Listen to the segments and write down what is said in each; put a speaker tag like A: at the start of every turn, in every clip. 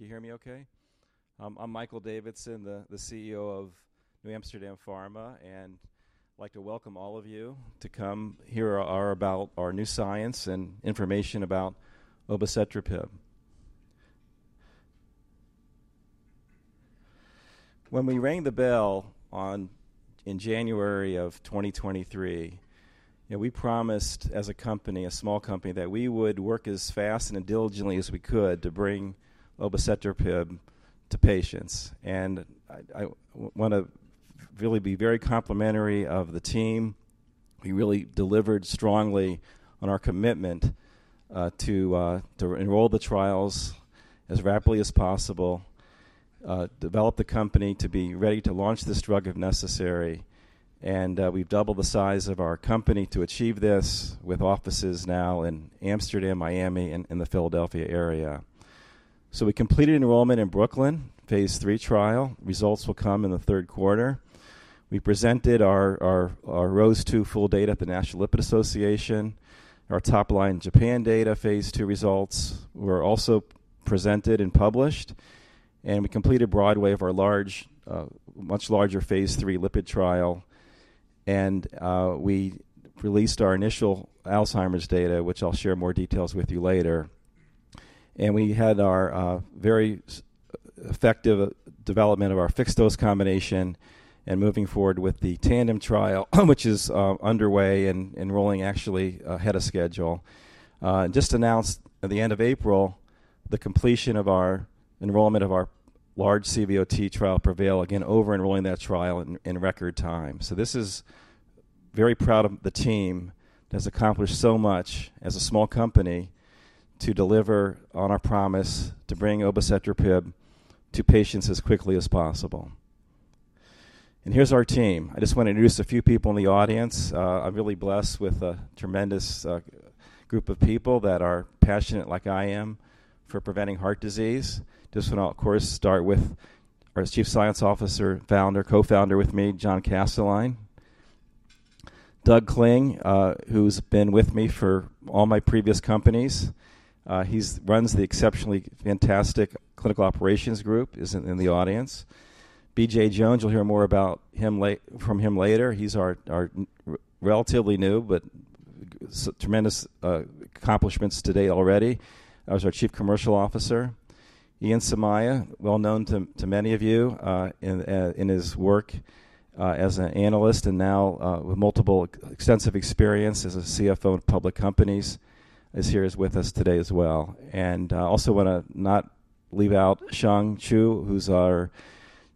A: Do you hear me okay? I'm Michael Davidson, the CEO of NewAmsterdam Pharma, and I'd like to welcome all of you to come hear about our new science and information about obicetrapib. When we rang the bell in January of 2023, you know, we promised as a company, a small company, that we would work as fast and as diligently as we could to bring obicetrapib to patients. And I wanna really be very complimentary of the team. We really delivered strongly on our commitment to enroll the trials as rapidly as possible, develop the company to be ready to launch this drug if necessary. And we've doubled the size of our company to achieve this, with offices now in Amsterdam, Miami, and in the Philadelphia area. So we completed enrollment in BROOKLYN phase III trial. Results will come in the third quarter. We presented our ROSE2 full data at the National Lipid Association. Our top line Japan data, phase II results, were also presented and published, and we completed BROADWAY of our large, much larger phase III lipid trial. We released our initial Alzheimer's data, which I'll share more details with you later. We had our very effective development of our fixed-dose combination and moving forward with the TANDEM trial, which is underway and enrolling actually ahead of schedule. Just announced at the end of April, the completion of our enrollment of our large CVOT trial PREVAIL, again, over-enrolling that trial in record time. So this is... Very proud of the team that has accomplished so much as a small company to deliver on our promise to bring obicetrapib to patients as quickly as possible. Here's our team. I just want to introduce a few people in the audience. I'm really blessed with a tremendous group of people that are passionate, like I am, for preventing heart disease. Just want to, of course, start with our Chief Science Officer, Founder, Co-Founder with me, John Kastelein. Doug Kling, who's been with me for all my previous companies. He runs the exceptionally fantastic clinical operations group, is in the audience. B.J. Jones, you'll hear more about him from him later. He's our relatively new, but tremendous accomplishments today already, as our Chief Commercial Officer. Ian Somaiya, well known to many of you, in his work, as an analyst and now, with multiple extensive experience as a CFO of public companies, is here with us today as well. And also wanna not leave out Sheng Chu, who's our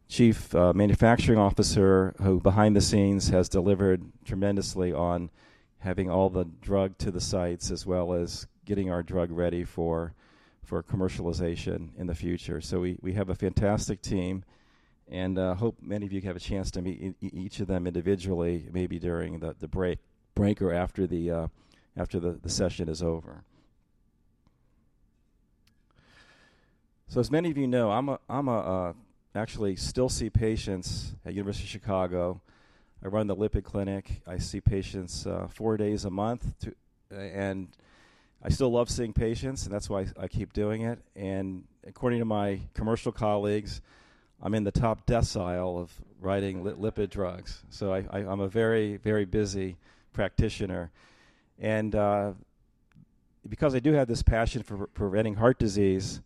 A: Chief Manufacturing Officer, who behind the scenes, has delivered tremendously on having all the drug to the sites, as well as getting our drug ready for commercialization in the future. So we have a fantastic team, and hope many of you have a chance to meet each of them individually, maybe during the break or after the session is over. So as many of you know, I'm actually still see patients at University of Chicago. I run the lipid clinic. I see patients four days a month too. I still love seeing patients, and that's why I keep doing it. According to my commercial colleagues, I'm in the top decile of writing lipid drugs, so I'm a very, very busy practitioner. Because I do have this passion for preventing heart disease,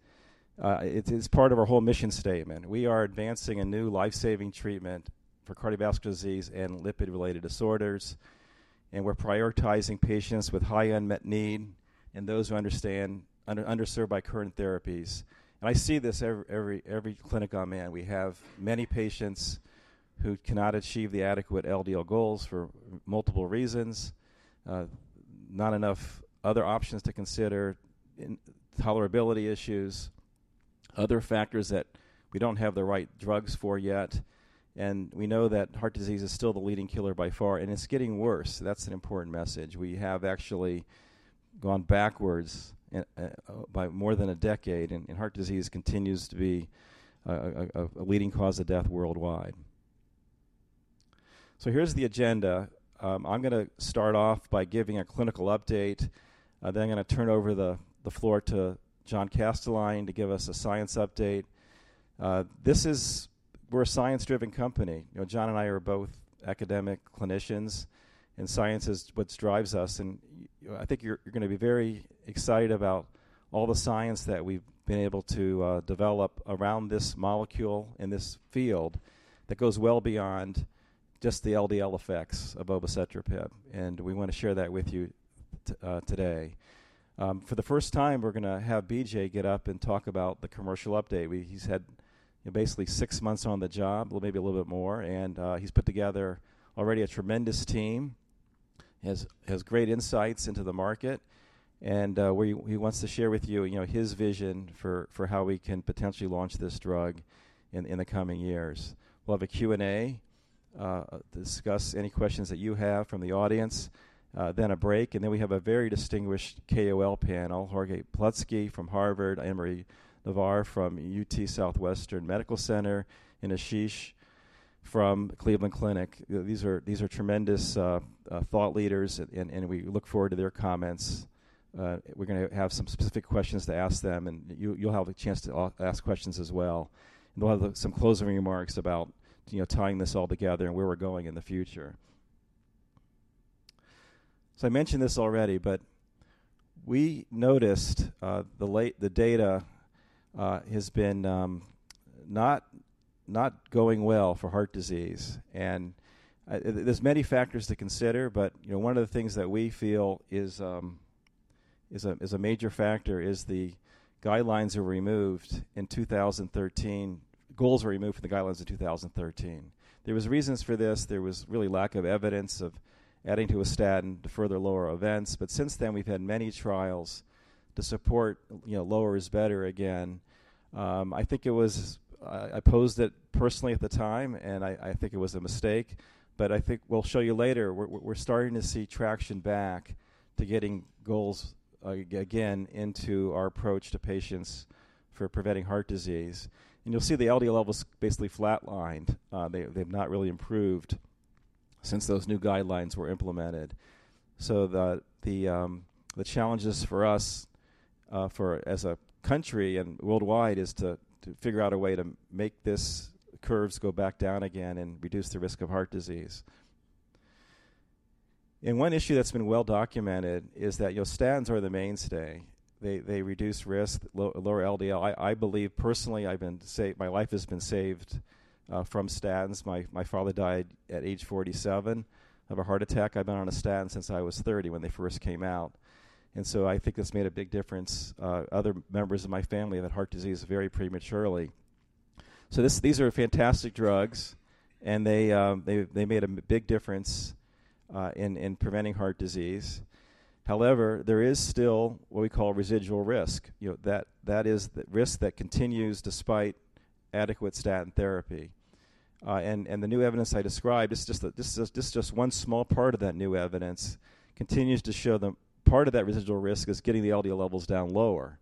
A: it is part of our whole mission statement. We are advancing a new life-saving treatment for cardiovascular disease and lipid-related disorders, and we're prioritizing patients with high unmet need and those underserved by current therapies. I see this every clinic I'm in. We have many patients who cannot achieve the adequate LDL goals for multiple reasons, not enough other options to consider, intolerability issues, other factors that we don't have the right drugs for yet. We know that heart disease is still the leading killer by far, and it's getting worse. That's an important message. We have actually gone backwards by more than a decade, and heart disease continues to be a leading cause of death worldwide. Here's the agenda. I'm gonna start off by giving a clinical update. Then I'm gonna turn over the floor to John Kastelein to give us a science update. This is... We're a science-driven company. You know, John and I are both academic clinicians, and science is what drives us, and I think you're gonna be very excited about all the science that we've been able to develop around this molecule and this field that goes well beyond just the LDL effects of obicetrapib, and we wanna share that with you today. For the first time, we're gonna have B.J. get up and talk about the commercial update. He's had basically six months on the job, well, maybe a little bit more, and he's put together already a tremendous team, has great insights into the market, and he wants to share with you, you know, his vision for how we can potentially launch this drug in the coming years. We'll have a Q&A to discuss any questions that you have from the audience, then a break, and then we have a very distinguished KOL panel, Jorge Plutzky from Harvard, Ann Marie Navar from UT Southwestern Medical Center, and Ashish Sarraju from Cleveland Clinic. These are tremendous thought leaders, and we look forward to their comments. We're gonna have some specific questions to ask them, and you, you'll have a chance to ask questions as well. We'll have some closing remarks about, you know, tying this all together and where we're going in the future. So I mentioned this already, but we noticed the latest data has been not going well for heart disease, and there's many factors to consider, but, you know, one of the things that we feel is a major factor is the guidelines were removed in 2013. Goals were removed from the guidelines in 2013. There was reasons for this. There was really lack of evidence of adding to a statin to further lower events, but since then, we've had many trials to support, you know, lower is better again. I think it was, I opposed it personally at the time, and I think it was a mistake, but I think we'll show you later, we're starting to see traction back to getting goals again into our approach to patients for preventing heart disease. And you'll see the LDL levels basically flatlined. They've not really improved since those new guidelines were implemented. So the challenges for us, for as a country and worldwide, is to figure out a way to make this curves go back down again and reduce the risk of heart disease. And one issue that's been well documented is that, you know, statins are the mainstay. They reduce risk, lower LDL. I believe personally, I've been saved, my life has been saved, from statins. My father died at age 47 of a heart attack. I've been on a statin since I was 30, when they first came out, and so I think it's made a big difference. Other members of my family had heart disease very prematurely. So this, these are fantastic drugs, and they made a big difference in preventing heart disease. However, there is still what we call residual risk. You know, that is the risk that continues despite adequate statin therapy. And the new evidence I described, this is just one small part of that new evidence, continues to show that part of that residual risk is getting the LDL levels down lower,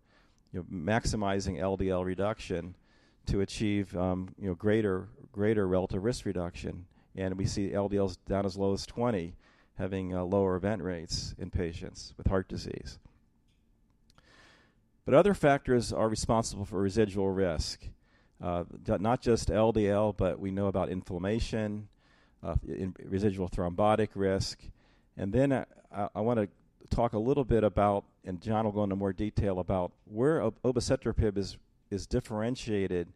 A: you know, maximizing LDL reduction to achieve greater relative risk reduction. We see LDLs down as low as 20, having lower event rates in patients with heart disease. But other factors are responsible for residual risk. Not just LDL, but we know about inflammation in residual thrombotic risk. And then I wanna talk a little bit about, and John will go into more detail about where obicetrapib is differentiated,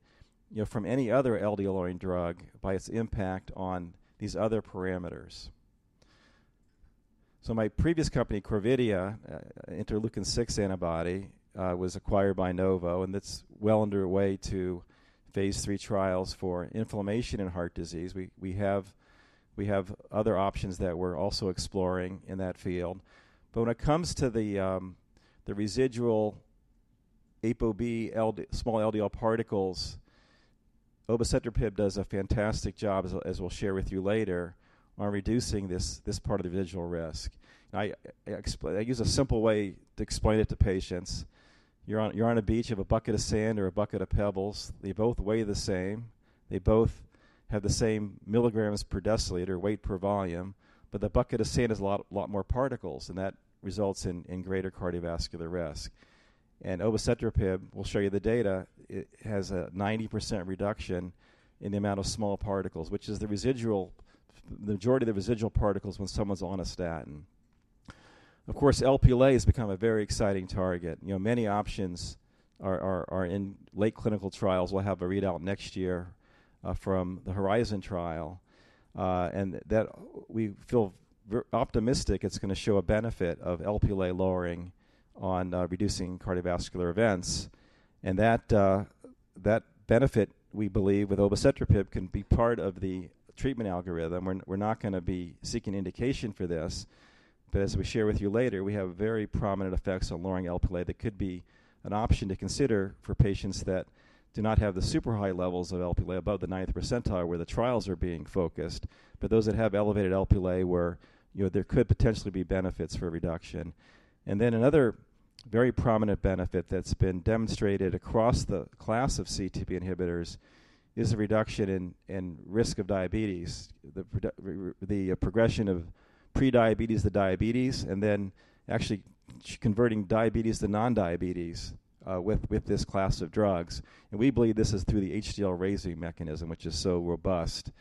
A: you know, from any other LDL-lowering drug by its impact on these other parameters. So my previous company, Corvidia, interleukin-six antibody, was acquired by Novo, and it's well underway to phase III trials for inflammation and heart disease. We have other options that we're also exploring in that field. But when it comes to the residual ApoB, LDL, small LDL particles, obicetrapib does a fantastic job, as we'll share with you later, on reducing this part of the residual risk. I use a simple way to explain it to patients. You're on a beach, you have a bucket of sand or a bucket of pebbles. They both weigh the same. They both have the same milligrams per deciliter, weight per volume, but the bucket of sand has a lot, lot more particles, and that results in greater cardiovascular risk. And obicetrapib, we'll show you the data, it has a 90% reduction in the amount of small particles, which is the residual, the majority of the residual particles when someone's on a statin. Of course, Lp has become a very exciting target. You know, many options are in late clinical trials. We'll have a readout next year from the HORIZON trial, and that we feel very optimistic it's gonna show a benefit of Lp lowering on reducing cardiovascular events. And that benefit, we believe, with obicetrapib, can be part of the treatment algorithm. We're not gonna be seeking indication for this, but as we share with you later, we have very prominent effects on lowering Lp that could be an option to consider for patients that do not have the super high levels of Lp above the ninth percentile, where the trials are being focused, but those that have elevated Lp, where, you know, there could potentially be benefits for a reduction. And then another very prominent benefit that's been demonstrated across the class of CETP inhibitors is a reduction in risk of diabetes, the progression of prediabetes to diabetes, and then actually converting diabetes to non-diabetes, with this class of drugs. And we believe this is through the HDL-raising mechanism, which is so robust,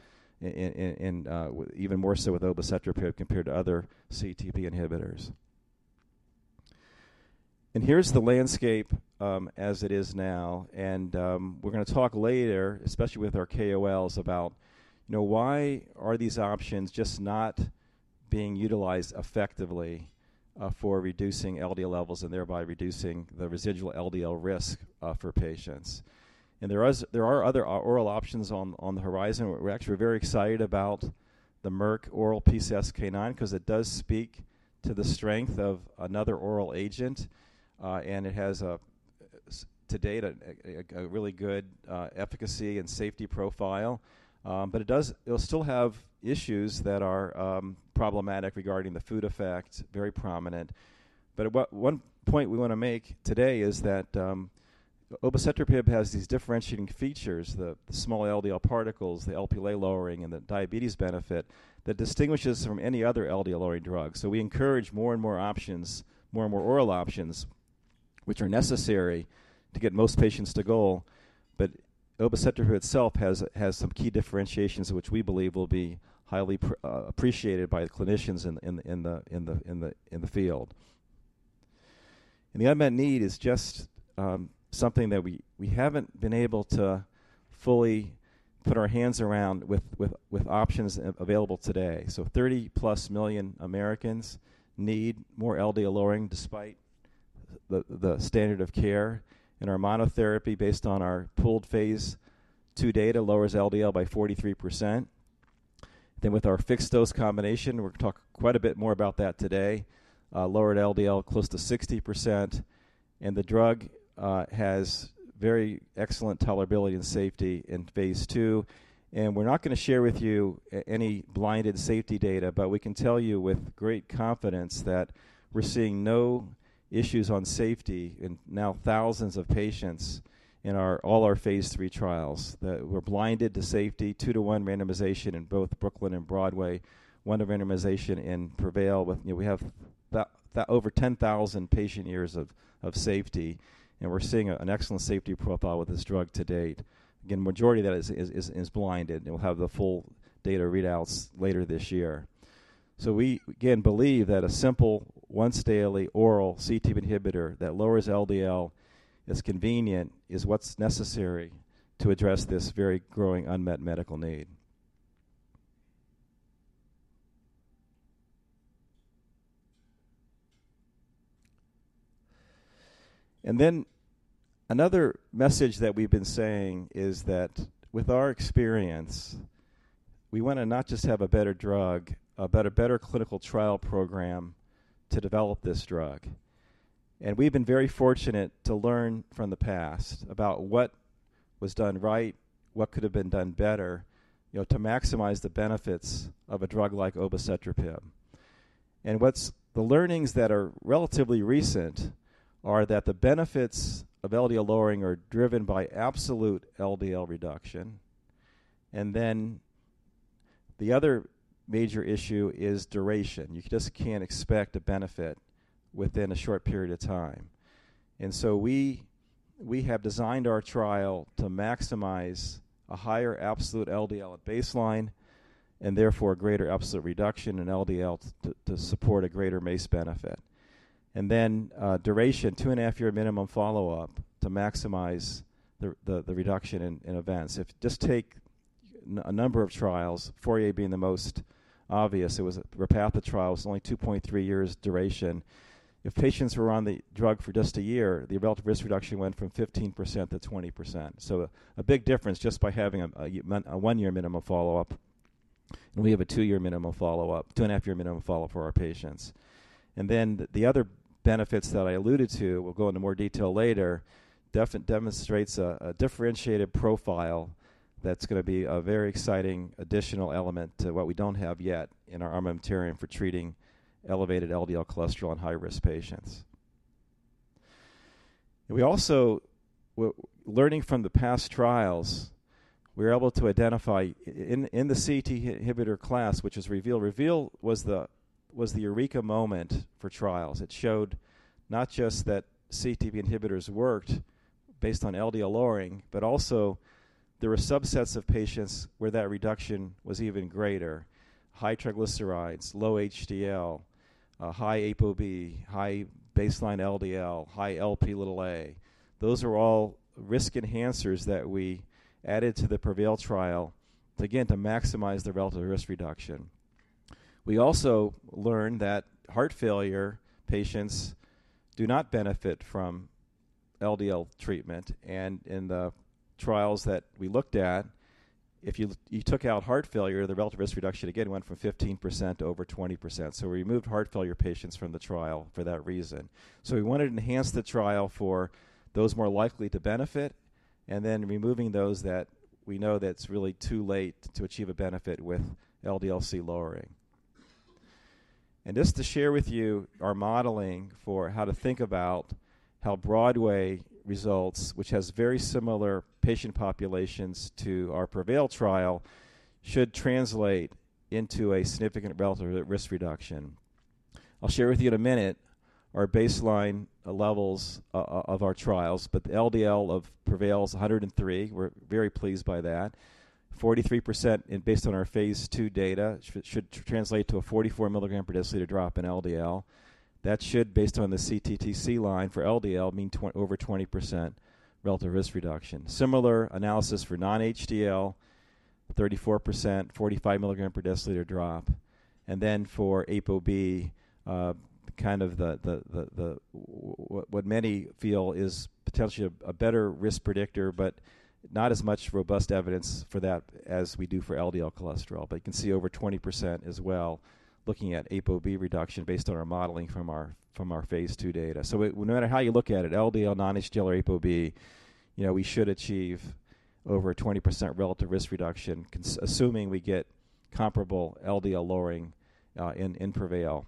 A: and even more so with obicetrapib compared to other CETP inhibitors. And here's the landscape, as it is now, and we're gonna talk later, especially with our KOLs, about, you know, why are these options just not being utilized effectively, for reducing LDL levels and thereby reducing the residual LDL risk, for patients? And there are other oral options on the horizon. We're actually very excited about the Merck oral PCSK9, 'cause it does speak to the strength of another oral agent, and it has to date a really good efficacy and safety profile. But it does- it'll still have issues that are problematic regarding the food effect, very prominent. But one point we wanna make today is that obicetrapib has these differentiating features, the small LDL particles, the Lp(a) lowering, and the diabetes benefit that distinguishes from any other LDL-lowering drug. So we encourage more and more options, more and more oral options, which are necessary to get most patients to goal. But obicetrapib itself has some key differentiations, which we believe will be highly appreciated by the clinicians in the field. And the unmet need is just, something that we haven't been able to fully put our hands around with, with options available today. So 30+ million Americans need more LDL lowering despite the standard of care. And our monotherapy, based on our pooled phase II data, lowers LDL by 43%. Then, with our fixed-dose combination, we're gonna talk quite a bit more about that today, lowered LDL close to 60%, and the drug has very excellent tolerability and safety in phase II. And we're not gonna share with you any blinded safety data, but we can tell you with great confidence that we're seeing no issues on safety in now thousands of patients in all our phase III trials. That we're blinded to safety, 2-to-1 randomization in both BROOKLYN and BROADWAY, one-to-one randomization in PREVAIL, with, you know, we have about over 10,000 patient years of safety, and we're seeing an excellent safety profile with this drug to date. Again, majority of that is blinded, and we'll have the full data readouts later this year. So we, again, believe that a simple, once-daily, oral CETP inhibitor that lowers LDL, is convenient, is what's necessary to address this very growing unmet medical need. And then, another message that we've been saying is that with our experience, we wanna not just have a better drug, but a better clinical trial program to develop this drug. We've been very fortunate to learn from the past about what was done right, what could have been done better, you know, to maximize the benefits of a drug like obicetrapib. And what's the learnings that are relatively recent are that the benefits of LDL lowering are driven by absolute LDL reduction, and then the other major issue is duration. You just can't expect a benefit within a short period of time. And so we have designed our trial to maximize a higher absolute LDL at baseline, and therefore, a greater absolute reduction in LDL to support a greater MACE benefit. And then, duration, two and a half-year minimum follow-up to maximize the reduction in events. If you just take a number of trials, FOURIER being the most obvious, it was the Repatha trials, only 2.3 years duration. If patients were on the drug for just a year, the relative risk reduction went from 15% to 20%. So a big difference just by having a one-year minimum follow-up, and we have a two-year minimum follow-up, two-and-a-half-year minimum follow-up for our patients. And then the other benefits that I alluded to, we'll go into more detail later, definitely demonstrates a differentiated profile that's gonna be a very exciting additional element to what we don't have yet in our armamentarium for treating elevated LDL cholesterol in high-risk patients. And we also, learning from the past trials, we're able to identify in the CETP inhibitor class, which is REVEAL. REVEAL was the eureka moment for trials. It showed not just that CETP inhibitors worked based on LDL lowering, but also there were subsets of patients where that reduction was even greater: high triglycerides, low HDL, high ApoB, high baseline LDL, high Lp(a). Those are all risk enhancers that we added to the PREVAIL trial, again, to maximize the relative risk reduction. We also learned that heart failure patients do not benefit from LDL treatment, and in the trials that we looked at, if you took out heart failure, the relative risk reduction, again, went from 15% to over 20%. So we removed heart failure patients from the trial for that reason. So we wanted to enhance the trial for those more likely to benefit, and then removing those that we know that it's really too late to achieve a benefit with LDL-C lowering. Just to share with you our modeling for how to think about how BROADWAY results, which has very similar patient populations to our PREVAIL trial, should translate into a significant relative risk reduction. I'll share with you in a minute our baseline levels of our trials, but the LDL of PREVAIL is 103. We're very pleased by that. 43% and based on our phase II data, should translate to a 44 mg/dL drop in LDL. That should, based on the CTTC line for LDL, mean over 20% relative risk reduction. Similar analysis for non-HDL, 34%, 45 mg/dL drop.... And then for ApoB, kind of what many feel is potentially a better risk predictor, but not as much robust evidence for that as we do for LDL cholesterol. But you can see over 20% as well, looking at ApoB reduction based on our modeling from our phase II data. So it, no matter how you look at it, LDL, non-HDL, or ApoB, you know, we should achieve over a 20% relative risk reduction assuming we get comparable LDL lowering in PREVAIL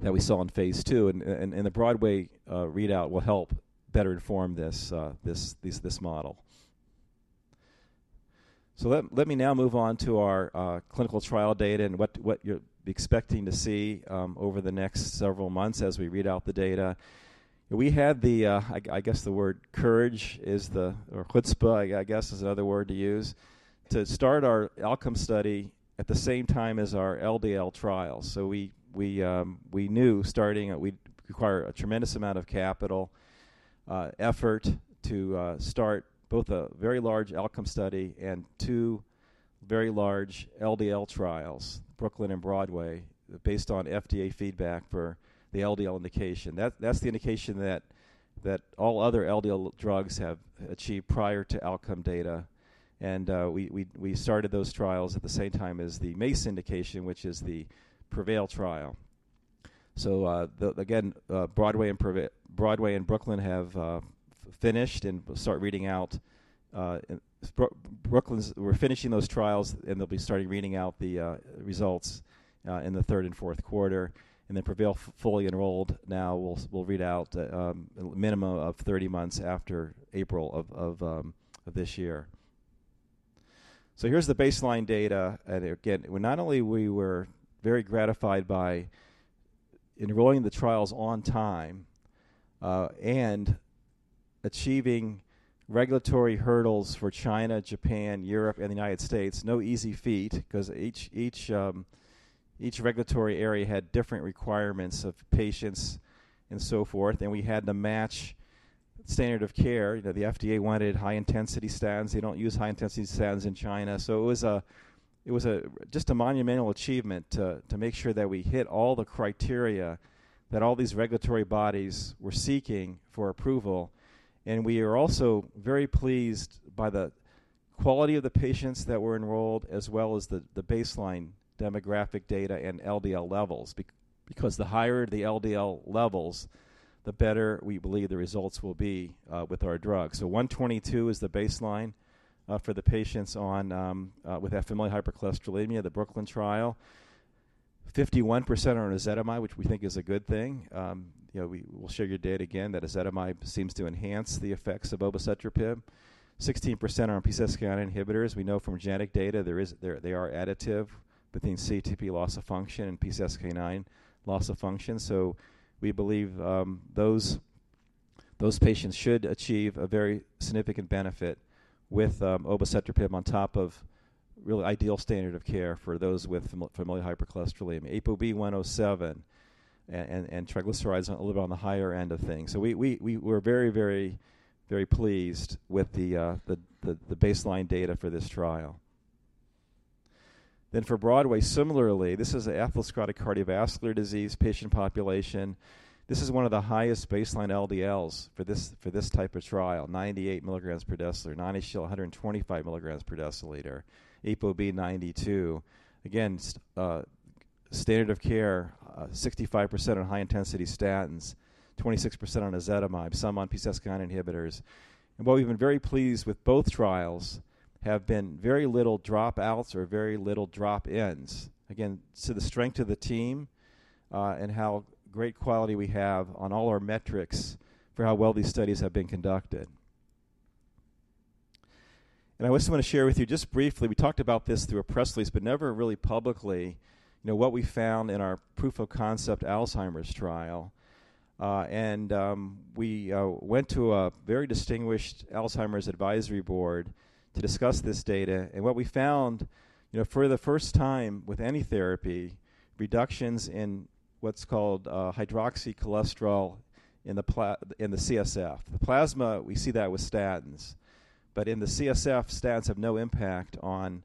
A: that we saw in phase II. And the BROADWAY readout will help better inform this model. So let me now move on to our clinical trial data and what you're expecting to see over the next several months as we read out the data. We had the, I guess the word courage is the... or chutzpah, I guess, is another word to use, to start our outcome study at the same time as our LDL trial. So we knew starting out, we'd require a tremendous amount of capital effort to start both a very large outcome study and two very large LDL trials, BROOKLYN and BROADWAY, based on FDA feedback for the LDL indication. That's the indication that all other LDL drugs have achieved prior to outcome data. And we started those trials at the same time as the MACE indication, which is the PREVAIL trial. So, the, again, BROADWAY and PREVAIL—BROADWAY and BROOKLYN have finished and will start reading out, and BROOKLYN's... We're finishing those trials, and they'll be starting reading out the results in the third and fourth quarter. And then PREVAIL, fully enrolled now, will read out a minimum of 30 months after April of this year. So here's the baseline data, and again, not only we were very gratified by enrolling the trials on time and achieving regulatory hurdles for China, Japan, Europe, and the United States, no easy feat, because each regulatory area had different requirements of patients and so forth, and we had to match standard of care. You know, the FDA wanted high-intensity statins. They don't use high-intensity statins in China. So it was just a monumental achievement to make sure that we hit all the criteria that all these regulatory bodies were seeking for approval. And we are also very pleased by the quality of the patients that were enrolled, as well as the baseline demographic data and LDL levels, because the higher the LDL levels, the better we believe the results will be with our drug. So 122 is the baseline for the patients with familial hypercholesterolemia, the BROOKLYN trial. 51% are on ezetimibe, which we think is a good thing. You know, we'll show you data again, that ezetimibe seems to enhance the effects of obicetrapib. 16% are on PCSK9 inhibitors. We know from genetic data, there is, there are additive between CETP loss of function and PCSK9 loss of function. So we believe, those patients should achieve a very significant benefit with obicetrapib on top of really ideal standard of care for those with familial hypercholesterolemia, ApoB 107, and triglycerides a little on the higher end of things. So we're very, very, very pleased with the baseline data for this trial. Then for BROADWAY, similarly, this is atherosclerotic cardiovascular disease patient population. This is one of the highest baseline LDLs for this type of trial, 98 milligrams per deciliter, non-HDL 125 mg/dl, ApoB 92. Again, standard of care, 65% on high-intensity statins, 26% on ezetimibe, some on PCSK9 inhibitors. And what we've been very pleased with both trials have been very little dropouts or very little drop-ins. Again, to the strength of the team, and how great quality we have on all our metrics for how well these studies have been conducted. And I also want to share with you, just briefly, we talked about this through a press release, but never really publicly, you know, what we found in our proof of concept Alzheimer's trial. And we went to a very distinguished Alzheimer's advisory board to discuss this data, and what we found, you know, for the first time with any therapy, reductions in what's called, hydroxycholesterol in the in the CSF. the plasma, we see that with statins, but in the CSF, statins have no impact on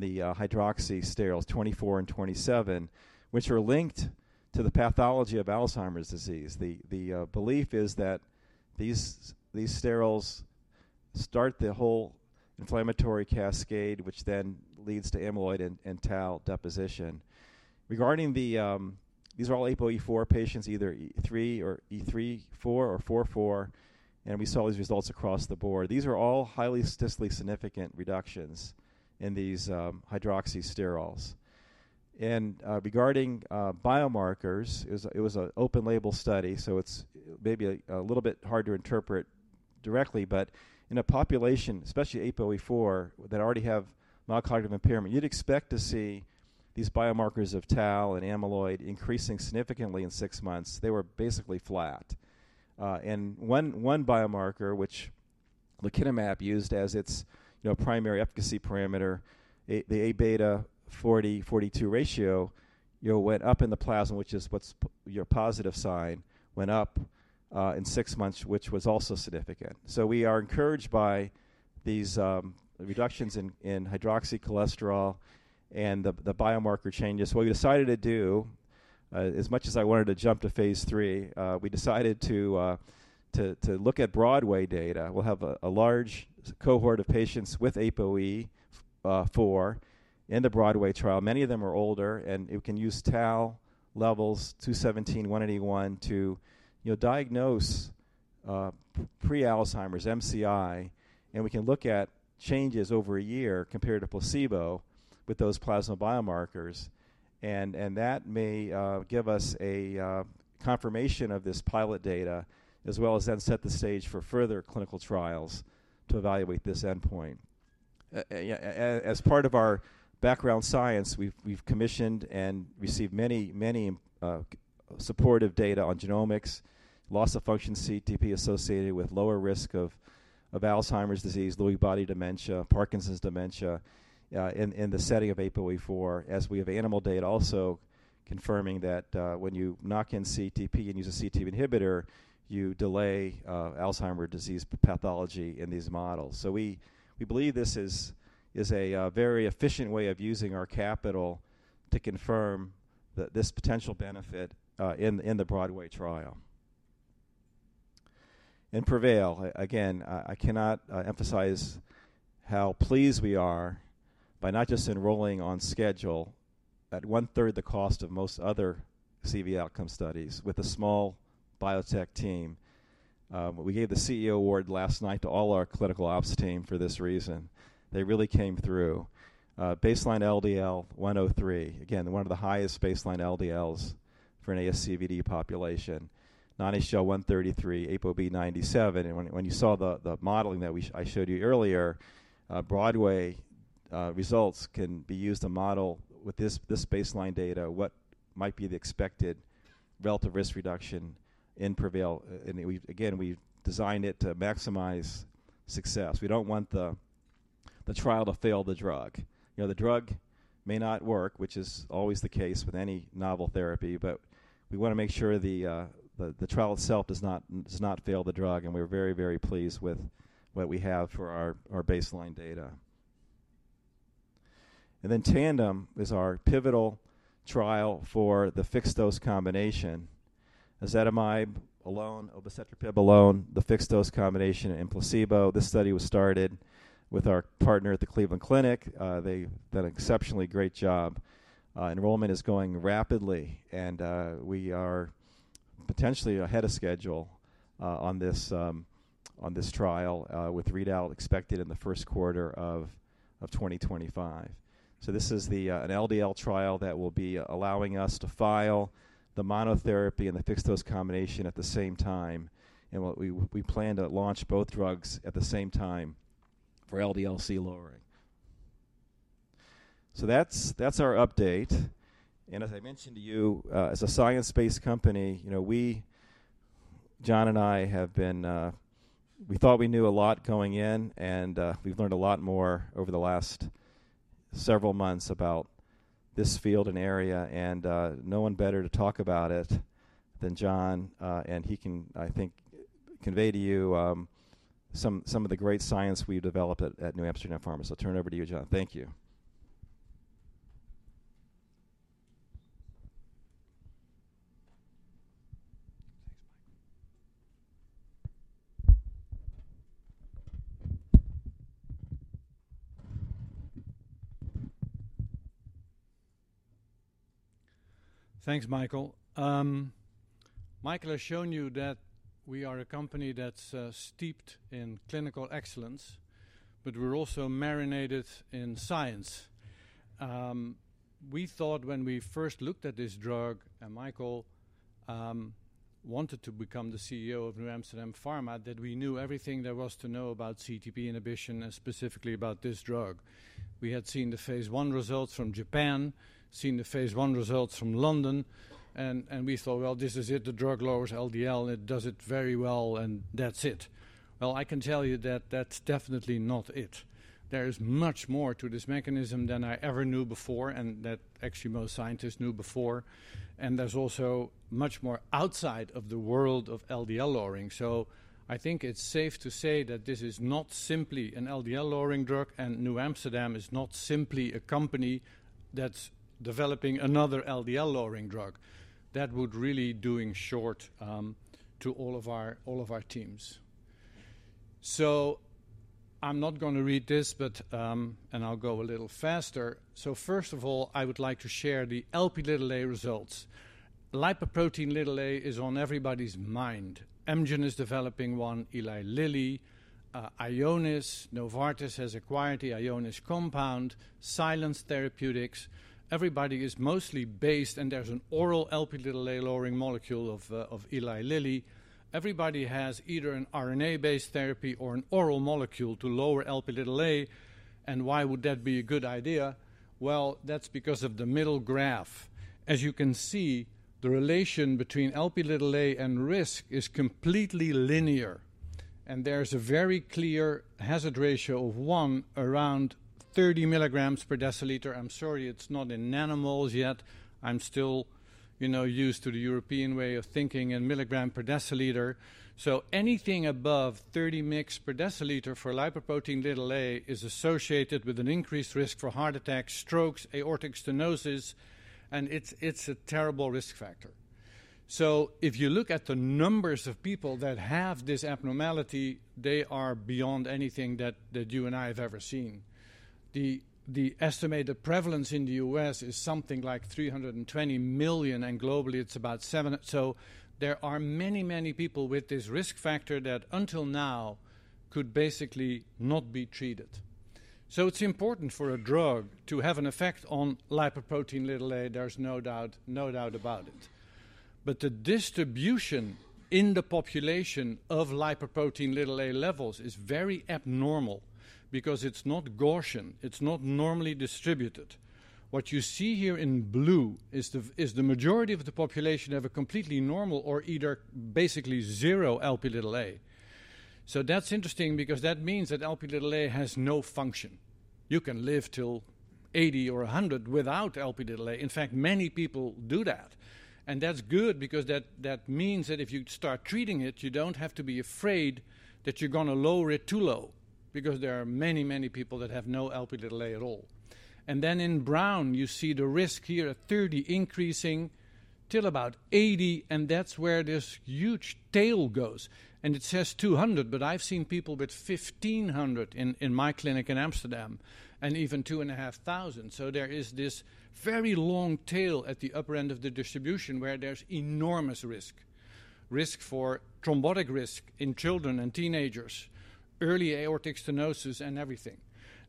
A: the hydroxysterols, 24 and 27, which are linked to the pathology of Alzheimer's disease. The belief is that these sterols start the whole inflammatory cascade, which then leads to amyloid and tau deposition. Regarding the... These are all ApoE4 patients, either E3 or E3, four or four four, and we saw these results across the board. These are all highly statistically significant reductions in these hydroxysterols. And regarding biomarkers, it was an open-label study, so it's maybe a little bit hard to interpret directly, but in a population, especially ApoE4, that already have mild cognitive impairment, you'd expect to see these biomarkers of tau and amyloid increasing significantly in six months. They were basically flat. And one biomarker, which lecanemab used as its, you know, primary efficacy parameter, the Aβ 40/42 ratio, you know, went up in the plasma, which is a positive sign, went up in six months, which was also significant. So we are encouraged by these reductions in hydroxycholesterol and the biomarker changes. What we decided to do, as much as I wanted to jump to phase III, we decided to look at BROADWAY data. We'll have a large cohort of patients with ApoE4 in the BROADWAY trial. Many of them are older, and you can use p-tau levels 217, 181 to, you know, diagnose pre-Alzheimer's MCI, and we can look at changes over a year compared to placebo with those plasma biomarkers. that may give us a confirmation of this pilot data, as well as then set the stage for further clinical trials to evaluate this endpoint. As part of our background science, we've commissioned and received many supportive data on genomics, loss-of-function CETP associated with lower risk of Alzheimer's disease, Lewy Body Dementia, Parkinson's dementia, in the setting of ApoE4, as we have animal data also confirming that, when you knock in CETP and use a CETP inhibitor, you delay Alzheimer’s disease pathology in these models. So we believe this is a very efficient way of using our capital to confirm this potential benefit in the BROADWAY trial. In PREVAIL, again, I cannot emphasize how pleased we are by not just enrolling on schedule at 1/3 the cost of most other CV outcome studies with a small biotech team. We gave the CEO award last night to all our clinical ops team for this reason. They really came through. Baseline LDL, 103. Again, one of the highest baseline LDLs for an ASCVD population. Non-HDL, 133, ApoB, 97, and when you saw the modeling that I showed you earlier, BROADWAY results can be used to model with this baseline data, what might be the expected relative risk reduction in PREVAIL. And we've again, we've designed it to maximize success. We don't want the trial to fail the drug. You know, the drug may not work, which is always the case with any novel therapy, but we wanna make sure the trial itself does not fail the drug, and we're very, very pleased with what we have for our baseline data. And then TANDEM is our pivotal trial for the fixed-dose combination. Ezetimibe alone, obicetrapib alone, the fixed-dose combination and placebo. This study was started with our partner at the Cleveland Clinic. They've done an exceptionally great job. Enrollment is going rapidly, and we are potentially ahead of schedule on this trial, with read out expected in the first quarter of 2025. So this is an LDL trial that will be allowing us to file the monotherapy and the fixed-dose combination at the same time, and what we plan to launch both drugs at the same time for LDL-C lowering. So that's our update. And as I mentioned to you, as a science-based company, you know, we, John and I, have been... We thought we knew a lot going in, and we've learned a lot more over the last several months about this field and area, and no one better to talk about it than John. And he can, I think, convey to you some of the great science we've developed at NewAmsterdam Pharma. So I'll turn it over to you, John. Thank you.
B: Thanks, Michael. Michael has shown you that we are a company that's steeped in clinical excellence, but we're also marinated in science. We thought when we first looked at this drug, and Michael wanted to become the CEO of NewAmsterdam Pharma, that we knew everything there was to know about CETP inhibition and specifically about this drug. We had seen the phase I results from Japan, seen the phase I results from London, and we thought, "Well, this is it. The drug lowers LDL, it does it very well, and that's it." Well, I can tell you that that's definitely not it. There is much more to this mechanism than I ever knew before, and that actually most scientists knew before. There's also much more outside of the world of LDL lowering. So I think it's safe to say that this is not simply an LDL-lowering drug, and NewAmsterdam is not simply a company that's developing another LDL-lowering drug. That would really doing short to all of our, all of our teams. So I'm not gonna read this, but. And I'll go a little faster. So first of all, I would like to share the Lp results. Lipoprotein is on everybody's mind. Amgen is developing one, Eli Lilly, Ionis, Novartis has acquired the Ionis compound, Silence Therapeutics. Everybody is mostly based, and there's an oral Lp lowering molecule of of Eli Lilly. Everybody has either an RNA-based therapy or an oral molecule to lower Lp. And why would that be a good idea? Well, that's because of the middle graph. As you can see, the relation between Lp and risk is completely linear. There's a very clear hazard ratio of 1 mg around 30 mg/dl. I'm sorry, it's not in nanomoles yet. I'm still, you know, used to the European way of thinking in milligrams per deciliter. So anything above 30 mg per deciliter for lipoprotein little a is associated with an increased risk for heart attacks, strokes, aortic stenosis, and it's, it's a terrible risk factor. So if you look at the numbers of people that have this abnormality, they are beyond anything that, that you and I have ever seen. The, the estimated prevalence in the U.S. is something like 320 million, and globally it's about seven— so there are many, many people with this risk factor that, until now, could basically not be treated. So it's important for a drug to have an effect on lipoprotein little a, there's no doubt, no doubt about it. But the distribution in the population of lipoprotein(a) levels is very abnormal because it's not Gaussian, it's not normally distributed. What you see here in blue is the majority of the population have a completely normal or either basically zero Lp(a). So that's interesting because that means that Lp(a) has no function. You can live till 80 or 100 without Lp(a). In fact, many people do that, and that's good because that means that if you start treating it, you don't have to be afraid that you're gonna lower it too low, because there are many, many people that have no Lp(a) at all. And then in brown, you see the risk here at 30 increasing till about 80, and that's where this huge tail goes. It says 200, but I've seen people with 1,500 in my clinic in Amsterdam, and even 2,500. So there is this very long tail at the upper end of the distribution, where there's enormous risk. Risk for thrombotic risk in children and teenagers, early aortic stenosis, and everything.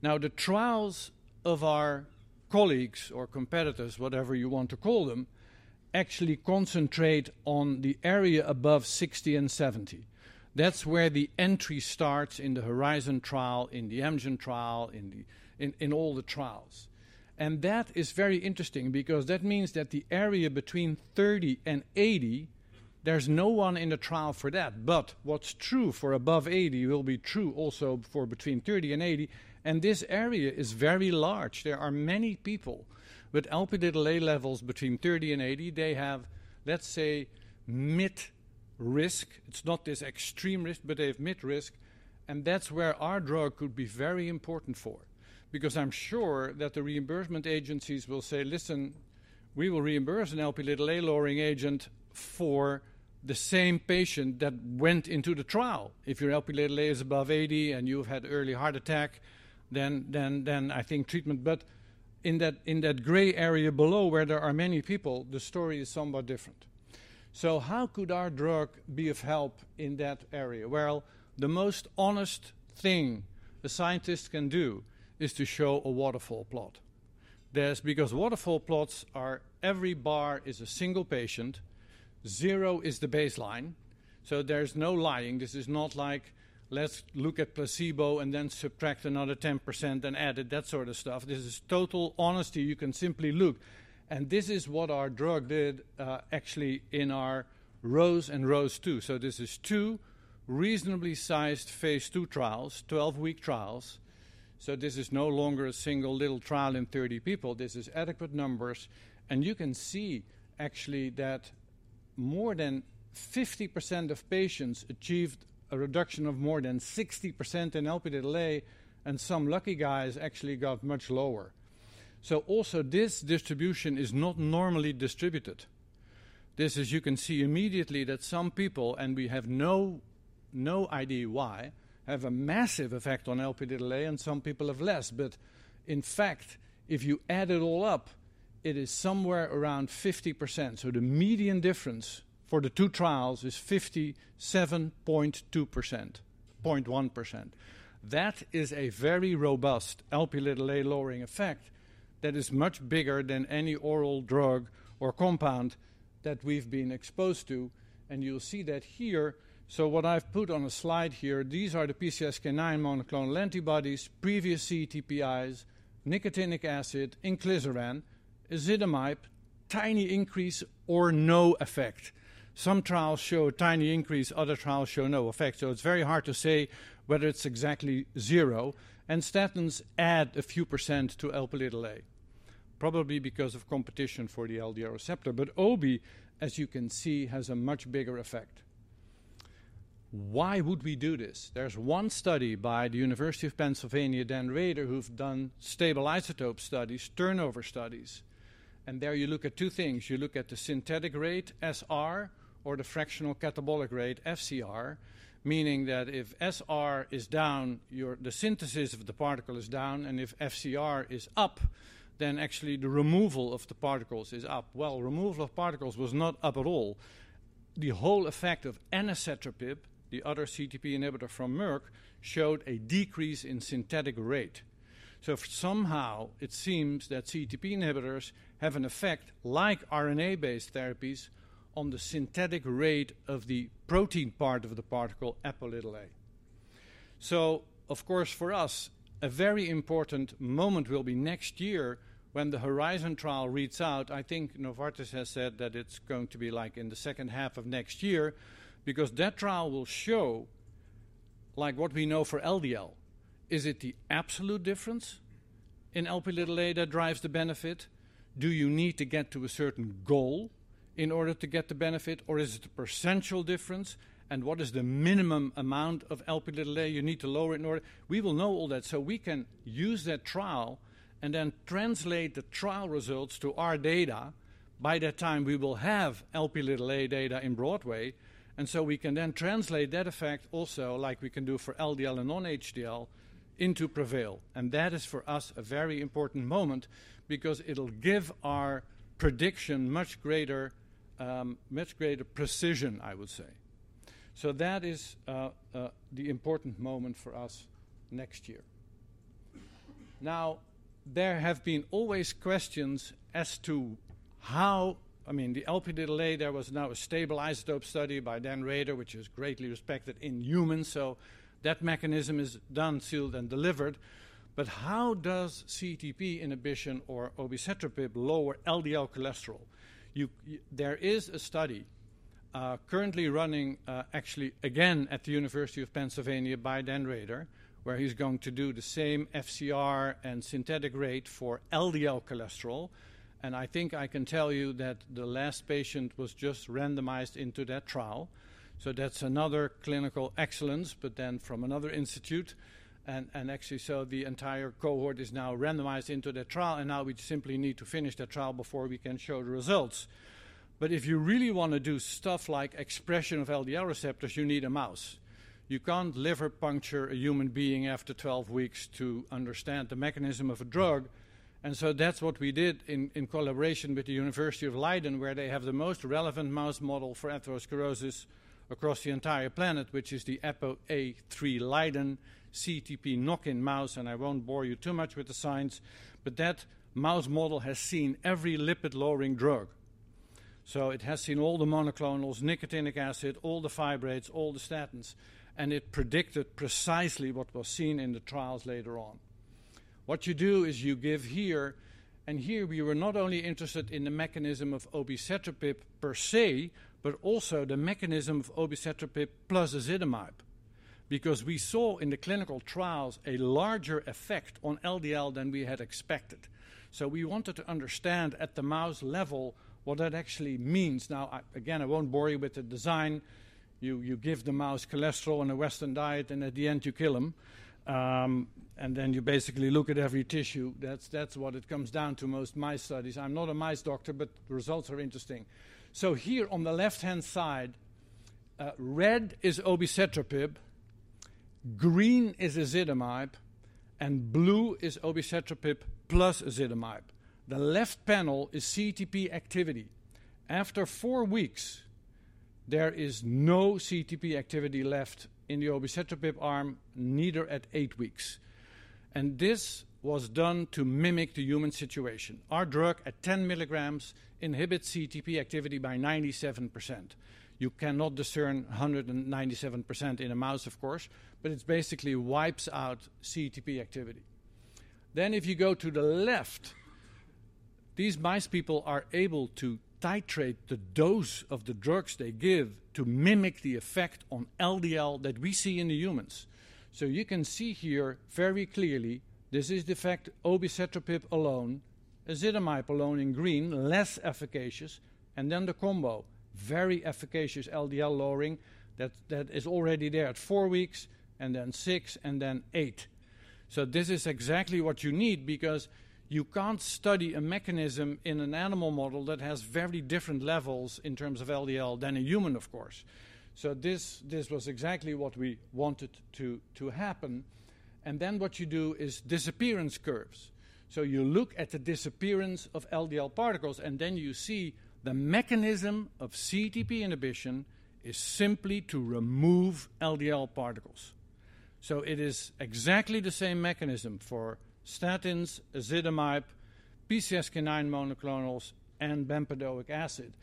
B: Now, the trials of our colleagues or competitors, whatever you want to call them, actually concentrate on the area above 60 and 70. That's where the entry starts in the HORIZON trial, in the Amgen trial, in all the trials. And that is very interesting because that means that the area between 30 and 80, there's no one in the trial for that. But what's true for above 80 will be true also for between 30 and 80, and this area is very large. There are many people with Lp(a) levels between 30 and 80. They have, let's say, mid risk. It's not this extreme risk, but they have mid risk, and that's where our drug could be very important for. Because I'm sure that the reimbursement agencies will say, "Listen, we will reimburse an Lp(a)-lowering agent for the same patient that went into the trial." If your Lp(a) is above 80 and you've had early heart attack, then, then, then I think treatment... But in that, in that gray area below, where there are many people, the story is somewhat different. So how could our drug be of help in that area? Well, the most honest thing a scientist can do is to show a waterfall plot. There's, because waterfall plots are every bar is a single patient, zero is the baseline, so there's no lying. This is not like, let's look at placebo and then subtract another 10%, then add it, that sort of stuff. This is total honesty. You can simply look. And this is what our drug did, actually in our ROSE and ROSE2. So this is two reasonably sized phase II trials, 12-week trials. So this is no longer a single little trial in 30 people. This is adequate numbers, and you can see actually that more than 50% of patients achieved a reduction of more than 60% in Lp(a), and some lucky guys actually got much lower. So also, this distribution is not normally distributed. This, as you can see immediately, that some people, and we have no, no idea why, have a massive effect on Lp(a) and some people have less. But in fact, if you add it all up, it is somewhere around 50%. So the median difference for the two trials is 57.2%-0.1%. That is a very robust Lp(a)-lowering effect that is much bigger than any oral drug or compound that we've been exposed to, and you'll see that here. So what I've put on a slide here, these are the PCSK9 monoclonal antibodies, previous CETPs, nicotinic acid, inclisiran, ezetimibe, tiny increase or no effect. Some trials show a tiny increase, other trials show no effect, so it's very hard to say whether it's exactly zero. And statins add a few percent to Lp(a), probably because of competition for the LDL receptor. But Obie, as you can see, has a much bigger effect. Why would we do this? There's one study by the University of Pennsylvania, Dan Rader, who've done stable isotope studies, turnover studies, and there you look at two things. You look at the synthetic rate, SR, or the fractional catabolic rate, FCR. Meaning that if SR is down, your - the synthesis of the particle is down, and if FCR is up, then actually the removal of the particles is up. Well, removal of particles was not up at all. The whole effect of anacetrapib, the other CETP inhibitor from Merck, showed a decrease in synthetic rate. So somehow it seems that CETP inhibitors have an effect like RNA-based therapies on the synthetic rate of the protein part of the particle, Apo(a).... So of course, for us, a very important moment will be next year when the HORIZON trial reads out. I think Novartis has said that it's going to be, like, in the second half of next year, because that trial will show, like, what we know for LDL. Is it the absolute difference in Lp that drives the benefit? Do you need to get to a certain goal in order to get the benefit, or is it a percentual difference? And what is the minimum amount of Lp you need to lower in order- We will know all that, so we can use that trial and then translate the trial results to our data. By that time, we will have Lp data in BROADWAY, and so we can then translate that effect also, like we can do for LDL and non-HDL, into PREVAIL. And that is, for us, a very important moment because it'll give our prediction much greater precision, I would say. So that is the important moment for us next year. Now, there have been always questions as to how, I mean, the Lp, there was now a stable isotope study by Dan Rader, which is greatly respected in humans, so that mechanism is done, sealed, and delivered. But how does CETP inhibition or obicetrapib lower LDL cholesterol? There is a study currently running, actually, again, at the University of Pennsylvania by Dan Rader, where he's going to do the same FCR and synthetic rate for LDL cholesterol. And I think I can tell you that the last patient was just randomized into that trial. So that's another clinical excellence, but then from another institute. And actually, so the entire cohort is now randomized into the trial, and now we simply need to finish the trial before we can show the results. But if you really want to do stuff like expression of LDL receptors, you need a mouse. You can't liver puncture a human being after 12 weeks to understand the mechanism of a drug. And so that's what we did in collaboration with the University of Leiden, where they have the most relevant mouse model for atherosclerosis across the entire planet, which is the ApoE*3-Leiden CETP knock-in mouse, and I won't bore you too much with the science, but that mouse model has seen every lipid-lowering drug. So it has seen all the monoclonals, nicotinic acid, all the fibrates, all the statins, and it predicted precisely what was seen in the trials later on. What you do is you give here, and here we were not only interested in the mechanism of obicetrapib per se, but also the mechanism of obicetrapib plus ezetimibe, because we saw in the clinical trials a larger effect on LDL than we had expected. So we wanted to understand at the mouse level what that actually means. Now, again, I won't bore you with the design. You, you give the mouse cholesterol and a Western diet, and at the end, you kill them. And then you basically look at every tissue. That's, that's what it comes down to, most mice studies. I'm not a mice doctor, but the results are interesting. So here on the left-hand side, red is obicetrapib, green is ezetimibe, and blue is obicetrapib plus ezetimibe. The left panel is CETP activity. After four weeks, there is no CETP activity left in the obicetrapib arm, neither at eight weeks. This was done to mimic the human situation. Our drug, at 10 mg, inhibits CETP activity by 97%. You cannot discern 197% in a mouse, of course, but it basically wipes out CETP activity. If you go to the left, these mice people are able to titrate the dose of the drugs they give to mimic the effect on LDL that we see in the humans. You can see here very clearly, this is the effect, obicetrapib alone, ezetimibe alone in green, less efficacious, and then the combo, very efficacious LDL lowering. That, that is already there at four weeks, and then six, and then eight. So this is exactly what you need because you can't study a mechanism in an animal model that has very different levels in terms of LDL than a human, of course. This was exactly what we wanted to happen. Then what you do is disappearance curves. So you look at the disappearance of LDL particles, and then you see the mechanism of CETP inhibition is simply to remove LDL particles. So it is exactly the same mechanism for statins, ezetimibe, PCSK9 monoclonals, and bempedoic acid.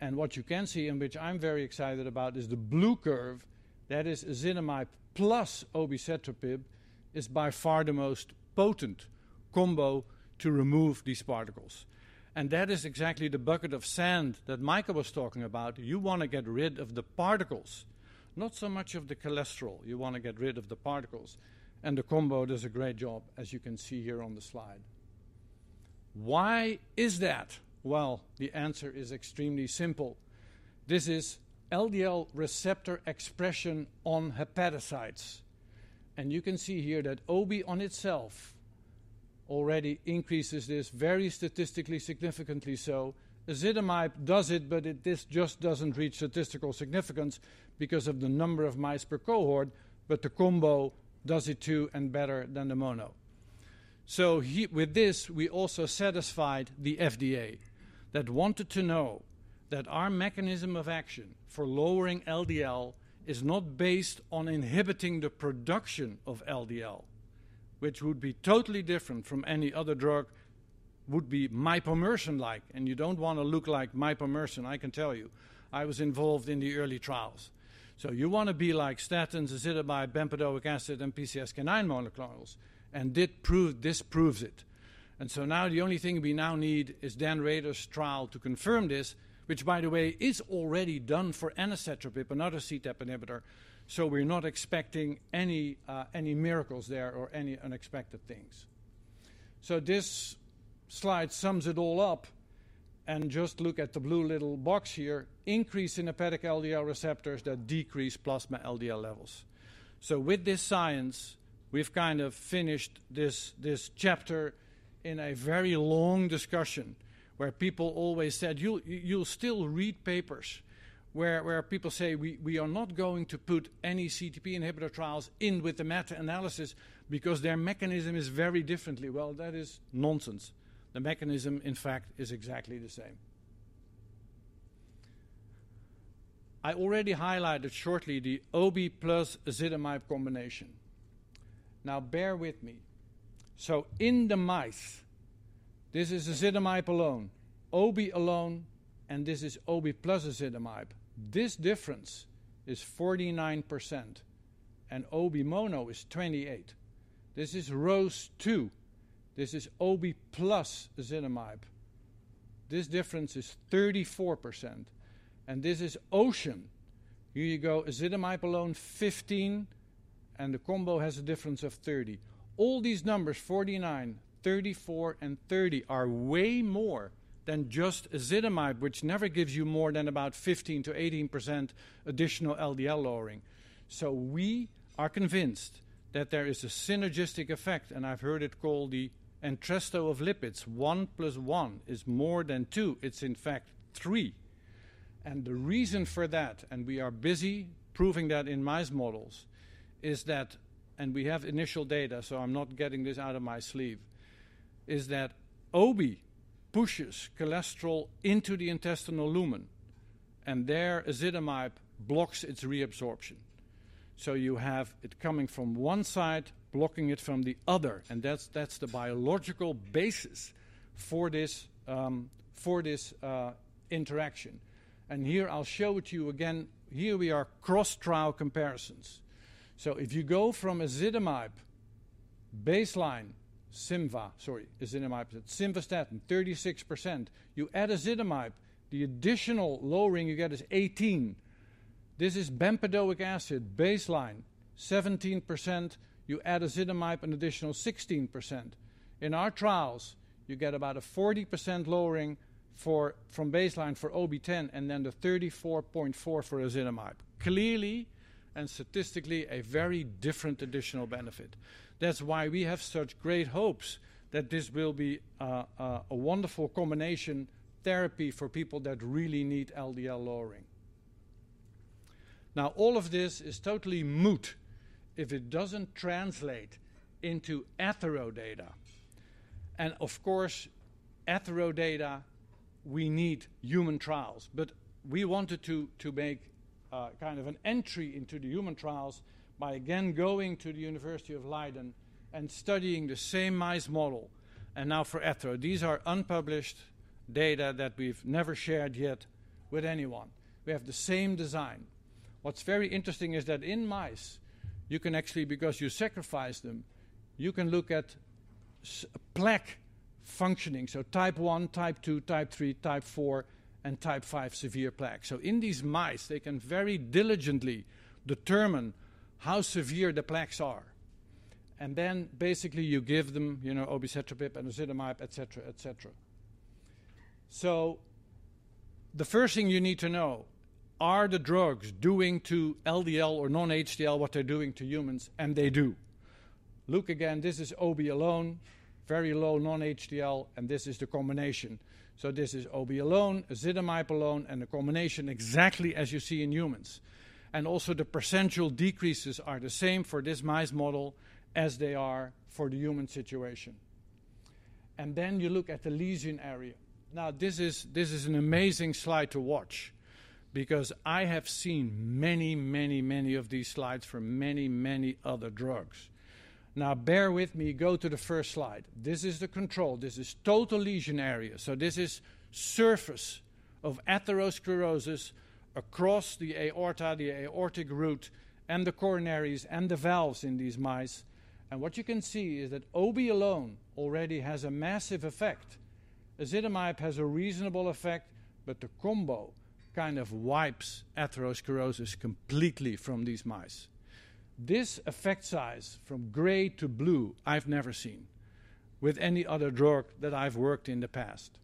B: And what you can see, and which I'm very excited about, is the blue curve, that is ezetimibe plus obicetrapib, is by far the most potent combo to remove these particles. And that is exactly the bucket of sand that Michael was talking about. You want to get rid of the particles, not so much of the cholesterol. You want to get rid of the particles, and the combo does a great job, as you can see here on the slide. Why is that? Well, the answer is extremely simple. This is LDL receptor expression on hepatocytes, and you can see here that Obie on itself already increases this very statistically significantly so. Ezetimibe does it, but it, this just doesn't reach statistical significance because of the number of mice per cohort, but the combo does it, too, and better than the mono. So with this, we also satisfied the FDA, that wanted to know that our mechanism of action for lowering LDL is not based on inhibiting the production of LDL ... which would be totally different from any other drug, would be mipomersen-like, and you don't want to look like mipomersen, I can tell you. I was involved in the early trials. So you want to be like statins, ezetimibe, bempedoic acid, and PCSK9 monoclonals, and did prove—this proves it. So now the only thing we now need is Dan Rader's trial to confirm this, which, by the way, is already done for anacetrapib, another CETP inhibitor, so we're not expecting any miracles there or any unexpected things. So this slide sums it all up, and just look at the blue little box here, increase in hepatic LDL receptors that decrease plasma LDL levels. So with this science, we've kind of finished this chapter in a very long discussion, where people always said, "You'll still read papers where people say, 'We are not going to put any CETP inhibitor trials in with the meta-analysis because their mechanism is very differently.'" Well, that is nonsense. The mechanism, in fact, is exactly the same. I already highlighted shortly the Obie plus ezetimibe combination. Now, bear with me. So in the mice, this is ezetimibe alone, Obie alone, and this is Obie plus ezetimibe. This difference is 49%, and Obie mono is 28. This is ROSE2. This is Obie plus ezetimibe. This difference is 34%, and this is OCEAN. Here you go, ezetimibe alone, 15, and the combo has a difference of 30. All these numbers, 49, 34, and 30, are way more than just ezetimibe, which never gives you more than about 15%-18% additional LDL lowering. So we are convinced that there is a synergistic effect, and I've heard it called the Entresto of lipids. One plus one is more than two. It's in fact, three. The reason for that, and we are busy proving that in mice models, is that, and we have initial data, so I'm not getting this out of my sleeve, is that Obie pushes cholesterol into the intestinal lumen, and there, ezetimibe blocks its reabsorption. So you have it coming from one side, blocking it from the other, and that's, that's the biological basis for this, for this, interaction. And here, I'll show it to you again. Here we are, cross-trial comparisons. So if you go from ezetimibe, baseline, Simva-- Sorry, ezetimibe. Simvastatin, 36%. You add ezetimibe, the additional lowering you get is 18. This is bempedoic acid, baseline, 17%. You add ezetimibe, an additional 16%. In our trials, you get about a 40% lowering for- from baseline for Obie-ten, and then the 34.4 for ezetimibe. Clearly and statistically, a very different additional benefit. That's why we have such great hopes that this will be a wonderful combination therapy for people that really need LDL lowering. Now, all of this is totally moot if it doesn't translate into athero data, and of course, athero data, we need human trials. But we wanted to make kind of an entry into the human trials by again going to the University of Leiden and studying the same mice model, and now for athero. These are unpublished data that we've never shared yet with anyone. We have the same design. What's very interesting is that in mice, you can actually, because you sacrifice them, you can look at plaque functioning, so Type I, Type II, Type III, Type IV, and Type V severe plaque. So in these mice, they can very diligently determine how severe the plaques are, and then basically you give them, you know, obicetrapib and ezetimibe, et cetera, et cetera. So the first thing you need to know, are the drugs doing to LDL or non-HDL what they're doing to humans? And they do. Look again, this is Obie alone, very low non-HDL, and this is the combination. So this is Obie alone, ezetimibe alone, and the combination exactly as you see in humans. And also, the percentage decreases are the same for this mice model as they are for the human situation. And then you look at the lesion area. Now, this is an amazing slide to watch because I have seen many, many, many of these slides from many, many other drugs. Now, bear with me. Go to the first slide. This is the control. This is total lesion area. So this is surface of atherosclerosis across the aorta, the aortic root, and the coronaries, and the valves in these mice. And what you can see is that Obie alone already has a massive effect. Ezetimibe has a reasonable effect, but the combo kind of wipes atherosclerosis completely from these mice. This effect size from gray to blue, I've never seen with any other drug that I've worked in the past.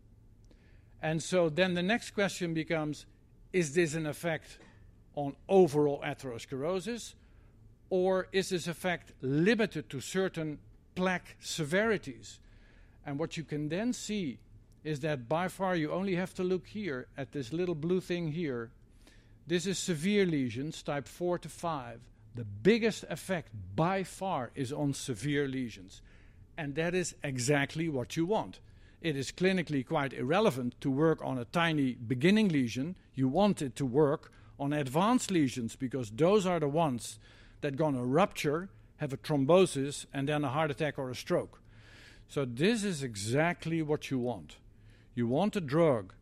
B: And so then the next question becomes: Is this an effect on overall atherosclerosis, or is this effect limited to certain plaque severities? And what you can then see is that by far, you only have to look here at this little blue thing here. This is severe lesions, Type IV to V. The biggest effect by far is on severe lesions.... And that is exactly what you want. It is clinically quite irrelevant to work on a tiny beginning lesion. You want it to work on advanced lesions because those are the ones that are gonna rupture, have a thrombosis, and then a heart attack or a stroke. So this is exactly what you want. You want a drug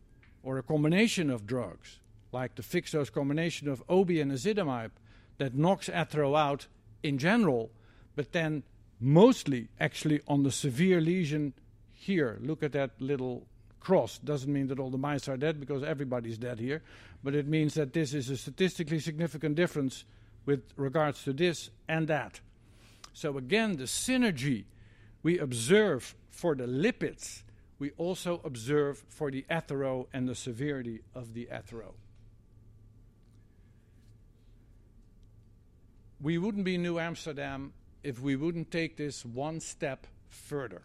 B: or a combination of drugs, like the fixed-dose combination of Obie and ezetimibe, that knocks athero out in general, but then mostly actually on the severe lesion here. Look at that little cross. Doesn't mean that all the mice are dead because everybody's dead here, but it means that this is a statistically significant difference with regards to this and that. So again, the synergy we observe for the lipids, we also observe for the athero and the severity of the athero. We wouldn't be NewAmsterdam if we wouldn't take this one step further.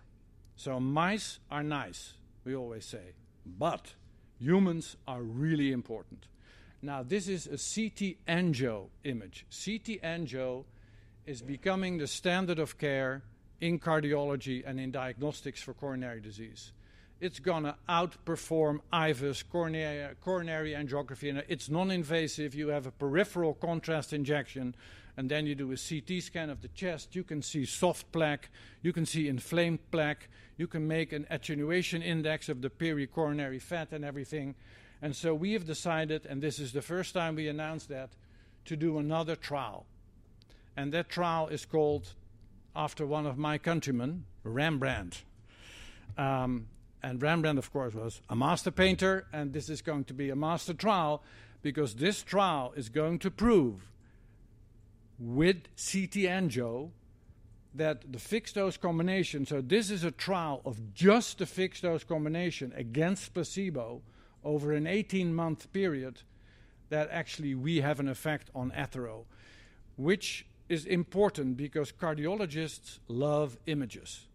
B: So mice are nice, we always say, but humans are really important. Now, this is a CT angio image. CT angio is becoming the standard of care in cardiology and in diagnostics for coronary disease. It's gonna outperform IVUS, coronary angiography, and it's non-invasive. You have a peripheral contrast injection, and then you do a CT scan of the chest. You can see soft plaque, you can see inflamed plaque, you can make an attenuation index of the pericoronary fat and everything. And so we have decided, and this is the first time we announced that, to do another trial, and that trial is called after one of my countrymen, Rembrandt. And Rembrandt, of course, was a master painter, and this is going to be a master trial because this trial is going to prove with CT angio that the fixed-dose combination. So this is a trial of just the fixed-dose combination against placebo over an 18-month period, that actually we have an effect on athero, which is important because cardiologists love images.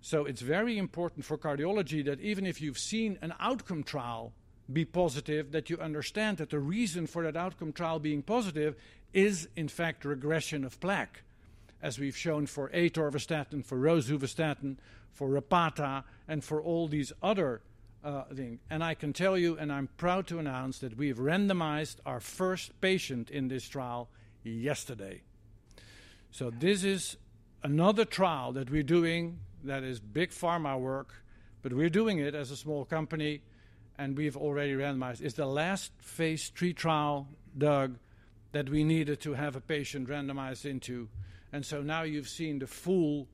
B: So it's very important for cardiology that even if you've seen an outcome trial be positive, that you understand that the reason for that outcome trial being positive is, in fact, regression of plaque, as we've shown for atorvastatin, for rosuvastatin, for Repatha, and for all these other things. And I can tell you, and I'm proud to announce, that we've randomized our first patient in this trial yesterday. So this is another trial that we're doing that is big pharma work, but we're doing it as a small company, and we've already randomized. It's the last phase III trial, Doug, that we needed to have a patient randomized into. And so now you've seen the full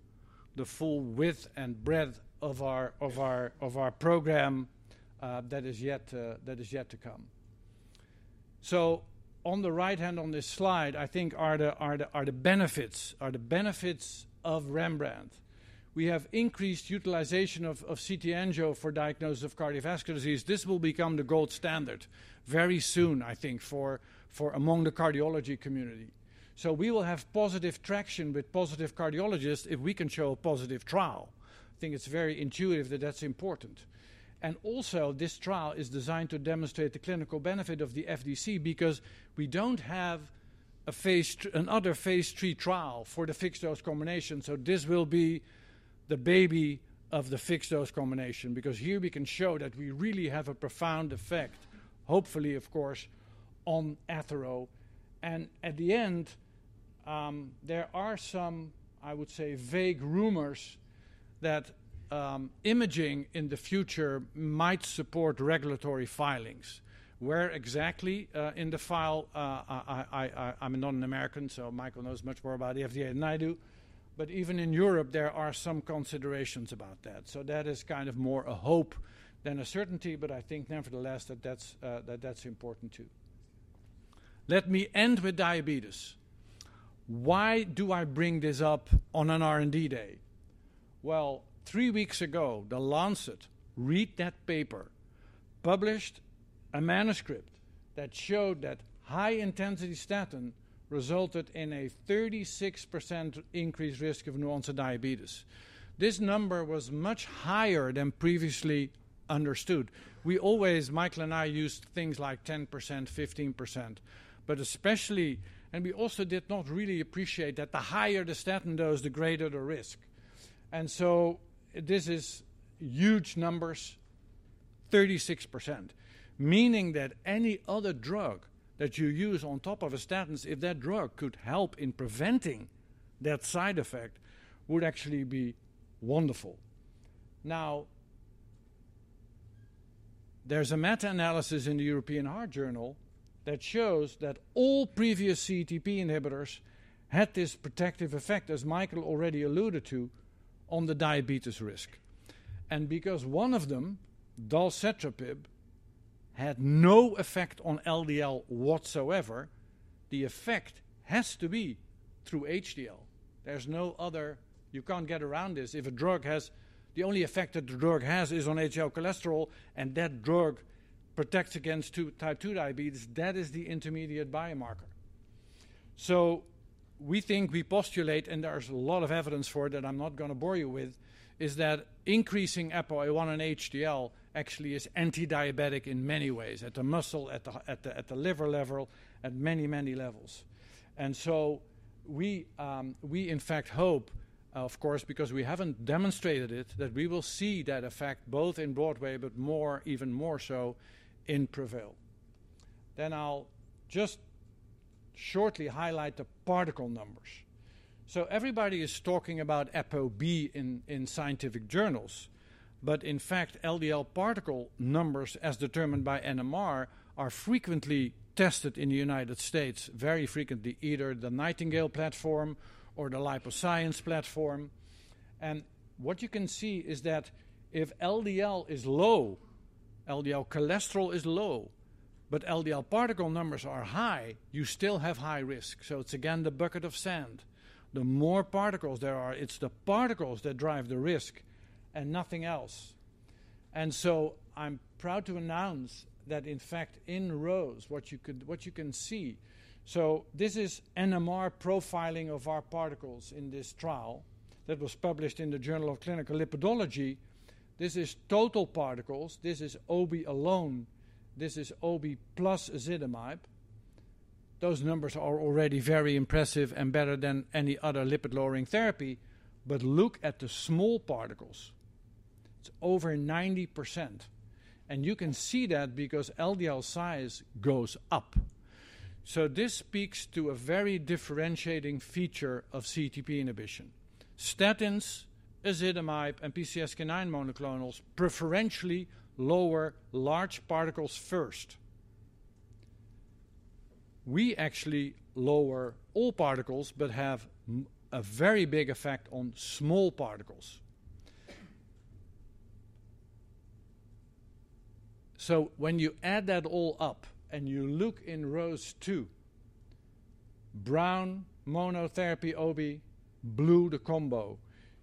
B: width and breadth of our program that is yet to come. So on the right-hand on this slide, I think are the benefits of REMBRANDT. We have increased utilization of CT angio for diagnosis of cardiovascular disease. This will become the gold standard very soon, I think, for among the cardiology community. So we will have positive traction with positive cardiologists if we can show a positive trial. I think it's very intuitive that that's important. Also, this trial is designed to demonstrate the clinical benefit of the FDC because we don't have another phase III trial for the fixed-dose combination, so this will be the baby of the fixed-dose combination, because here we can show that we really have a profound effect, hopefully, of course, on athero. And at the end, there are some, I would say, vague rumors that imaging in the future might support regulatory filings. Where exactly in the file, I’m not an American, so Michael knows much more about the FDA than I do, but even in Europe, there are some considerations about that. So that is kind of more a hope than a certainty, but I think nevertheless, that that's important, too. Let me end with diabetes. Why do I bring this up on an R&D day? Well, three weeks ago, The Lancet published a manuscript that showed that high-intensity statin resulted in a 36% increased risk of new onset of diabetes. This number was much higher than previously understood. We always, Michael and I, used things like 10%, 15%, but especially... And we also did not really appreciate that the higher the statin dose, the greater the risk. And so this is huge numbers, 36%, meaning that any other drug that you use on top of a statins, if that drug could help in preventing that side effect, would actually be wonderful. Now, there's a meta-analysis in the European Heart Journal that shows that all previous CETP inhibitors had this protective effect, as Michael already alluded to, on the diabetes risk. And because one of them, dalcetrapib, had no effect on LDL whatsoever, the effect has to be through HDL. There's no other. You can't get around this. If a drug has the only effect that the drug has is on HDL cholesterol, and that drug protects against 2, type 2 diabetes, that is the intermediate biomarker. So we think, we postulate, and there's a lot of evidence for it that I'm not gonna bore you with is that increasing ApoA-I and HDL actually is anti-diabetic in many ways, at the muscle, at the, at the, at the liver level, at many, many levels. And so we, in fact, hope, of course, because we haven't demonstrated it, that we will see that effect both in BROADWAY, but more even more so in PREVAIL. Then I'll just shortly highlight the particle numbers. So everybody is talking about ApoB in scientific journals, but in fact, LDL particle numbers, as determined by NMR, are frequently tested in the United States, very frequently, either the Nightingale platform or the LipoScience platform. And what you can see is that if LDL is low, LDL cholesterol is low, but LDL particle numbers are high, you still have high risk. So it's again the bucket of sand. The more particles there are, it's the particles that drive the risk and nothing else. And so I'm proud to announce that, in fact, in ROSE, what you can see. So this is NMR profiling of our particles in this trial that was published in the Journal of Clinical Lipidology. This is total particles. This is Obie alone. This is Obie plus ezetimibe. Those numbers are already very impressive and better than any other lipid-lowering therapy, but look at the small particles. It's over 90%, and you can see that because LDL size goes up. So this speaks to a very differentiating feature of CETP inhibition. Statins, ezetimibe, and PCSK9 monoclonals preferentially lower large particles first. We actually lower all particles, but have a very big effect on small particles. So when you add that all up, and you look in row two, brown, monotherapy Obie, blue, the combo,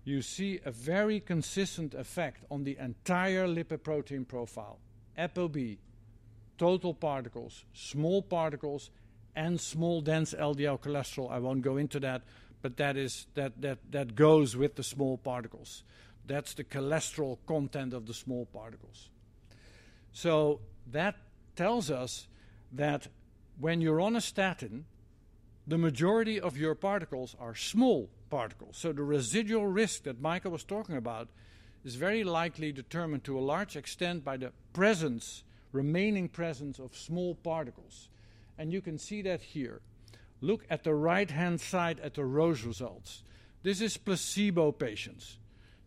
B: you see a very consistent effect on the entire lipoprotein profile, ApoB, total particles, small particles, and small, dense LDL cholesterol. I won't go into that, but that is, that goes with the small particles. That's the cholesterol content of the small particles. So that tells us that when you're on a statin, the majority of your particles are small particles, so the residual risk that Michael was talking about is very likely determined to a large extent by the presence, remaining presence of small particles. And you can see that here. Look at the right-hand side at the ROSE results. This is placebo patients.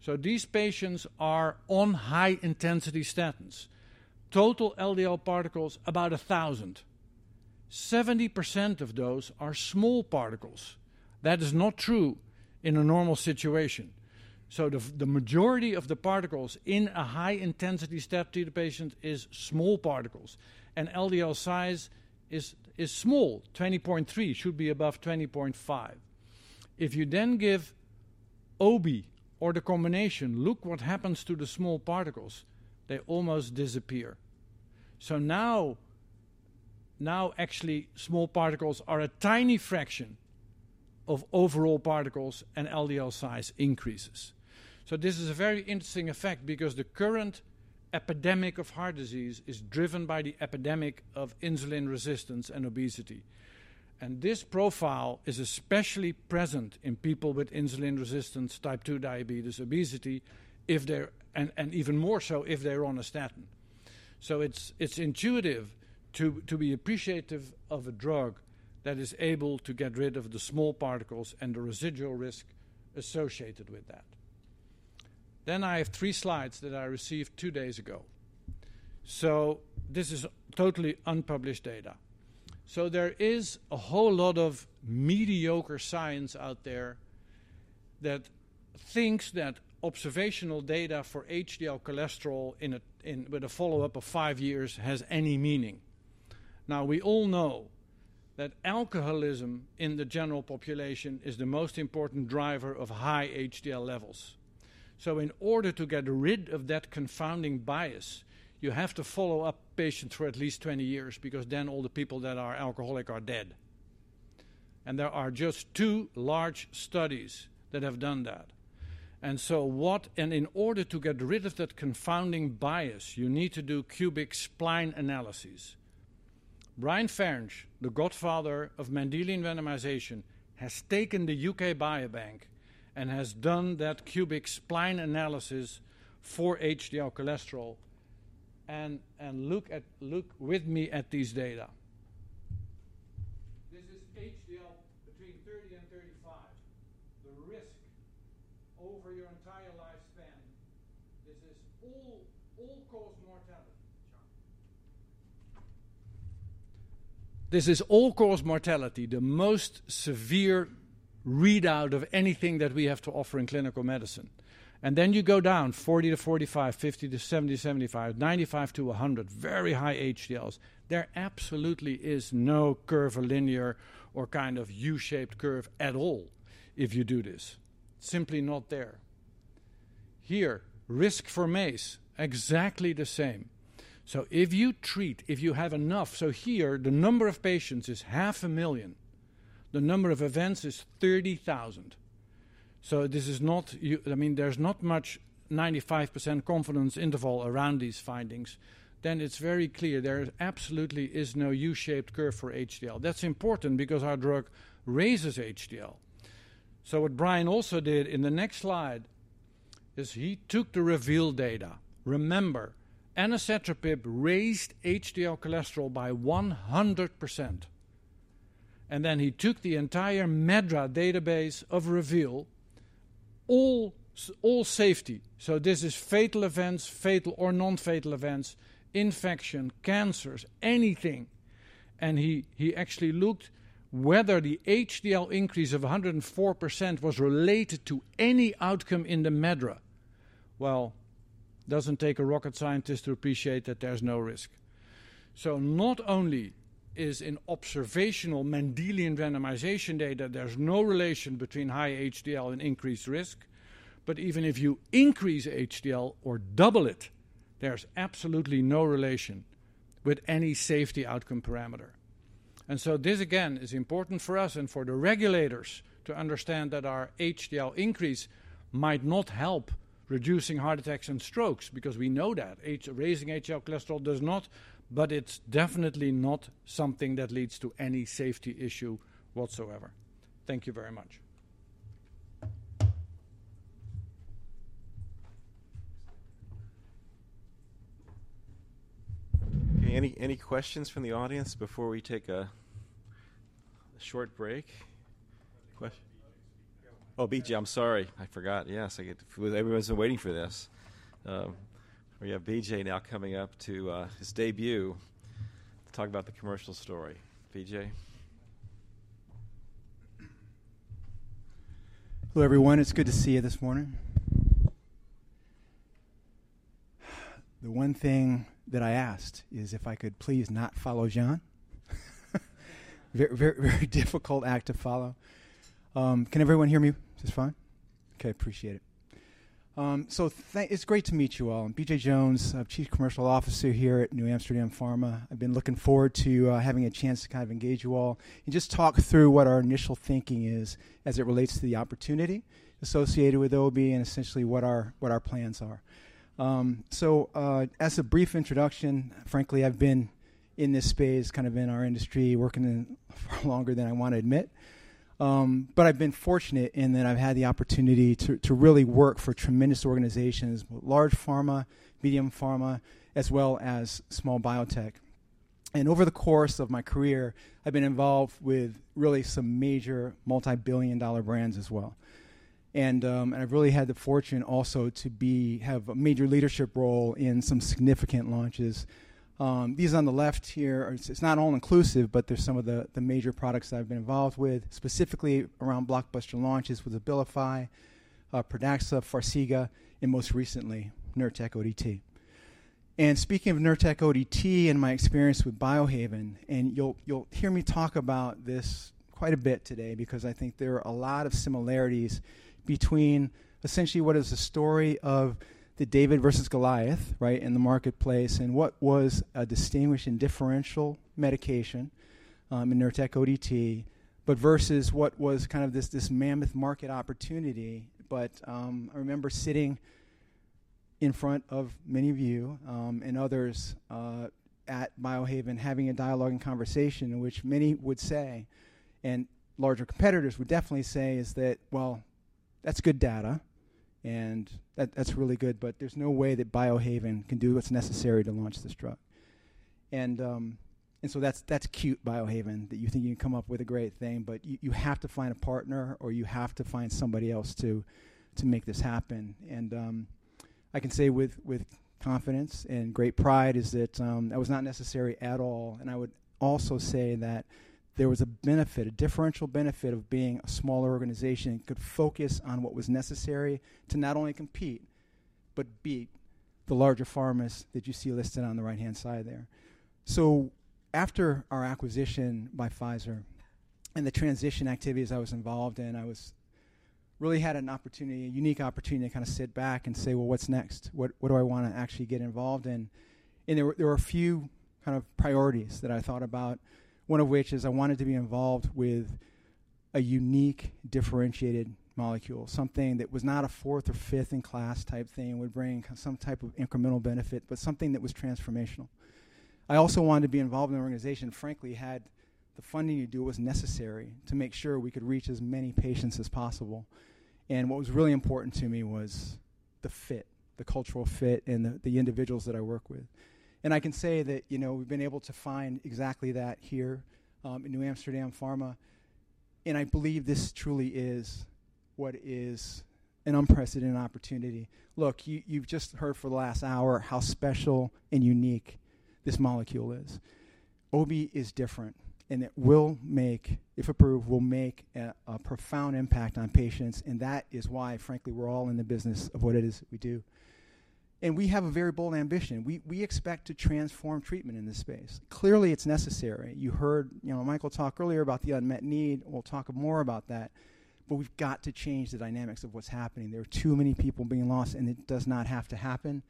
B: So these patients are on high-intensity statins. Total LDL particles, about 1,000. 70% of those are small particles. That is not true in a normal situation. So the majority of the particles in a high-intensity statin to the patient is small particles, and LDL size is small, 20.3, should be above 20.5. If you then give Obie or the combination, look what happens to the small particles. They almost disappear. So now, actually, small particles are a tiny fraction of overall particles, and LDL size increases. So this is a very interesting effect because the current epidemic of heart disease is driven by the epidemic of insulin resistance and obesity. This profile is especially present in people with insulin resistance, type 2 diabetes, obesity, if they're and even more so if they're on a statin. So it's intuitive to be appreciative of a drug that is able to get rid of the small particles and the residual risk associated with that. Then I have three slides that I received two days ago. So this is totally unpublished data. So there is a whole lot of mediocre science out there that thinks that observational data for HDL cholesterol in with a follow-up of 5 years has any meaning. Now, we all know that alcoholism in the general population is the most important driver of high HDL levels. So in order to get rid of that confounding bias, you have to follow up patients for at least 20 years, because then all the people that are alcoholic are dead. And there are just two large studies that have done that. And in order to get rid of that confounding bias, you need to do cubic spline analysis. Brian Ference, the godfather of Mendelian randomization, has taken the UK Biobank and has done that cubic spline analysis for HDL cholesterol. And look with me at these data. This is HDL between 30 and 35. The risk over your entire lifespan, this is all-cause mortality. This is all-cause mortality, the most severe readout of anything that we have to offer in clinical medicine. Then you go down 40-45, 50-70, 75, 95-100, very high HDLs. There absolutely is no curve, linear or kind of U-shaped curve at all if you do this. Simply not there. Here, risk for MACE, exactly the same. So if you treat, if you have enough. So here, the number of patients is 500,000. The number of events is 30,000. So this is not. I mean, there's not much 95% confidence interval around these findings. Then it's very clear there absolutely is no U-shaped curve for HDL. That's important because our drug raises HDL. So what Brian also did in the next slide, is he took the REVEAL data. Remember, anacetrapib raised HDL cholesterol by 100%, and then he took the entire MedDRA database of REVEAL, all safety. So this is fatal events, fatal or non-fatal events, infection, cancers, anything, and he actually looked whether the HDL increase of 104% was related to any outcome in the MedDRA. Well, doesn't take a rocket scientist to appreciate that there's no risk. So not only is in observational Mendelian randomization data, there's no relation between high HDL and increased risk, but even if you increase HDL or double it, there's absolutely no relation with any safety outcome parameter. And so this, again, is important for us and for the regulators to understand that our HDL increase might not help reducing heart attacks and strokes, because we know that raising HDL cholesterol does not, but it's definitely not something that leads to any safety issue whatsoever. Thank you very much.
C: Any questions from the audience before we take a short break? Ques- B.J. Oh, B.J., I'm sorry. I forgot. Yes, I get everyone's been waiting for this. We have B.J. now coming up to his debut to talk about the commercial story. B.J.?
D: Hello, everyone. It's good to see you this morning. The one thing that I asked is if I could please not follow John. Very, very difficult act to follow. Can everyone hear me just fine? Okay, appreciate it. It's great to meet you all. I'm B.J. Jones, Chief Commercial Officer here at NewAmsterdam Pharma. I've been looking forward to having a chance to kind of engage you all and just talk through what our initial thinking is as it relates to the opportunity associated with Obie and essentially what our, what our plans are. As a brief introduction, frankly, I've been in this space, kind of in our industry, working in far longer than I want to admit. But I've been fortunate in that I've had the opportunity to really work for tremendous organizations, large pharma, medium pharma, as well as small biotech. And over the course of my career, I've been involved with really some major multibillion-dollar brands as well. And I've really had the fortune also to have a major leadership role in some significant launches. These on the left here are... It's not all-inclusive, but they're some of the major products that I've been involved with, specifically around blockbuster launches with Abilify, Pradaxa, Farxiga, and most recently, Nurtec ODT. And speaking of Nurtec ODT and my experience with Biohaven, and you'll, you'll hear me talk about this quite a bit today because I think there are a lot of similarities between essentially what is the story of the David versus Goliath, right, in the marketplace, and what was a distinguished and differential medication, in Nurtec ODT, but versus what was kind of this, this mammoth market opportunity. But, I remember sitting in front of many of you, and others, at Biohaven, having a dialogue and conversation in which many would say, and larger competitors would definitely say, is that, "Well, that's good data, and that, that's really good, but there's no way that Biohaven can do what's necessary to launch this drug. And, and so that's cute, Biohaven, that you think you can come up with a great thing, but you have to find a partner, or you have to find somebody else to make this happen." And, I can say with confidence and great pride, is that that was not necessary at all. And I would also say that there was a benefit, a differential benefit of being a smaller organization and could focus on what was necessary to not only compete but beat the larger pharmas that you see listed on the right-hand side there. So after our acquisition by Pfizer and the transition activities I was involved in, I was really had an opportunity, a unique opportunity to kind of sit back and say, "Well, what's next? What, what do I want to actually get involved in?" And there were a few kind of priorities that I thought about, one of which is I wanted to be involved with a unique, differentiated molecule, something that was not a fourth or fifth in class type thing, and would bring some type of incremental benefit, but something that was transformational. I also wanted to be involved in an organization, frankly, had the funding to do what's necessary to make sure we could reach as many patients as possible. And what was really important to me was the fit, the cultural fit, and the individuals that I work with. And I can say that, you know, we've been able to find exactly that here, in NewAmsterdam Pharma, and I believe this truly is what is an unprecedented opportunity. Look, you've just heard for the last hour how special and unique this molecule is. Obie is different, and it will make, if approved, a profound impact on patients, and that is why, frankly, we're all in the business of what it is that we do. We have a very bold ambition. We expect to transform treatment in this space. Clearly, it's necessary. You heard, you know, Michael talk earlier about the unmet need. We'll talk more about that, but we've got to change the dynamics of what's happening. There are too many people being lost, and it does not have to happen....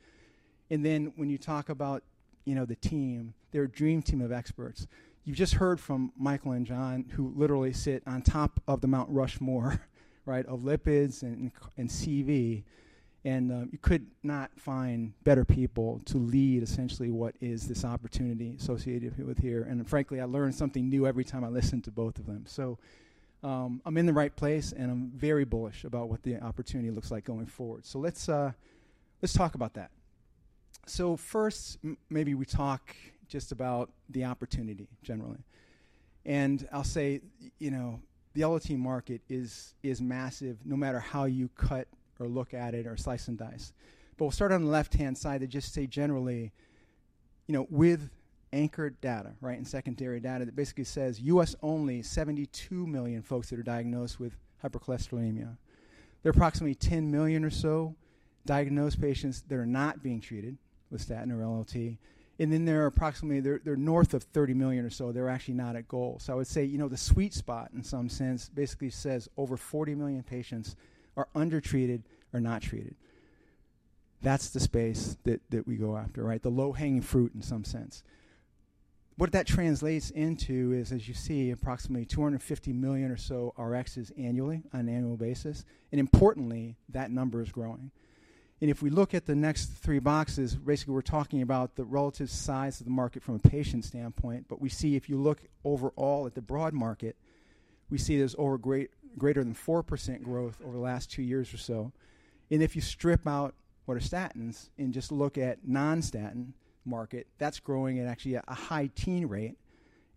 D: And then when you talk about, you know, the team, they're a dream team of experts. You've just heard from Michael and John, who literally sit on top of the Mount Rushmore, right, of lipids and CV, and you could not find better people to lead essentially what is this opportunity associated with here. And frankly, I learn something new every time I listen to both of them. So, I'm in the right place, and I'm very bullish about what the opportunity looks like going forward. So let's, let's talk about that. So first, maybe we talk just about the opportunity generally. And I'll say, you know, the LDL market is massive, no matter how you cut or look at it or slice and dice. But we'll start on the left-hand side and just say, generally, you know, with anchored data, right, and secondary data that basically says, U.S. only, 72 million folks that are diagnosed with hypercholesterolemia. There are approximately 10 million or so diagnosed patients that are not being treated with statin or LLT, and then there are approximately, they're north of 30 million or so, that are actually not at goal. So I would say, you know, the sweet spot, in some sense, basically says over 40 million patients are undertreated or not treated. That's the space that, that we go after, right? The low-hanging fruit in some sense. What that translates into is, as you see, approximately 250 million or so RXs annually, on an annual basis, and importantly, that number is growing. If we look at the next three boxes, basically, we're talking about the relative size of the market from a patient standpoint, but we see if you look overall at the broad market, we see there's greater than 4% growth over the last two years or so. If you strip out what are statins and just look at non-statin market, that's growing at actually a high teen rate.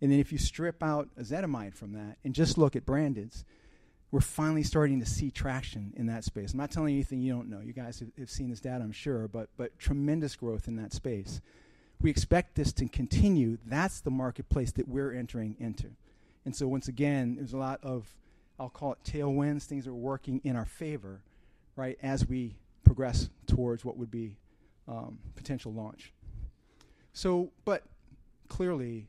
D: And then if you strip out ezetimibe from that and just look at branded, we're finally starting to see traction in that space. I'm not telling you anything you don't know. You guys have seen this data, I'm sure, but tremendous growth in that space. We expect this to continue. That's the marketplace that we're entering into. And so once again, there's a lot of, I'll call it tailwinds. Things are working in our favor, right, as we progress towards what would be, potential launch. So, but clearly,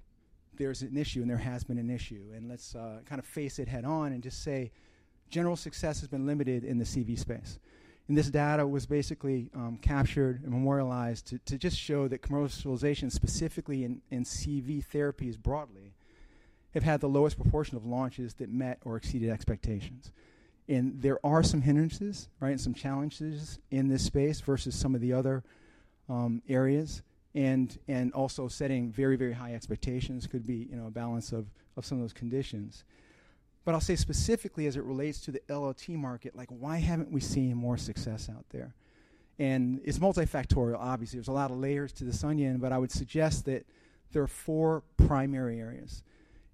D: there's an issue, and there has been an issue, and let's, kind of face it head-on and just say, general success has been limited in the CV space. And this data was basically, captured and memorialized to, to just show that commercialization, specifically in, in CV therapies broadly, have had the lowest proportion of launches that met or exceeded expectations. And there are some hindrances, right, and some challenges in this space versus some of the other, areas, and, and also setting very, very high expectations could be, you know, a balance of, of some of those conditions. But I'll say specifically as it relates to the LLT market, like, why haven't we seen more success out there? And it's multifactorial. Obviously, there's a lot of layers to this onion, but I would suggest that there are four primary areas,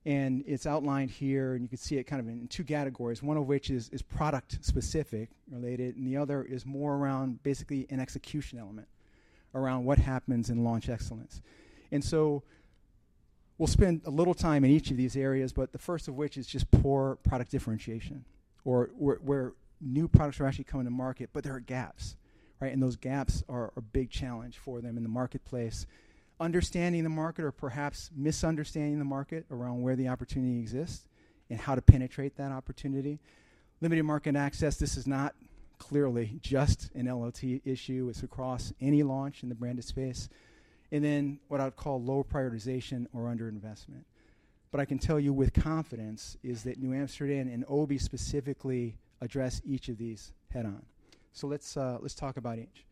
D: and it's outlined here, and you can see it kind of in two categories, one of which is product-specific related, and the other is more around basically an execution element, around what happens in launch excellence. So we'll spend a little time in each of these areas, but the first of which is just poor product differentiation, or where new products are actually coming to market, but there are gaps, right? Those gaps are a big challenge for them in the marketplace. Understanding the market or perhaps misunderstanding the market around where the opportunity exists and how to penetrate that opportunity. Limited market access, this is not clearly just an LLT issue. It's across any launch in the branded space. And then what I'd call low prioritization or underinvestment. But I can tell you with confidence is that NewAmsterdam and Obie specifically address each of these head-on. So let's talk about each.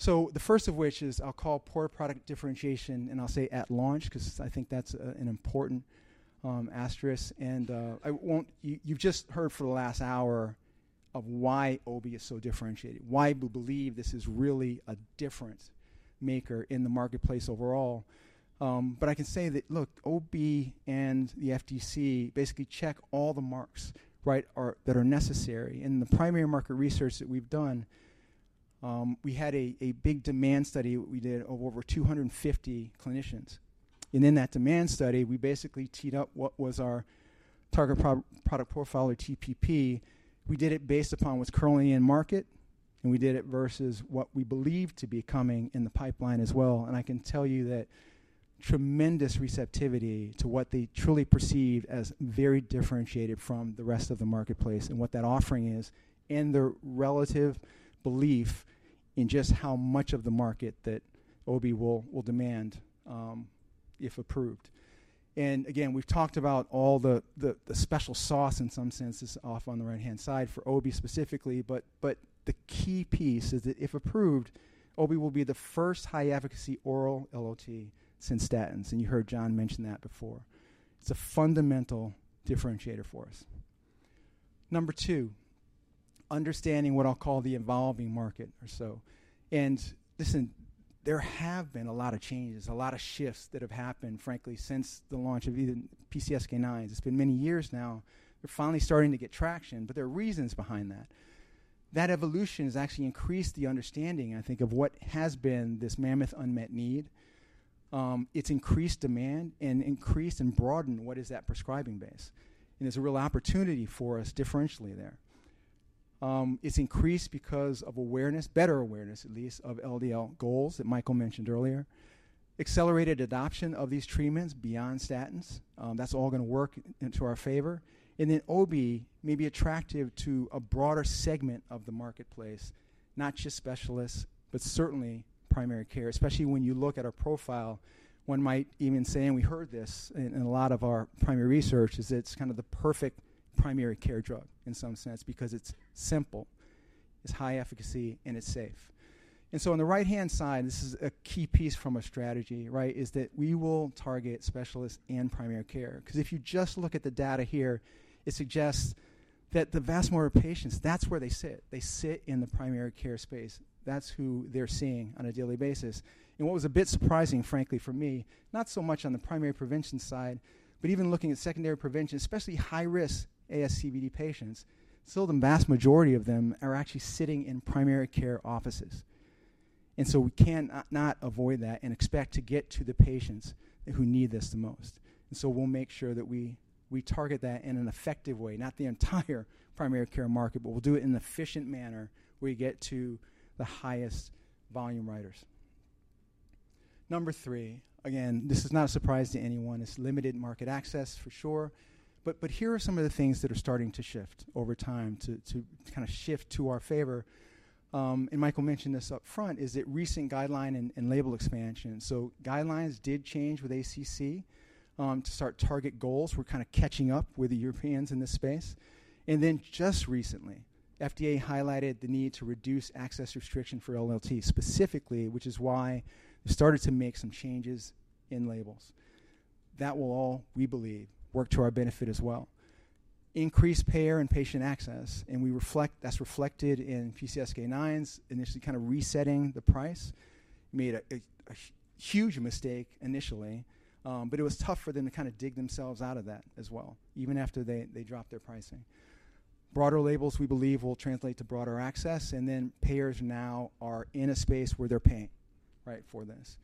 D: So the first of which is I'll call poor product differentiation, and I'll say at launch, 'cause I think that's an important asterisk, and I won't— You've just heard for the last hour of why Obie is so differentiated, why we believe this is really a difference maker in the marketplace overall. But I can say that, look, Obie and the FDC basically check all the marks, right, that are necessary. In the primary market research that we've done, we had a big demand study we did of over 250 clinicians, and in that demand study, we basically teed up what was our target product profile or TPP. We did it based upon what's currently in market, and we did it versus what we believe to be coming in the pipeline as well. I can tell you that tremendous receptivity to what they truly perceive as very differentiated from the rest of the marketplace and what that offering is, and their relative belief in just how much of the market that Obie will demand, if approved. And again, we've talked about all the, the special sauce in some senses off on the right-hand side for Obie specifically, but the key piece is that if approved, Obie will be the first high-efficacy oral LLT since statins, and you heard John mention that before. It's a fundamental differentiator for us. Number two, understanding what I'll call the evolving market or so. And listen, there have been a lot of changes, a lot of shifts that have happened, frankly, since the launch of even PCSK9s. It's been many years now. We're finally starting to get traction, but there are reasons behind that. That evolution has actually increased the understanding, I think, of what has been this mammoth unmet need. It's increased demand and broadened what is that prescribing base, and there's a real opportunity for us differentially there. It's increased because of awareness, better awareness, at least, of LDL goals that Michael mentioned earlier. Accelerated adoption of these treatments beyond statins, that's all gonna work into our favor. And then Obie may be attractive to a broader segment of the marketplace, not just specialists, but certainly primary care, especially when you look at our profile, one might even say, and we heard this in, in a lot of our primary research, is it's kind of the perfect primary care drug in some sense, because it's simple, it's high efficacy, and it's safe. And so on the right-hand side, this is a key piece from our strategy, right? Is that we will target specialists and primary care. 'Cause if you just look at the data here, it suggests that the vast amount of patients, that's where they sit. They sit in the primary care space. That's who they're seeing on a daily basis. And what was a bit surprising, frankly, for me, not so much on the primary prevention side, but even looking at secondary prevention, especially high-risk ASCVD patients, still, the vast majority of them are actually sitting in primary care offices. And so we can't not avoid that and expect to get to the patients who need this the most. And so we'll make sure that we target that in an effective way, not the entire primary care market, but we'll do it in an efficient manner, where we get to the highest volume writers. Number three, again, this is not a surprise to anyone. It's limited market access, for sure, but here are some of the things that are starting to shift over time to kind of shift to our favor, and Michael mentioned this up front, is that recent guideline and label expansion. So guidelines did change with ACC to start target goals. We're kind of catching up with the Europeans in this space. And then, just recently, FDA highlighted the need to reduce access restriction for LLT specifically, which is why they started to make some changes in labels. That will all, we believe, work to our benefit as well. Increased payer and patient access, and we reflect—that's reflected in PCSK9s, initially kind of resetting the price, made a huge mistake initially, but it was tough for them to kind of dig themselves out of that as well, even after they dropped their pricing. Broader labels, we believe, will translate to broader access, and then payers now are in a space where they're paying, right, for this.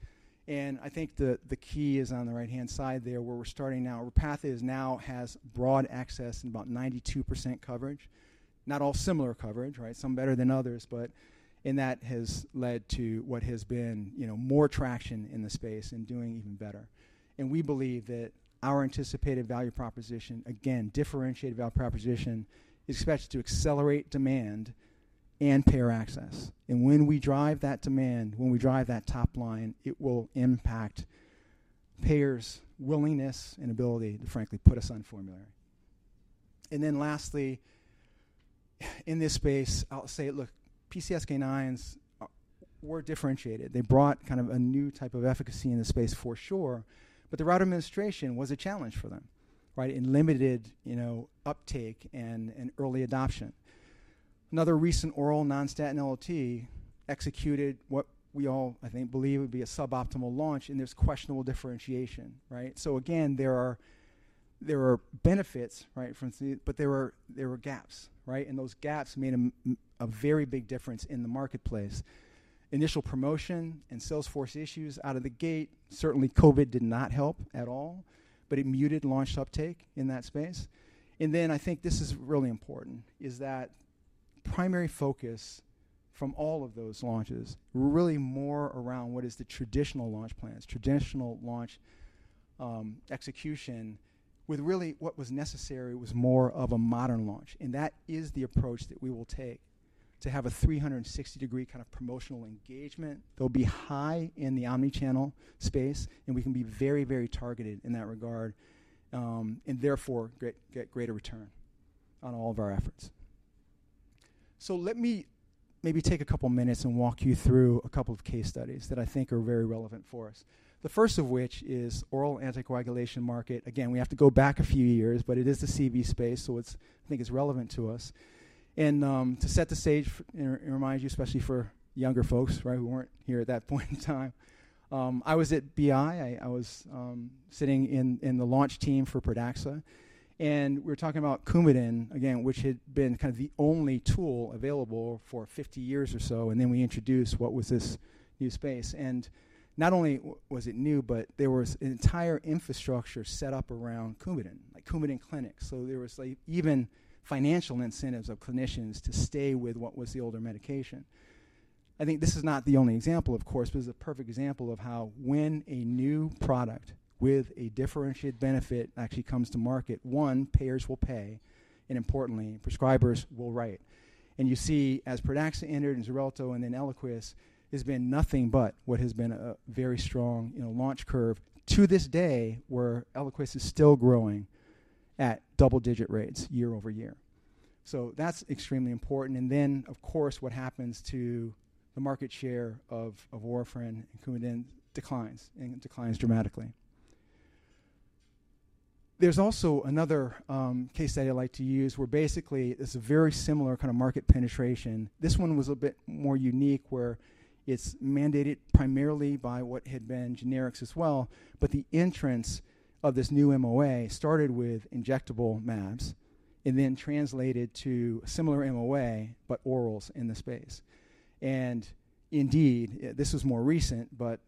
D: And I think the key is on the right-hand side there, where we're starting now, Repatha now has broad access and about 92% coverage. Not all similar coverage, right? Some better than others, but. And that has led to what has been, you know, more traction in the space and doing even better. And we believe that our anticipated value proposition, again, differentiated value proposition, is expected to accelerate demand and payer access. When we drive that demand, when we drive that top line, it will impact payers' willingness and ability to, frankly, put us on formulary. And then lastly, in this space, I'll say, look, PCSK9s were differentiated. They brought kind of a new type of efficacy in this space for sure, but the route of administration was a challenge for them, right? It limited, you know, uptake and early adoption. Another recent oral non-statin LLT executed what we all, I think, believe would be a suboptimal launch, and there's questionable differentiation, right? So again, there are benefits, right, from... But there were gaps, right? And those gaps made a very big difference in the marketplace. Initial promotion and sales force issues out of the gate. Certainly, COVID did not help at all, but it muted launch uptake in that space. And then I think this is really important, is that primary focus from all of those launches were really more around what is the traditional launch plans, traditional launch, execution, with really what was necessary was more of a modern launch, and that is the approach that we will take to have a 360-degree kind of promotional engagement. They'll be high in the omni-channel space, and we can be very, very targeted in that regard, and therefore, get greater return on all of our efforts. So let me maybe take a couple of minutes and walk you through a couple of case studies that I think are very relevant for us. The first of which is oral anticoagulation market. Again, we have to go back a few years, but it is the CV space, so it's, I think it's relevant to us. And, to set the stage and remind you, especially for younger folks, right, who weren't here at that point in time, I was at BI. I was sitting in the launch team for Pradaxa, and we're talking about Coumadin, again, which had been kind of the only tool available for 50 years or so, and then we introduced what was this new space. And not only was it new, but there was an entire infrastructure set up around Coumadin, like Coumadin clinics. So there was, like, even financial incentives of clinicians to stay with what was the older medication. I think this is not the only example, of course, but it's a perfect example of how when a new product with a differentiated benefit actually comes to market, one, payers will pay, and importantly, prescribers will write. And you see, as Pradaxa entered, and Xarelto, and then Eliquis, it's been nothing but what has been a very strong, you know, launch curve to this day, where Eliquis is still growing at double-digit rates year-over-year. So that's extremely important. And then, of course, what happens to the market share of warfarin and Coumadin declines, and it declines dramatically. There's also another case study I like to use, where basically it's a very similar kind of market penetration. This one was a bit more unique, where it's mandated primarily by what had been generics as well, but the entrance of this new MOA started with injectable mAbs... and then translated to a similar MOA, but orals in the space. Indeed, this was more recent, but,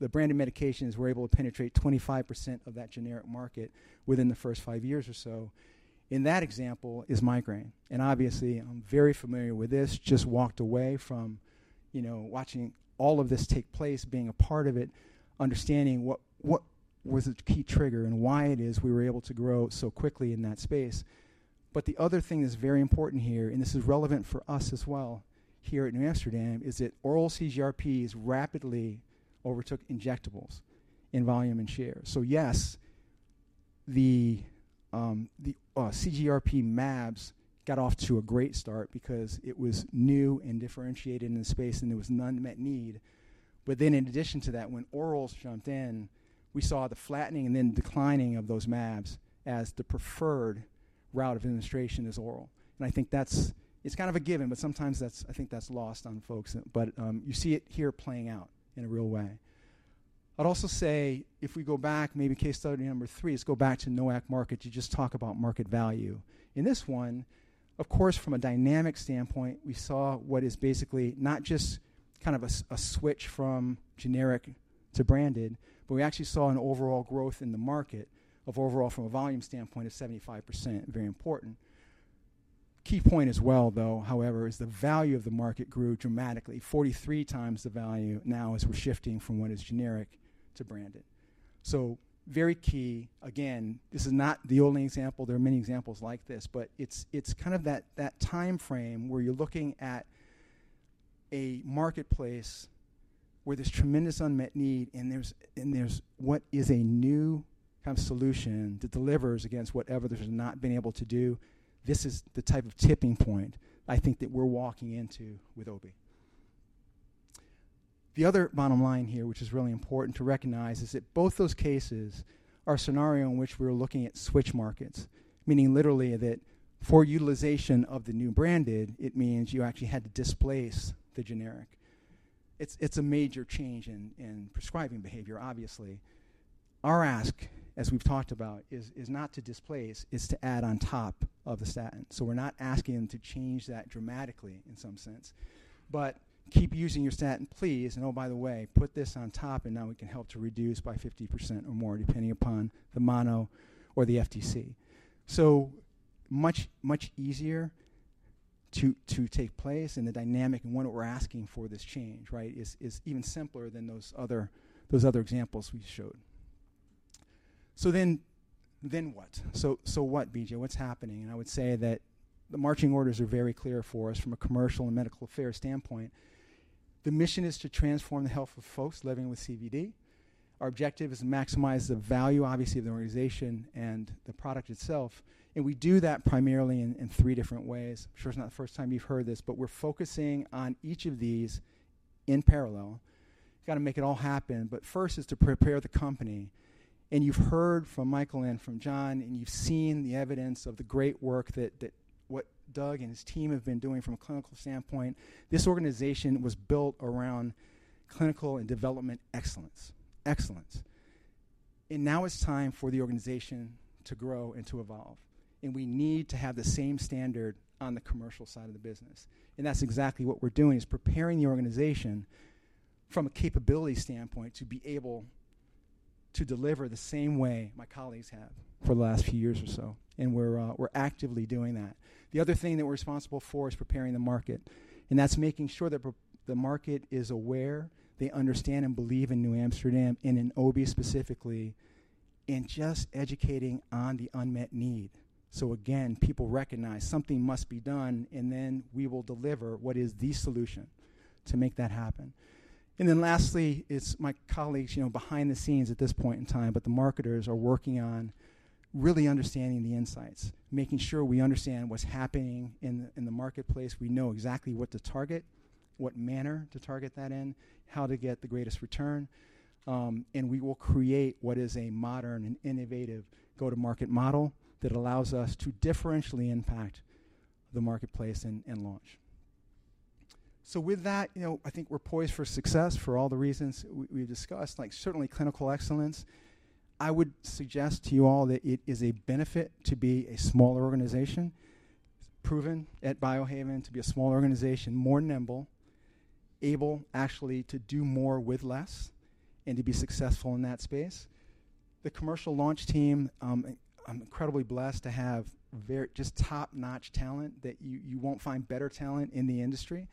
D: the branded medications were able to penetrate 25% of that generic market within the first five years or so. In that example is migraine, and obviously, I'm very familiar with this. Just walked away from, you know, watching all of this take place, being a part of it, understanding what, what was the key trigger and why it is we were able to grow so quickly in that space. The other thing that's very important here, and this is relevant for us as well here at NewAmsterdam, is that oral CGRPs rapidly overtook injectables in volume and share. Yes, the, the, CGRP mAbs got off to a great start because it was new and differentiated in the space, and there was an unmet need. But then in addition to that, when orals jumped in, we saw the flattening and then declining of those mAbs as the preferred route of administration is oral. And I think that's. It's kind of a given, but sometimes that's. I think that's lost on folks, but you see it here playing out in a real way. I'd also say if we go back, maybe case study number three, let's go back to NOAC market to just talk about market value. In this one, of course, from a dynamic standpoint, we saw what is basically not just kind of a switch from generic to branded, but we actually saw an overall growth in the market of overall, from a volume standpoint, of 75%, very important. Key point as well, though, however, is the value of the market grew dramatically, 43x the value now as we're shifting from what is generic to branded. So very key. Again, this is not the only example. There are many examples like this, but it's kind of that time frame where you're looking at a marketplace where there's tremendous unmet need, and there's what is a new kind of solution that delivers against whatever there's not been able to do. This is the type of tipping point I think that we're walking into with Obie. The other bottom line here, which is really important to recognize, is that both those cases are a scenario in which we're looking at switch markets, meaning literally that for utilization of the new branded, it means you actually had to displace the generic. It's a major change in prescribing behavior, obviously. Our ask, as we've talked about, is not to displace, is to add on top of the statin. So we're not asking them to change that dramatically in some sense, but keep using your statin, please, and oh, by the way, put this on top, and now we can help to reduce by 50% or more, depending upon the mono or the FDC. So much easier to take place, and the dynamic and what we're asking for this change, right, is even simpler than those other examples we showed. So then what? So what, B.J., what's happening? And I would say that the marching orders are very clear for us from a commercial and medical affairs standpoint. The mission is to transform the health of folks living with CVD. Our objective is to maximize the value, obviously, of the organization and the product itself, and we do that primarily in three different ways. I'm sure it's not the first time you've heard this, but we're focusing on each of these in parallel. Got to make it all happen, but first is to prepare the company. And you've heard from Michael and from John, and you've seen the evidence of the great work that—what Doug and his team have been doing from a clinical standpoint. This organization was built around clinical and development excellence. Excellence. Now it's time for the organization to grow and to evolve, and we need to have the same standard on the commercial side of the business, and that's exactly what we're doing, is preparing the organization from a capability standpoint, to be able to deliver the same way my colleagues have for the last few years or so, and we're, we're actively doing that. The other thing that we're responsible for is preparing the market, and that's making sure that the market is aware, they understand and believe in NewAmsterdam and in Obie specifically, and just educating on the unmet need. So again, people recognize something must be done, and then we will deliver what is the solution to make that happen. And then lastly, it's my colleagues, you know, behind the scenes at this point in time, but the marketers are working on really understanding the insights, making sure we understand what's happening in the marketplace. We know exactly what to target, what manner to target that in, how to get the greatest return, and we will create what is a modern and innovative go-to-market model that allows us to differentially impact the marketplace and launch. So with that, you know, I think we're poised for success for all the reasons we've discussed, like certainly clinical excellence. I would suggest to you all that it is a benefit to be a smaller organization. It's proven at Biohaven to be a smaller organization, more nimble, able actually to do more with less and to be successful in that space. The commercial launch team, I'm incredibly blessed to have very just top-notch talent that you, you won't find better talent in the industry.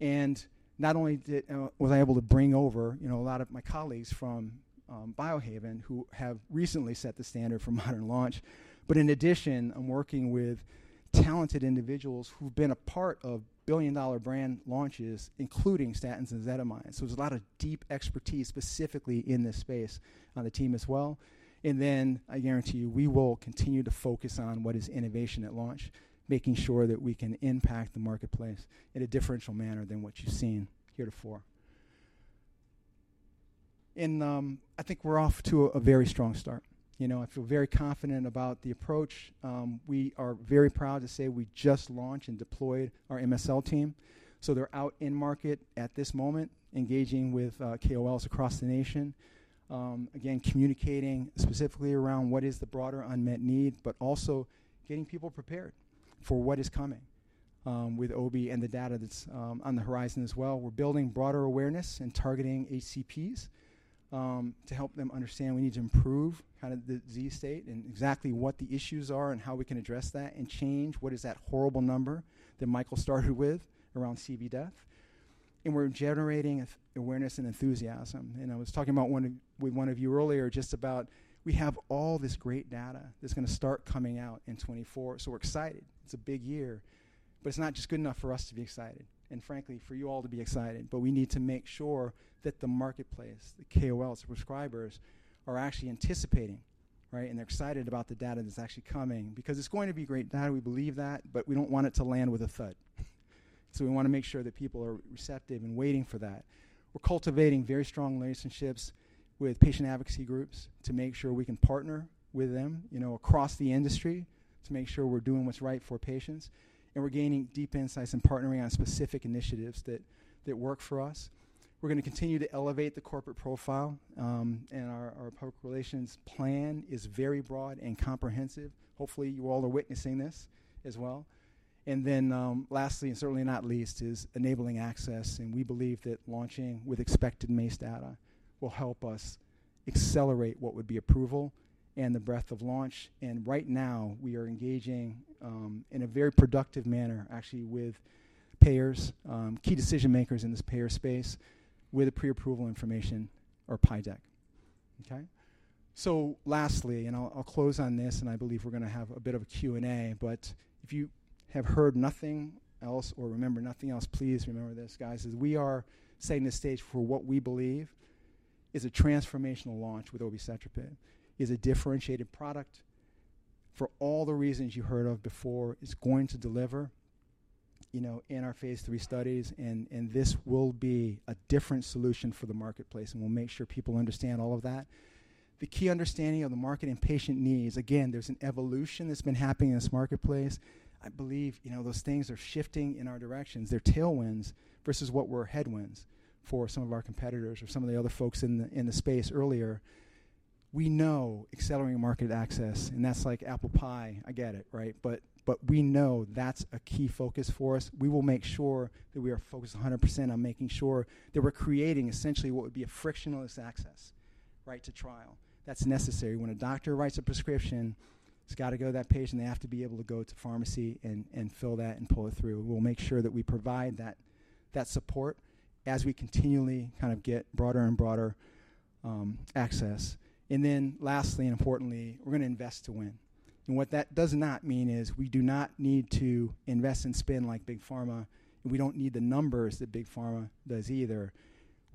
D: And not only did was I able to bring over, you know, a lot of my colleagues from Biohaven, who have recently set the standard for modern launch, but in addition, I'm working with talented individuals who've been a part of billion-dollar brand launches, including statins and ezetimibe. So there's a lot of deep expertise specifically in this space on the team as well. And then I guarantee you, we will continue to focus on what is innovation at launch, making sure that we can impact the marketplace in a differential manner than what you've seen heretofore. And I think we're off to a very strong start. You know, I feel very confident about the approach. We are very proud to say we just launched and deployed our MSL team, so they're out in market at this moment, engaging with KOLs across the nation. Again, communicating specifically around what is the broader unmet need, but also getting people prepared for what is coming with Obie and the data that's on the horizon as well. We're building broader awareness and targeting HCPs to help them understand we need to improve kind of the Z state and exactly what the issues are and how we can address that and change what is that horrible number that Michael started with around CV death. And we're generating awareness and enthusiasm. And I was talking about one of with one of you earlier, just about, we have all this great data that's gonna start coming out in 2024, so we're excited. It's a big year, but it's not just good enough for us to be excited and frankly, for you all to be excited, but we need to make sure that the marketplace, the KOLs, prescribers, are actually anticipating, right? And they're excited about the data that's actually coming, because it's going to be great data. We believe that, but we don't want it to land with a thud. So we wanna make sure that people are receptive and waiting for that. We're cultivating very strong relationships with patient advocacy groups to make sure we can partner with them, you know, across the industry, to make sure we're doing what's right for patients. And we're gaining deep insights and partnering on specific initiatives that, that work for us. We're gonna continue to elevate the corporate profile, and our public relations plan is very broad and comprehensive. Hopefully, you all are witnessing this as well. Then, lastly, and certainly not least, is enabling access, and we believe that launching with expected MACE data will help us accelerate what would be approval and the breadth of launch. Right now, we are engaging in a very productive manner, actually, with payers, key decision makers in this payer space with a pre-approval information or PI deck. Okay? So lastly, and I'll close on this, and I believe we're gonna have a bit of a Q&A, but if you have heard nothing else or remember nothing else, please remember this, guys: we are setting the stage for what we believe is a transformational launch with obicetrapib, a differentiated product for all the reasons you heard of before, is going to deliver, you know, in our phase III studies, and this will be a different solution for the marketplace, and we'll make sure people understand all of that. The key understanding of the market and patient needs, again, there's an evolution that's been happening in this marketplace. I believe, you know, those things are shifting in our directions. They're tailwinds versus what were headwinds for some of our competitors or some of the other folks in the space earlier. We know accelerating market access, and that's like apple pie. I get it, right? But we know that's a key focus for us. We will make sure that we are focused 100% on making sure that we're creating essentially what would be a frictionless access, right to trial. That's necessary. When a doctor writes a prescription, it's got to go to that patient. They have to be able to go to pharmacy and fill that and pull it through. We'll make sure that we provide that support as we continually kind of get broader and broader access. And then lastly, and importantly, we're gonna invest to win. And what that does not mean is we do not need to invest and spend like Big Pharma, and we don't need the numbers that Big Pharma does either.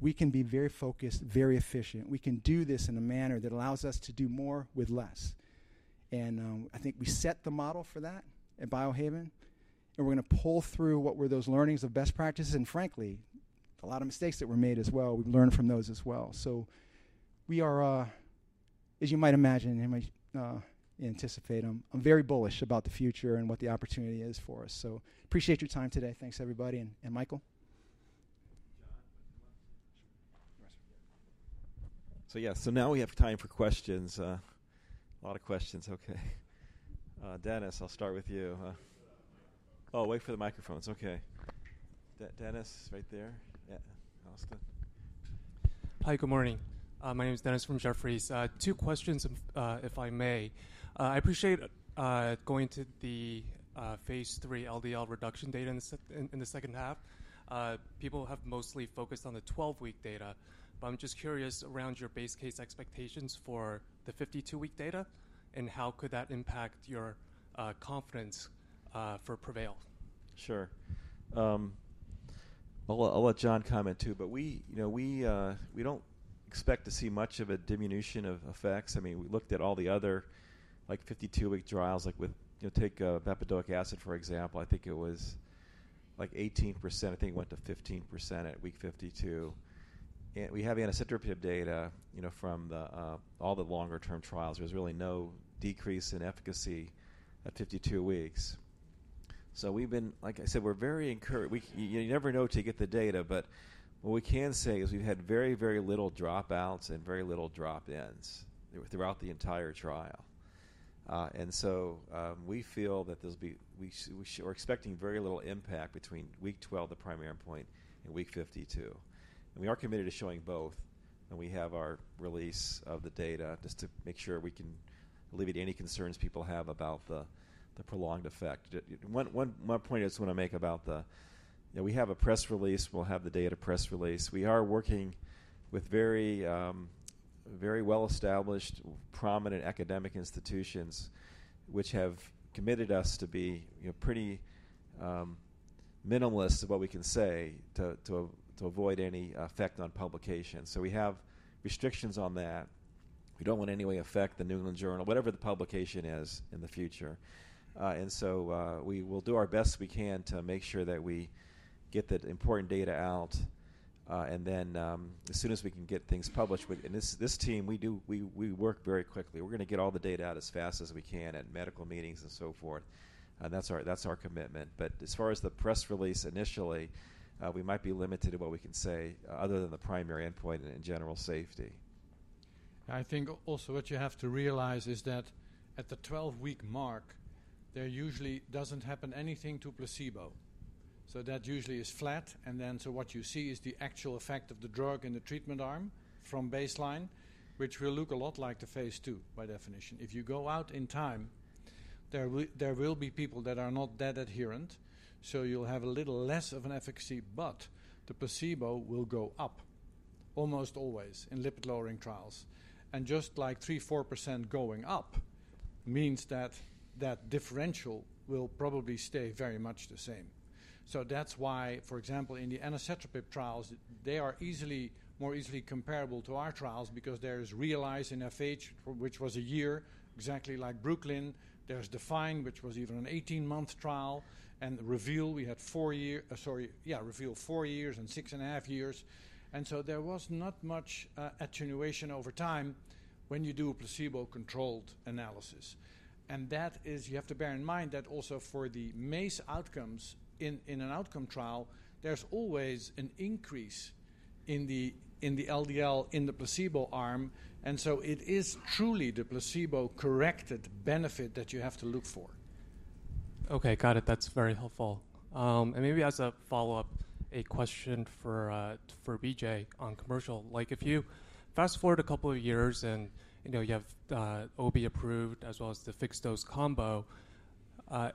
D: We can be very focused, very efficient. We can do this in a manner that allows us to do more with less. I think we set the model for that at Biohaven, and we're gonna pull through what were those learnings of best practices, and frankly, a lot of mistakes that were made as well. We've learned from those as well. We are, as you might imagine, and might anticipate, I'm very bullish about the future and what the opportunity is for us. Appreciate your time today. Thanks, everybody. And Michael?
A: John, anything else?
B: Sure.
A: So yeah. So now we have time for questions. A lot of questions. Okay, Dennis, I'll start with you.... Oh, wait for the microphones. Okay. Dennis, right there. Yeah, I``ll start.
E: Hi, good morning. My name is Dennis from Jefferies. Two questions, if I may. I appreciate going to the phase III LDL reduction data in the second half. People have mostly focused on the 12-week data, but I'm just curious around your base case expectations for the 52-week data, and how could that impact your confidence for PREVAIL?
A: Sure. I'll let John comment, too, but we, you know, we don't expect to see much of a diminution of effects. I mean, we looked at all the other, like, 52-week trials, like with... You know, take bempedoic acid, for example. I think it was like 18%. I think it went to 15% at week 52. And we have anacetrapib data, you know, from all the longer-term trials. There's really no decrease in efficacy at 52 weeks. So we've been—like I said, we're very encour— We— You never know till you get the data, but what we can say is we've had very, very little dropouts and very little drop-ins throughout the entire trial. and so, we feel that we're expecting very little impact between week 12, the primary endpoint, and week 52. And we are committed to showing both, and we have our release of the data just to make sure we can alleviate any concerns people have about the prolonged effect. One point I just wanna make about the... You know, we have a press release. We'll have the data press release. We are working with very well-established, prominent academic institutions, which have committed us to be, you know, pretty minimalist of what we can say to avoid any effect on publication. So we have restrictions on that. We don't want any way affect the New England Journal, whatever the publication is in the future, and so we will do our best we can to make sure that we get that important data out, and then as soon as we can get things published, and this team, we do work very quickly. We're gonna get all the data out as fast as we can at medical meetings and so forth, and that's our commitment. But as far as the press release, initially, we might be limited in what we can say other than the primary endpoint and in general, safety....
B: I think also what you have to realize is that at the 12-week mark, there usually doesn't happen anything to placebo. So that usually is flat, and then, so what you see is the actual effect of the drug in the treatment arm from baseline, which will look a lot like the phase II, by definition. If you go out in time, there will be people that are not that adherent, so you'll have a little less of an efficacy, but the placebo will go up, almost always in lipid-lowering trials. And just like 3%-4% going up, means that that differential will probably stay very much the same. So that's why, for example, in the anacetrapib trials, they are easily more easily comparable to our trials because there is REVEAL in FH, which was a year, exactly like BROOKLYN. There's DEFINE, which was even an 18-month trial, and REVEAL, we had four years—sorry, yeah, REVEAL, four years and six and a half years. And so there was not much attenuation over time when you do a placebo-controlled analysis. And that is—You have to bear in mind that also for the MACE outcomes in, in an outcome trial, there's always an increase in the, in the LDL, in the placebo arm, and so it is truly the placebo-corrected benefit that you have to look for.
E: Okay, got it. That's very helpful. And maybe as a follow-up, a question for, for B.J. on commercial. Like, if you fast-forward a couple of years and, you know, you have, Obie approved, as well as the fixed-dose combo,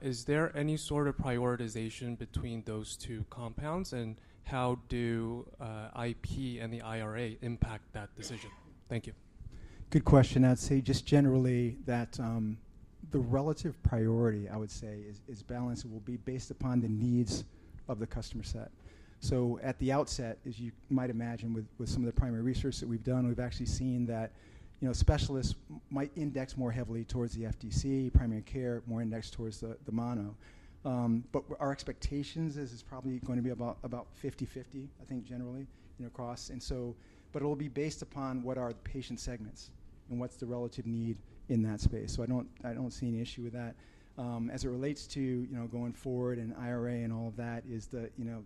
E: is there any sort of prioritization between those two compounds, and how do, IP and the IRA impact that decision? Thank you.
D: Good question. I'd say just generally that, the relative priority, I would say, is balanced, will be based upon the needs of the customer set. So at the outset, as you might imagine, with some of the primary research that we've done, we've actually seen that, you know, specialists might index more heavily towards the FDC, primary care, more indexed towards the mono. But our expectations is it's probably going to be about 50/50, I think, generally, you know, across. And so—but it will be based upon what are the patient segments and what's the relative need in that space. So I don't see any issue with that. As it relates to, you know, going forward and IRA and all of that, the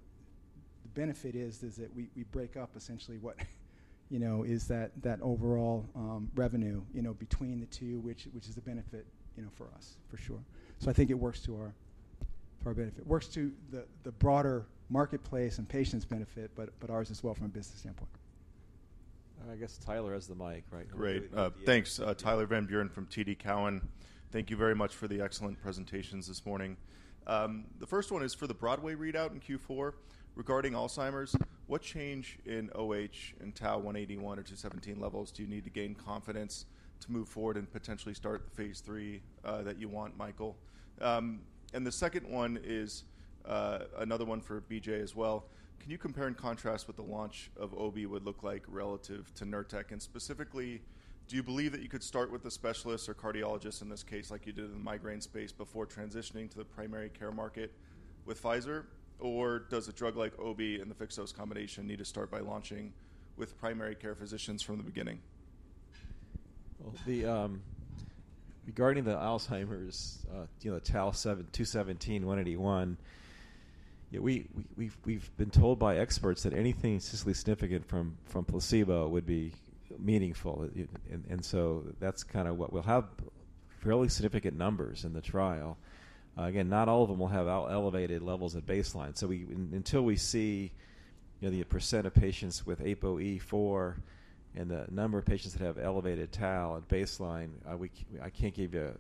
D: benefit is that we break up essentially what, you know, is that overall revenue, you know, between the two, which is a benefit, you know, for us, for sure. So I think it works to our benefit. Works to the broader marketplace and patients' benefit, but ours as well from a business standpoint.
A: I guess Tyler has the mic, right?
F: Great. Thanks. Tyler Van Buren from TD Cowen. Thank you very much for the excellent presentations this morning. The first one is for the BROADWAY readout in Q4. Regarding Alzheimer's, what change in OH, in tau 181 or 217 levels do you need to gain confidence to move forward and potentially start the phase III that you want, Michael? And the second one is another one for B.J. as well. Can you compare and contrast what the launch of Obie would look like relative to Nurtec? And specifically, do you believe that you could start with the specialists or cardiologists in this case, like you did in the migraine space, before transitioning to the primary care market with Pfizer? Or does a drug like Obie and the fixed-dose combination need to start by launching with primary care physicians from the beginning?
A: Well, regarding the Alzheimer's, you know, tau 217, 181, yeah, we've been told by experts that anything statistically significant from placebo would be meaningful. And so that's kind of what we'll have fairly significant numbers in the trial. Again, not all of them will have elevated levels at baseline. So until we see, you know, the percent of patients with ApoE4 and the number of patients that have elevated tau at baseline, I can't give you a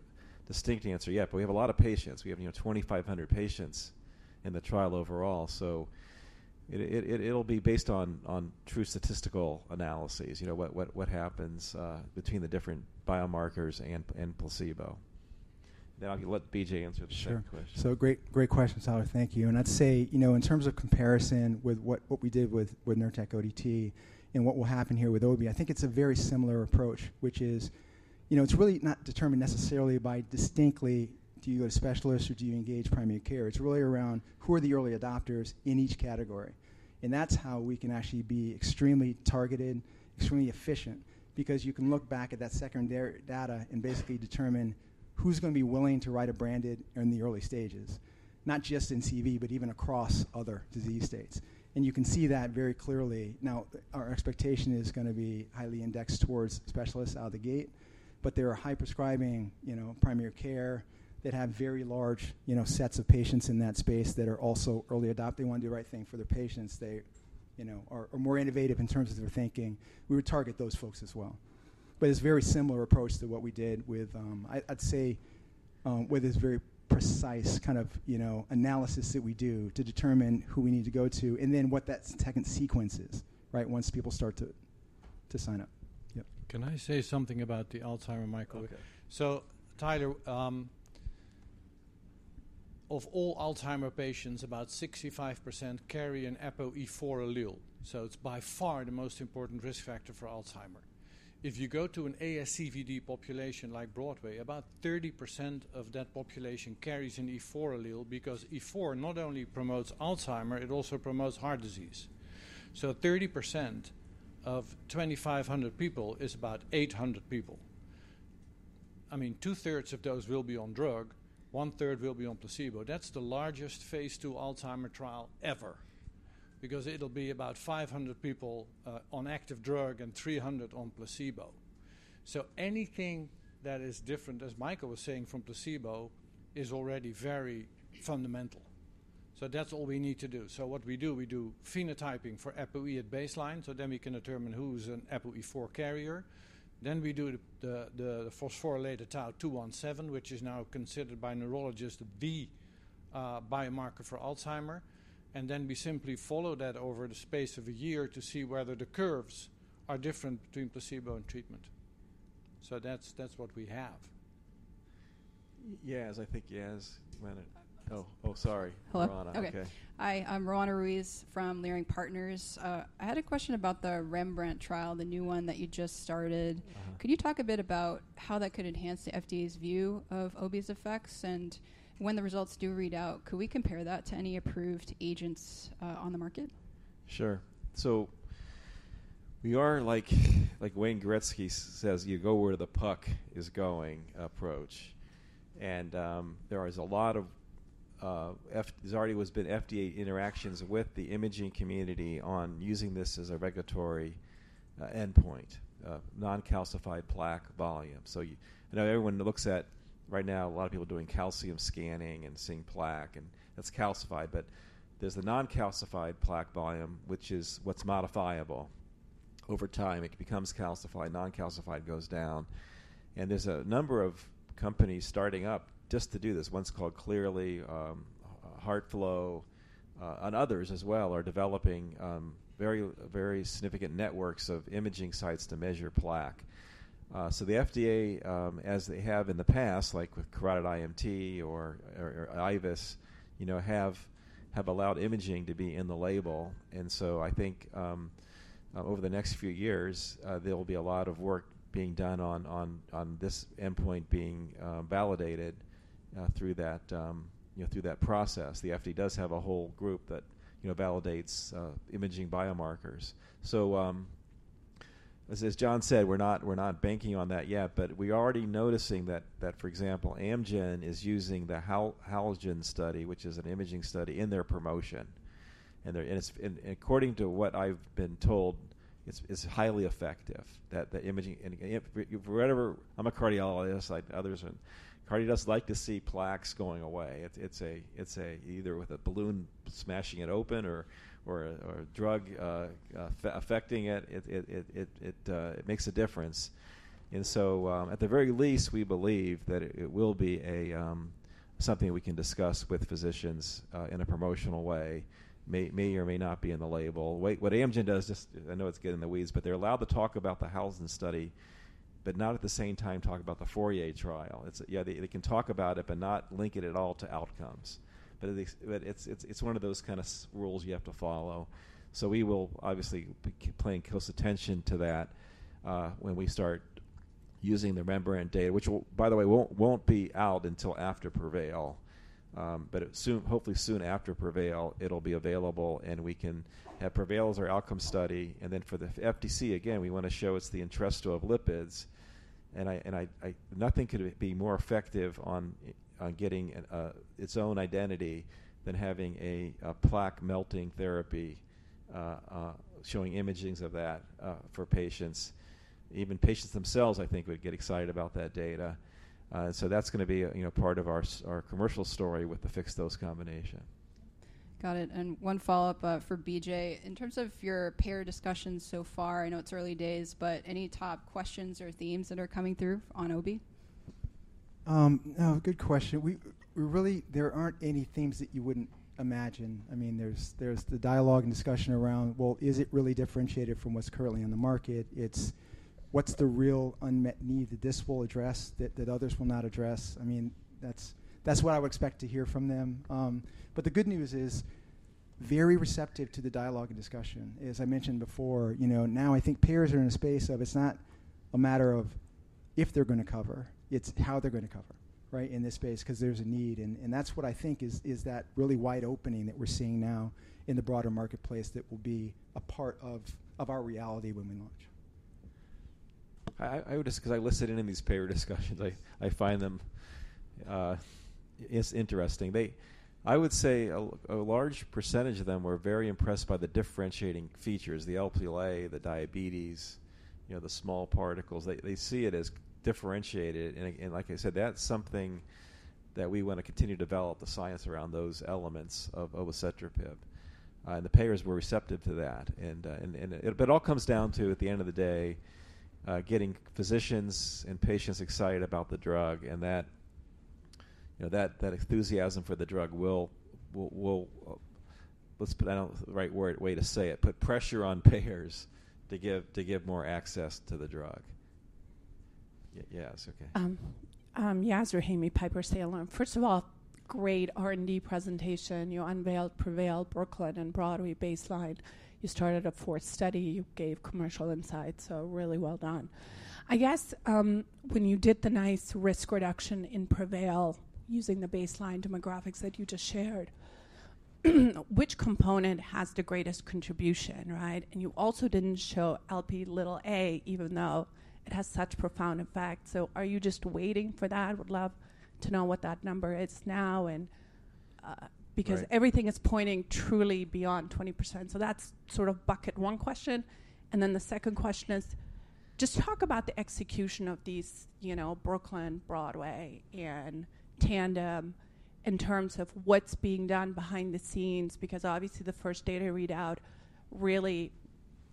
A: distinct answer yet. But we have a lot of patients. We have, you know, 2,500 patients in the trial overall, so it'll be based on true statistical analyses. You know, what happens between the different biomarkers and placebo. Then I'll let B.J. answer the second question.
D: Sure. So great, great question, Tyler. Thank you. And I'd say, you know, in terms of comparison with what we did with Nurtec ODT and what will happen here with Obie, I think it's a very similar approach, which is, you know, it's really not determined necessarily by distinctly, do you go to specialists or do you engage primary care? It's really around who are the early adopters in each category. And that's how we can actually be extremely targeted, extremely efficient, because you can look back at that secondary data and basically determine who's going to be willing to write a branded in the early stages, not just in CV, but even across other disease states. And you can see that very clearly. Now, our expectation is gonna be highly indexed towards specialists out of the gate, but there are high-prescribing, you know, primary care that have very large, you know, sets of patients in that space that are also early adopting, want to do the right thing for their patients. They, you know, are more innovative in terms of their thinking. We would target those folks as well. But it's a very similar approach to what we did with... I'd say with this very precise kind of, you know, analysis that we do to determine who we need to go to and then what that second sequence is, right? Once people start to sign up. Yep.
B: Can I say something about the Alzheimer's, Michael?
A: Okay.
B: So, Tyler, of all Alzheimer patients, about 65% carry an ApoE4 allele, so it's by far the most important risk factor for Alzheimer's. If you go to an ASCVD population like BROADWAY, about 30% of that population carries an E4 allele, because E4 not only promotes Alzheimer's, it also promotes heart disease. Thirty percent of 2,500 people is about 800 people.... I mean, two-thirds of those will be on drug, one-third will be on placebo. That's the largest phase II Alzheimer trial ever, because it'll be about 500 people on active drug and 300 on placebo. So anything that is different, as Michael was saying, from placebo, is already very fundamental. So that's all we need to do. So what we do, we do phenotyping for APOE at baseline, so then we can determine who's an APOE4 carrier. Then we do the phosphorylated tau 217, which is now considered by neurologists to be a biomarker for Alzheimer's, and then we simply follow that over the space of a year to see whether the curves are different between placebo and treatment. So that's what we have.
A: Yes, I think, yes. Oh, oh, sorry.
G: Hello.
A: Roanna, okay.
G: Hi, I'm Roanna Ruiz from Leerink Partners. I had a question about the REMBRANDT trial, the new one that you just started.
A: Uh-huh.
G: Could you talk a bit about how that could enhance the FDA's view of Obie's effects? And when the results do read out, could we compare that to any approved agents, on the market?
A: Sure. So we are like, like Wayne Gretzky says, "You go where the puck is going" approach. And there is a lot of. There's already was been FDA interactions with the imaging community on using this as a regulatory endpoint, non-calcified plaque volume. So I know everyone looks at. Right now, a lot of people are doing calcium scanning and seeing plaque, and that's calcified, but there's the non-calcified plaque volume, which is what's modifiable. Over time, it becomes calcified, non-calcified goes down, and there's a number of companies starting up just to do this. One's called Cleerly, HeartFlow, and others as well are developing very, very significant networks of imaging sites to measure plaque. So the FDA, as they have in the past, like with carotid IMT or IVUS, you know, have allowed imaging to be in the label. So I think, over the next few years, there will be a lot of work being done on this endpoint being validated through that, you know, through that process. The FDA does have a whole group that, you know, validates imaging biomarkers. So, as John said, we're not banking on that yet, but we're already noticing that, for example, Amgen is using the HUYGENS study, which is an imaging study in their promotion, and they're... And it's, and according to what I've been told, it's highly effective, that the imaging, and if, whatever... I'm a cardiologist, like others, and cardiologists like to see plaques going away. It's either with a balloon smashing it open or a drug affecting it. It makes a difference. And so, at the very least, we believe that it will be a something we can discuss with physicians in a promotional way, may or may not be in the label. Wait, what Amgen does, just, I know it's getting in the weeds, but they're allowed to talk about the GLAGOV study, but not at the same time talk about the FOURIER trial. Yeah, they can talk about it, but not link it at all to outcomes. But it's one of those kind of rules you have to follow. So we will obviously be paying close attention to that, when we start using the REMBRANDT data, which will, by the way, won't be out until after PREVAIL. But it soon—hopefully soon after PREVAIL, it'll be available, and we can... PREVAIL is our outcome study, and then for the FDC, again, we want to show it's the Entresto of lipids, and I... Nothing could be more effective on getting its own identity than having a plaque-melting therapy showing imagings of that for patients. Even patients themselves, I think, would get excited about that data. So that's gonna be a, you know, part of our commercial story with the fixed-dose combination.
G: Got it. And one follow-up, for B.J. In terms of your payer discussions so far, I know it's early days, but any top questions or themes that are coming through on Obie?
D: Good question. We really. There aren't any themes that you wouldn't imagine. I mean, there's the dialogue and discussion around, well, is it really differentiated from what's currently on the market? It's what's the real unmet need that this will address that others will not address? I mean, that's what I would expect to hear from them. But the good news is, very receptive to the dialogue and discussion. As I mentioned before, you know, now I think payers are in a space of it's not a matter of if they're gonna cover, it's how they're gonna cover, right? In this space, 'cause there's a need, and that's what I think is that really wide opening that we're seeing now in the broader marketplace that will be a part of our reality when we launch.
A: I would just—'cause I listen in on these payer discussions. I find them interesting. They... I would say a large percentage of them were very impressed by the differentiating features, the Lp(a), the diabetes, you know, the small particles. They see it as differentiated, and again, like I said, that's something that we want to continue to develop the science around those elements of obicetrapib. And the payers were receptive to that, and... But it all comes down to, at the end of the day, getting physicians and patients excited about the drug, and that, you know, that enthusiasm for the drug will... Let's put, I don't know the right word, way to say it, put pressure on payers to give more access to the drug. Yes, okay.
H: Yes, Rami Piper Sandler. First of all, great R&D presentation. You unveiled PREVAIL, BROOKLYN, and BROADWAY baseline. You started a fourth study, you gave commercial insights, so really well done. I guess, when you did the nice risk reduction in PREVAIL, using the baseline demographics that you just shared, which component has the greatest contribution, right? And you also didn't show Lp(a), even though it has such profound effect. So are you just waiting for that? I would love to know what that number is now and-
A: Right.
H: Because everything is pointing truly beyond 20%. So that's sort of bucket one question, and then the second question is, just talk about the execution of these, you know, BROOKLYN, BROADWAY, and TANDEM, in terms of what's being done behind the scenes, because obviously, the first data readout really,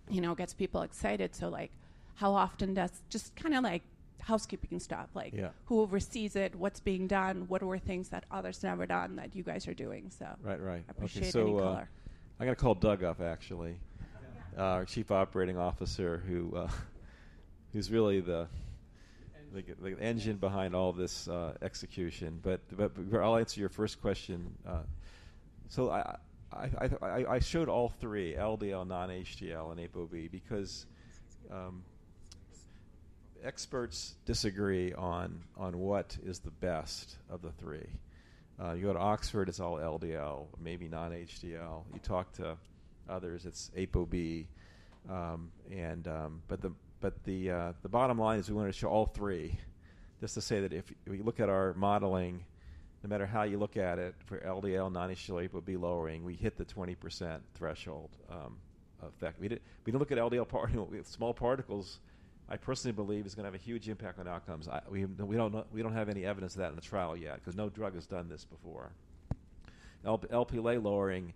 H: you know, gets people excited. So, like, how often does-- Just kinda, like, housekeeping stuff.
A: Yeah.
H: Like, who oversees it? What's being done? What are things that others have not done that you guys are doing? So.
A: Right. Right.
H: Appreciate any color.
A: So, I got to call Doug up, actually, our Chief Operating Officer, who is really the- The engine... the engine behind all this, execution. But I'll answer your first question. So I showed all three, LDL, non-HDL, and ApoB, because experts disagree on what is the best of the three. You go to Oxford, it's all LDL, maybe non-HDL. You talk to others, it's ApoB. The bottom line is we want to show all three. Just to say that if we look at our modeling, no matter how you look at it, for LDL, non-HDL, ApoB lowering, we hit the 20% threshold, effect. We look at LDL part, with small particles, I personally believe it's gonna have a huge impact on outcomes. We don't know. We don't have any evidence of that in the trial yet, 'cause no drug has done this before. Lp(a), Lp(a) lowering,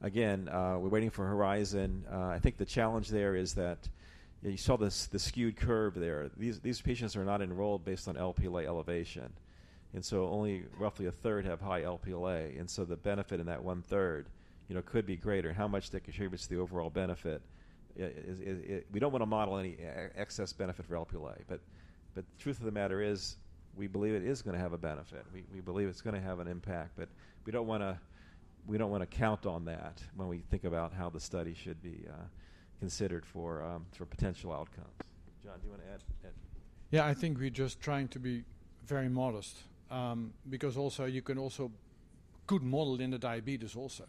A: again, we're waiting for HORIZON. I think the challenge there is that you saw this, the skewed curve there. These patients are not enrolled based on Lp(a) elevation, and so only roughly a third have high Lp(a), and so the benefit in that one-third, you know, could be greater. How much that contributes to the overall benefit, is... We don't want to model any excess benefit for Lp(a), but, but the truth of the matter is, we believe it is gonna have a benefit. We, we believe it's gonna have an impact, but we don't wanna, we don't wanna count on that when we think about how the study should be, considered for, for potential outcomes. John, do you want to add?
B: Yeah, I think we're just trying to be very modest, because also, you can also good model in the diabetes also.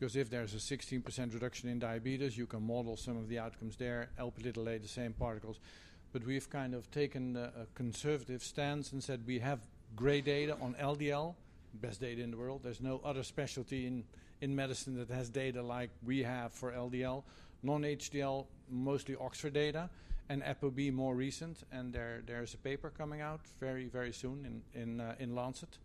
B: Because if there's a 16% reduction in diabetes, you can model some of the outcomes there, Lp(a), the same particles. But we've kind of taken a conservative stance and said we have great data on LDL, best data in the world. There's no other specialty in medicine that has data like we have for LDL. Non-HDL, mostly Oxford data, and ApoB, more recent, and there's a paper coming out very, very soon in Lancet,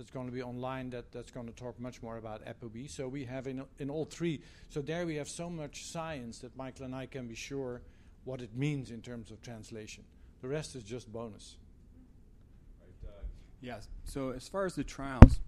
B: that's going to be online, that's going to talk much more about ApoB. So we have in all three. So there we have so much science that Michael and I can be sure what it means in terms of translation. The rest is just bonus.
I: Right. Uh- Yes. So as far as the trials,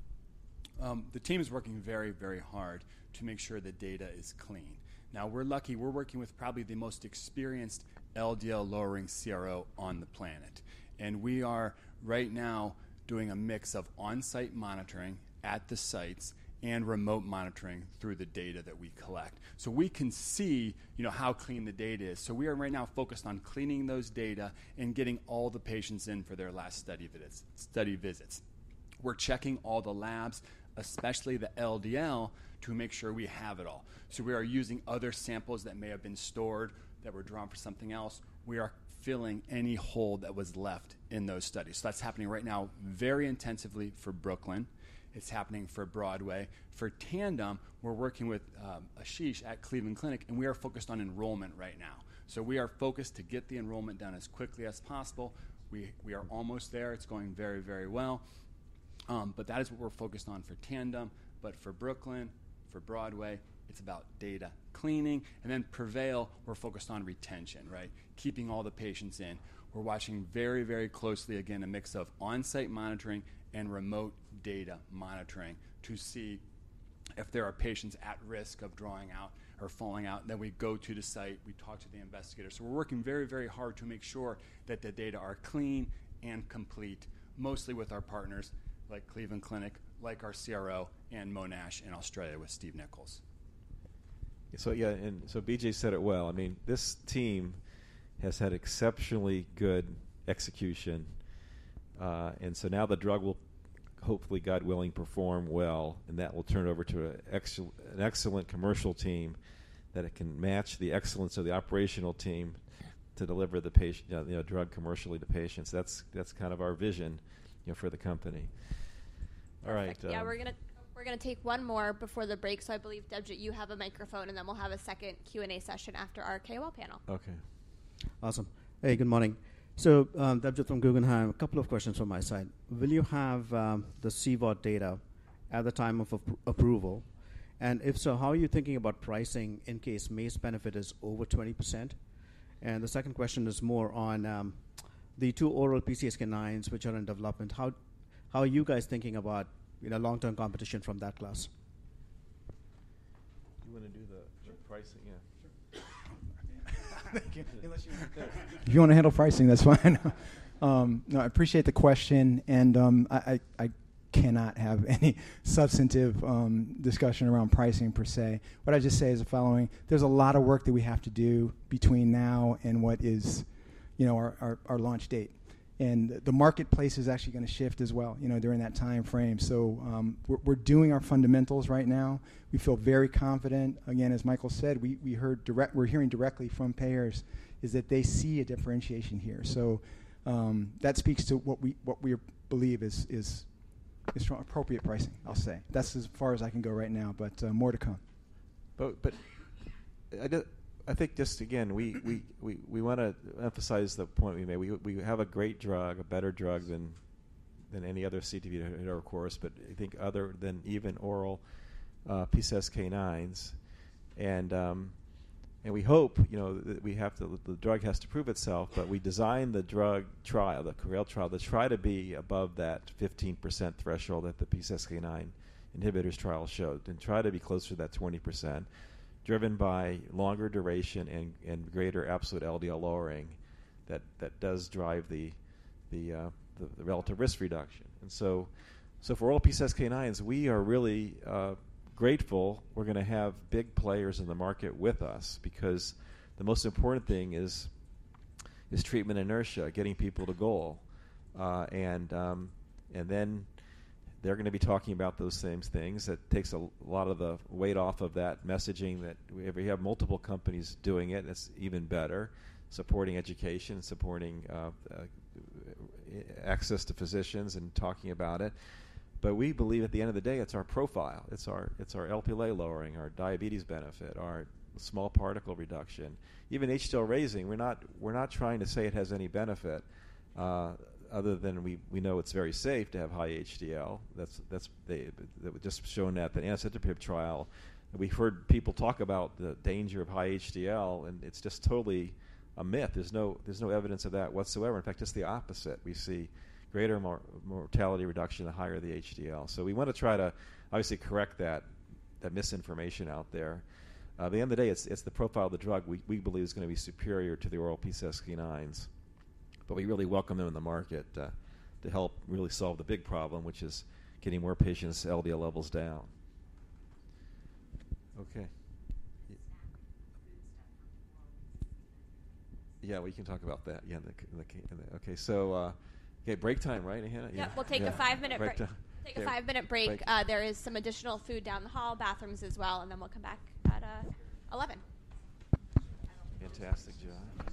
I: the team is working very, very hard to make sure the data is clean. Now, we're lucky. We're working with probably the most experienced LDL-lowering CRO on the planet, and we are right now doing a mix of on-site monitoring at the sites and remote monitoring through the data that we collect. So we can see, you know, how clean the data is. So we are right now focused on cleaning those data and getting all the patients in for their last study visits. We're checking all the labs, especially the LDL, to make sure we have it all. So we are using other samples that may have been stored, that were drawn for something else. We are filling any hole that was left in those studies. So that's happening right now, very intensively for BROOKLYN. It's happening for BROADWAY. For TANDEM, we're working with Ashish at Cleveland Clinic, and we are focused on enrollment right now. So we are focused to get the enrollment done as quickly as possible. We, we are almost there. It's going very, very well, but that is what we're focused on for TANDEM. But for BROOKLYN, for BROADWAY, it's about data cleaning, and then PREVAIL, we're focused on retention, right? Keeping all the patients in. We're watching very, very closely, again, a mix of on-site monitoring and remote data monitoring to see if there are patients at risk of drawing out or falling out. Then we go to the site, we talk to the investigators. So we're working very, very hard to make sure that the data are clean and complete, mostly with our partners like Cleveland Clinic, like our CRO, and Monash in Australia with Steve Nicholls.
A: So yeah, and so B.J. said it well. I mean, this team has had exceptionally good execution, and so now the drug will hopefully, God willing, perform well, and that will turn over to an excellent commercial team that can match the excellence of the operational team to deliver the patient you know drug commercially to patients. That's, that's kind of our vision, you know, for the company. All right.
C: Yeah, we're gonna take one more before the break. So I believe, Debjit, you have a microphone, and then we'll have a second Q&A session after our KOL panel.
A: Okay.
J: Awesome. Hey, good morning. So, Debjit from Guggenheim, a couple of questions from my side. Will you have the CVOT data at the time of approval? And if so, how are you thinking about pricing in case MACE benefit is over 20%? And the second question is more on the two oral PCSK9s, which are in development. How are you guys thinking about, you know, long-term competition from that class?
A: You want to do the-
D: Sure.
A: Pricing? Yeah.
D: Sure. Unless you want to-
A: If you want to handle pricing, that's fine. No, I appreciate the question, and I-...
D: cannot have any substantive discussion around pricing per se. What I'll just say is the following: there's a lot of work that we have to do between now and what is, you know, our launch date, and the marketplace is actually going to shift as well, you know, during that time frame. So, we're doing our fundamentals right now. We feel very confident. Again, as Michael said, we're hearing directly from payers, is that they see a differentiation here. So, that speaks to what we believe is from appropriate pricing, I'll say. That's as far as I can go right now, but more to come.
A: But I do, I think just again, we want to emphasize the point we made. We have a great drug, a better drug than any other CETP in our class, but I think other than even oral PCSK9s. And we hope, you know, that we have to. The drug has to prove itself, but we designed the drug trial, the PREVAIL trial, to try to be above that 15% threshold that the PCSK9 inhibitors trial showed, and try to be closer to that 20%, driven by longer duration and greater absolute LDL lowering that does drive the relative risk reduction. And so for oral PCSK9s, we are really grateful we're going to have big players in the market with us, because the most important thing is treatment inertia, getting people to goal. And then they're going to be talking about those same things. That takes a lot of the weight off of that messaging that if we have multiple companies doing it, it's even better, supporting education, supporting access to physicians and talking about it. But we believe at the end of the day, it's our profile, it's our, it's our Lp(a) lowering, our diabetes benefit, our small particle reduction, even HDL raising. We're not, we're not trying to say it has any benefit other than we, we know it's very safe to have high HDL. That's just shown that the anacetrapib trial. We've heard people talk about the danger of high HDL, and it's just totally a myth. There's no evidence of that whatsoever. In fact, just the opposite. We see greater mortality reduction, the higher the HDL. So we want to try to obviously correct that misinformation out there. At the end of the day, it's the profile of the drug we believe is going to be superior to the oral PCSK9s, but we really welcome them in the market to help really solve the big problem, which is getting more patients' LDL levels down. Okay.
C: It's time.
A: Yeah, we can talk about that. Yeah... Okay, so, okay, break time, right, Hannah?
C: Yep. We'll take a 5-minute break.
A: Break time.
C: Take a five-minute break.
A: Break.
H: There is some additional food down the hall, bathrooms as well, and then we'll come back at 11.
A: Fantastic, John.
B: Fluid....
A: Okay.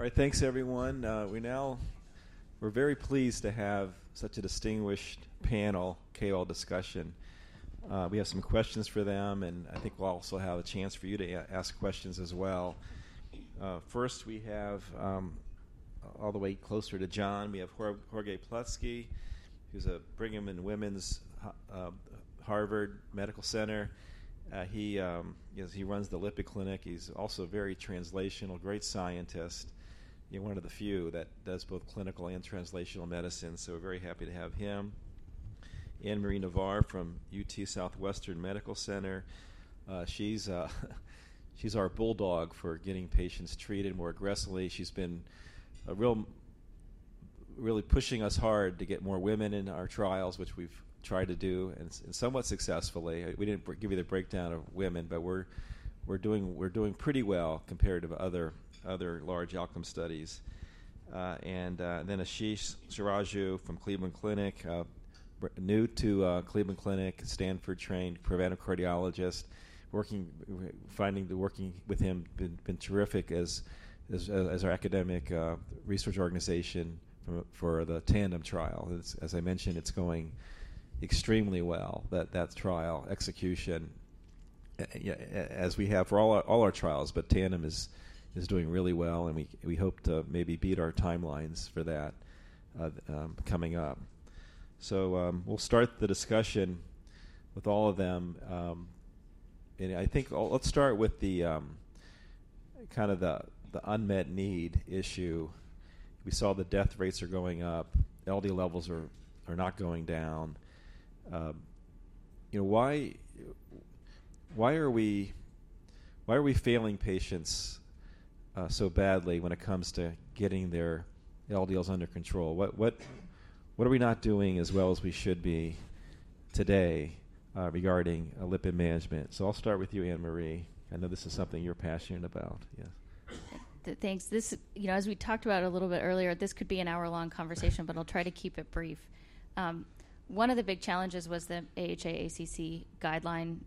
A: All right, thanks everyone. We now, we're very pleased to have such a distinguished panel, KOL discussion. We have some questions for them, and I think we'll also have a chance for you to ask questions as well. First, we have, all the way closer to John, we have Jorge Plutzky, who's at Brigham and Women's, Harvard Medical School. Yes, he runs the Lipid Clinic. He's also very translational, great scientist, and one of the few that does both clinical and translational medicine, so we're very happy to have him. Ann Marie Navar from UT Southwestern Medical Center. She's our bulldog for getting patients treated more aggressively. She's been really pushing us hard to get more women in our trials, which we've tried to do, and somewhat successfully. We didn't give you the breakdown of women, but we're doing pretty well compared to other large outcome studies. And then Ashish Sarraju from Cleveland Clinic, new to Cleveland Clinic, Stanford-trained preventive cardiologist. Working with him has been terrific as our academic research organization for the TANDEM trial. As I mentioned, it's going extremely well. That trial execution as we have for all our trials, but TANDEM is doing really well, and we hope to maybe beat our timelines for that coming up. So, we'll start the discussion with all of them, and I think I'll... Let's start with the kind of the unmet need issue. We saw the death rates are going up, LDL levels are not going down. You know, why are we failing patients so badly when it comes to getting their LDLs under control? What are we not doing as well as we should be today regarding lipid management? So I'll start with you, Ann Marie. I know this is something you're passionate about. Yes.
K: Thanks. This, you know, as we talked about a little bit earlier, this could be an hour-long conversation, but I'll try to keep it brief. One of the big challenges was the AHA/ACC guideline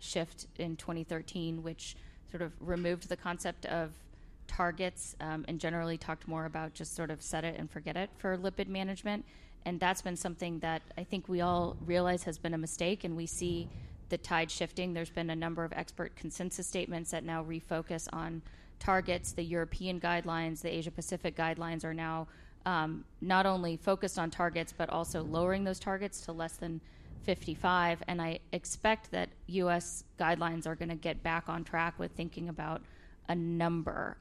K: shift in 2013, which sort of removed the concept of targets, and generally talked more about just sort of set it and forget it for lipid management, and that's been something that I think we all realize has been a mistake, and we see the tide shifting. There's been a number of expert consensus statements that now refocus on targets. The European guidelines, the Asia-Pacific guidelines are now not only focused on targets but also lowering those targets to less than 55, and I expect that U.S. guidelines are going to get back on track with thinking about a number.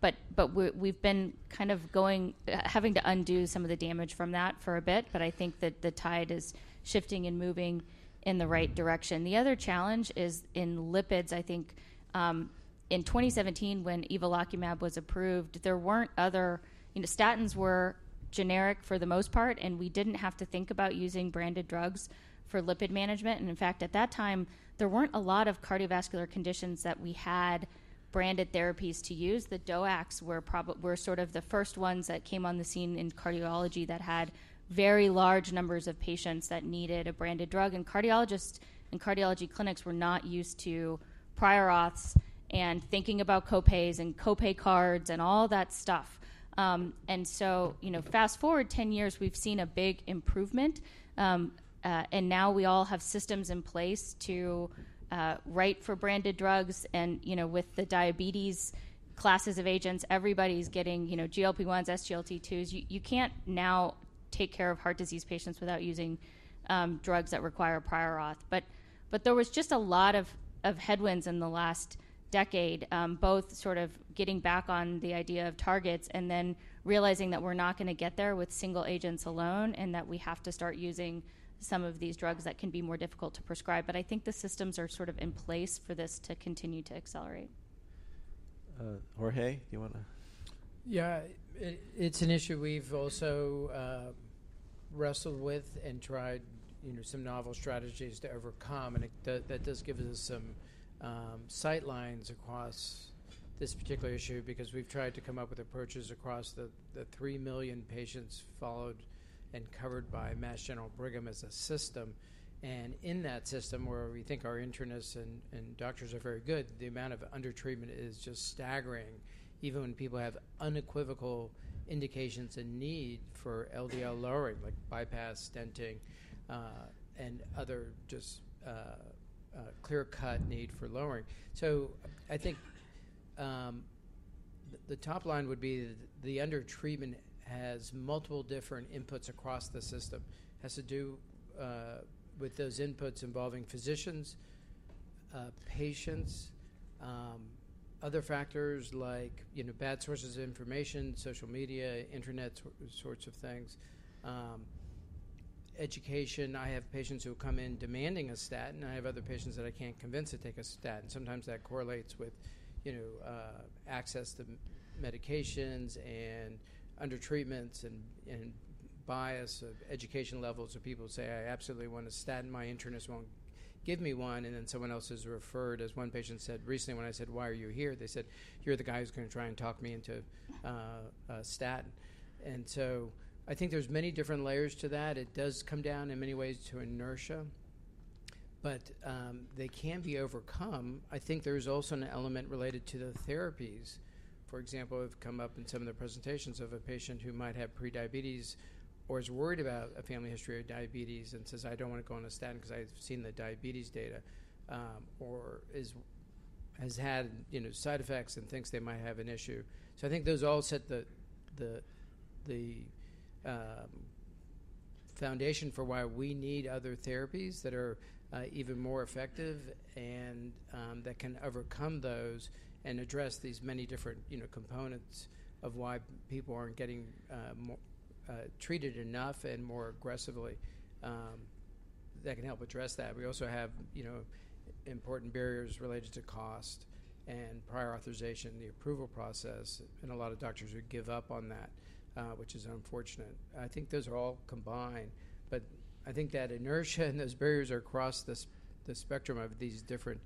K: But we've been kind of going, having to undo some of the damage from that for a bit, but I think that the tide is shifting and moving in the right direction. The other challenge is in lipids, I think, in 2017, when evolocumab was approved, there weren't other... You know, statins were generic for the most part, and we didn't have to think about using branded drugs for lipid management. And in fact, at that time, there weren't a lot of cardiovascular conditions that we had branded therapies to use. The DOACs were were sort of the first ones that came on the scene in cardiology that had very large numbers of patients that needed a branded drug, and cardiologists and cardiology clinics were not used to prior auths and thinking about copays and copay cards and all that stuff. And so, you know, fast-forward 10 years, we've seen a big improvement, and now we all have systems in place to write for branded drugs, and, you know, with the diabetes classes of agents, everybody's getting, you know, GLP-1s, SGLT2s. You can't now take care of heart disease patients without using drugs that require a prior auth. But there was just a lot of headwinds in the last decade, both sort of getting back on the idea of targets and then realizing that we're not going to get there with single agents alone, and that we have to start using some of these drugs that can be more difficult to prescribe. But I think the systems are sort of in place for this to continue to accelerate.
A: Jorge, you want to?
L: Yeah. It's an issue we've also wrestled with and tried, you know, some novel strategies to overcome, and that does give us some sight lines across this particular issue because we've tried to come up with approaches across the 3 million patients followed and covered by Mass General Brigham as a system. And in that system, where we think our internists and doctors are very good, the amount of undertreatment is just staggering, even when people have unequivocal indications and need for LDL lowering, like bypass, stenting, and other just clear-cut need for lowering. So I think the top line would be the undertreatment has multiple different inputs across the system. Has to do with those inputs involving physicians, patients, other factors like, you know, bad sources of information, social media, internet sorts of things, education. I have patients who come in demanding a statin, and I have other patients that I can't convince to take a statin. Sometimes that correlates with, you know, access to medications and undertreatments and bias of education levels, where people say, "I absolutely want a statin. My internist won't give me one," and then someone else is referred. As one patient said recently, when I said: "Why are you here?" They said, "You're the guy who's going to try and talk me into a statin." And so I think there's many different layers to that. It does come down in many ways to inertia, but they can be overcome. I think there's also an element related to the therapies. For example, we've come up in some of the presentations of a patient who might have prediabetes or is worried about a family history of diabetes and says, "I don't want to go on a statin because I've seen the diabetes data," or has had, you know, side effects and thinks they might have an issue. So I think those all set the foundation for why we need other therapies that are even more effective and that can overcome those and address these many different, you know, components of why people aren't getting more treated enough and more aggressively. That can help address that. We also have, you know, important barriers related to cost and prior authorization, the approval process, and a lot of doctors would give up on that, which is unfortunate. I think those are all combined, but I think that inertia and those barriers are across the the spectrum of these different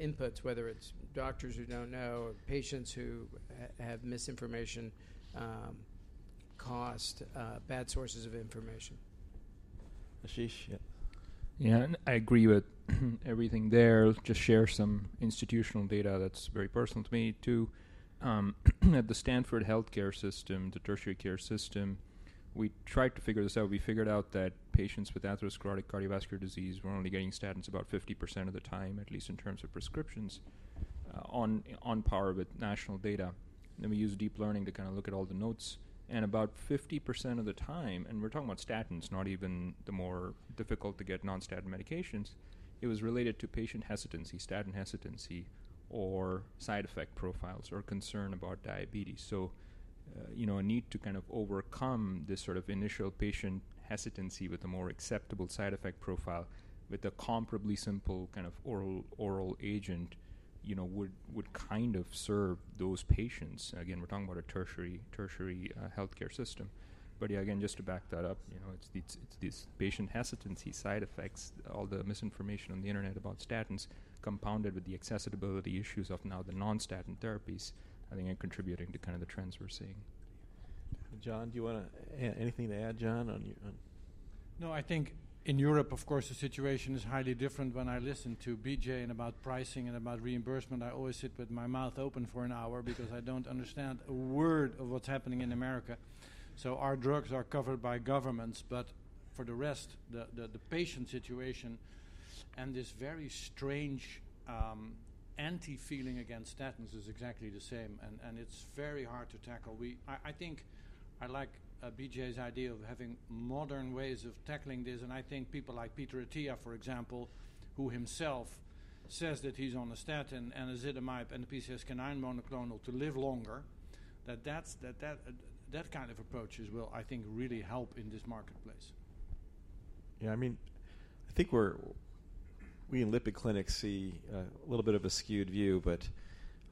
L: inputs, whether it's doctors who don't know or patients who have misinformation, cost, bad sources of information....
M: Ashish, yeah. Yeah, and I agree with everything there. Just share some institutional data that's very personal to me, too. At the Stanford Health Care system, the tertiary care system, we tried to figure this out. We figured out that patients with atherosclerotic cardiovascular disease were only getting statins about 50% of the time, at least in terms of prescriptions, on par with national data. Then we used deep learning to kind of look at all the notes, and about 50% of the time, and we're talking about statins, not even the more difficult-to-get non-statin medications, it was related to patient hesitancy, statin hesitancy, or side effect profiles or concern about diabetes. So, you know, a need to kind of overcome this sort of initial patient hesitancy with a more acceptable side effect profile, with a comparably simple kind of oral agent, you know, would kind of serve those patients. Again, we're talking about a tertiary healthcare system. But yeah, again, just to back that up, you know, it's these patient hesitancy, side effects, all the misinformation on the internet about statins, compounded with the accessibility issues of now the non-statin therapies, I think, are contributing to kind of the trends we're seeing.
A: John, do you wanna... anything to add, John, on your
B: No, I think in Europe, of course, the situation is highly different. When I listen to B.J. and about pricing and about reimbursement, I always sit with my mouth open for an hour because I don't understand a word of what's happening in America. So our drugs are covered by governments, but for the rest, the patient situation and this very strange anti-feeling against statins is exactly the same, and it's very hard to tackle. I think I like B.J.'s idea of having modern ways of tackling this, and I think people like Peter Attia, for example, who himself says that he's on a statin and ezetimibe and a PCSK9 monoclonal to live longer, that that's kind of approaches will, I think, really help in this marketplace.
A: Yeah, I mean, I think we're we in lipid clinics see a little bit of a skewed view, but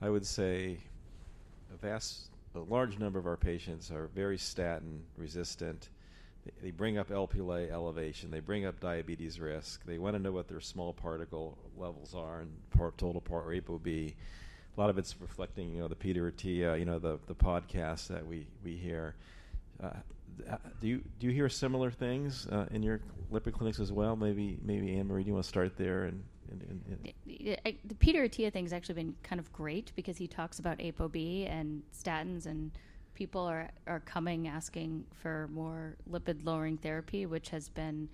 A: I would say a large number of our patients are very statin-resistant. They bring up Lp(a) elevation. They bring up diabetes risk. They want to know what their small particle levels are and particle total ApoB. A lot of it's reflecting, you know, the Peter Attia, you know, the podcast that we hear. Do you hear similar things in your lipid clinics as well? Maybe Ann Marie, do you want to start there and
K: Yeah, the Peter Attia thing has actually been kind of great because he talks about ApoB and statins, and people are coming, asking for more lipid-lowering therapy, which has been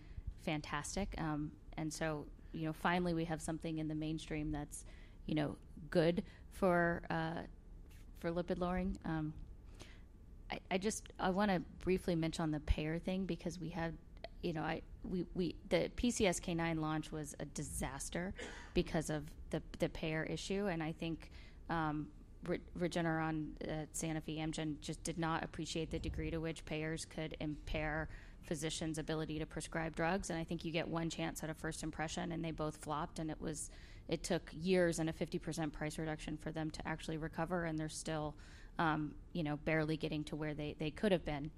K: fantastic. And so, you know, finally, we have something in the mainstream that's, you know, good for lipid lowering. I just want to briefly mention on the payer thing, because we had, you know, we. The PCSK9 launch was a disaster because of the payer issue, and I think Regeneron, Sanofi Genzyme just did not appreciate the degree to which payers could impair physicians' ability to prescribe drugs. I think you get one chance at a first impression, and they both flopped, and it was. It took years and a 50% price reduction for them to actually recover, and they're still, you know, barely getting to where they could have been.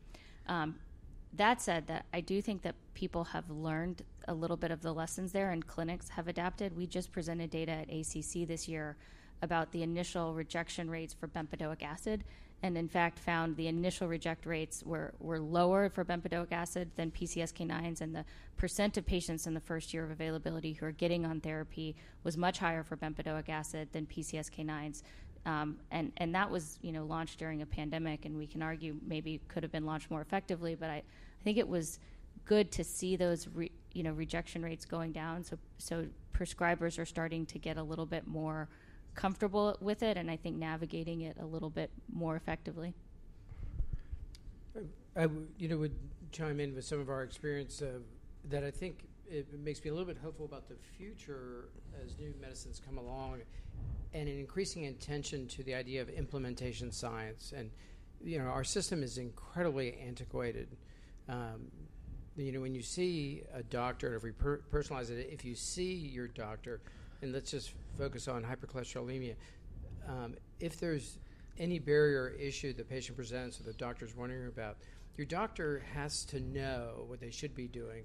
K: That said, I do think that people have learned a little bit of the lessons there, and clinics have adapted. We just presented data at ACC this year about the initial rejection rates for bempedoic acid, and in fact, found the initial rejection rates were lower for bempedoic acid than PCSK9s, and the percent of patients in the first year of availability who are getting on therapy was much higher for bempedoic acid than PCSK9s. And that was, you know, launched during a pandemic, and we can argue maybe it could have been launched more effectively, but I think it was good to see those rejection rates going down. So prescribers are starting to get a little bit more comfortable with it, and I think navigating it a little bit more effectively.
L: I you know, would chime in with some of our experience of... That I think it makes me a little bit hopeful about the future as new medicines come along and an increasing attention to the idea of implementation science. And, you know, our system is incredibly antiquated. You know, when you see a doctor, if we personalize it, if you see your doctor, and let's just focus on hypercholesterolemia, if there's any barrier issue the patient presents or the doctor's wondering about, your doctor has to know what they should be doing.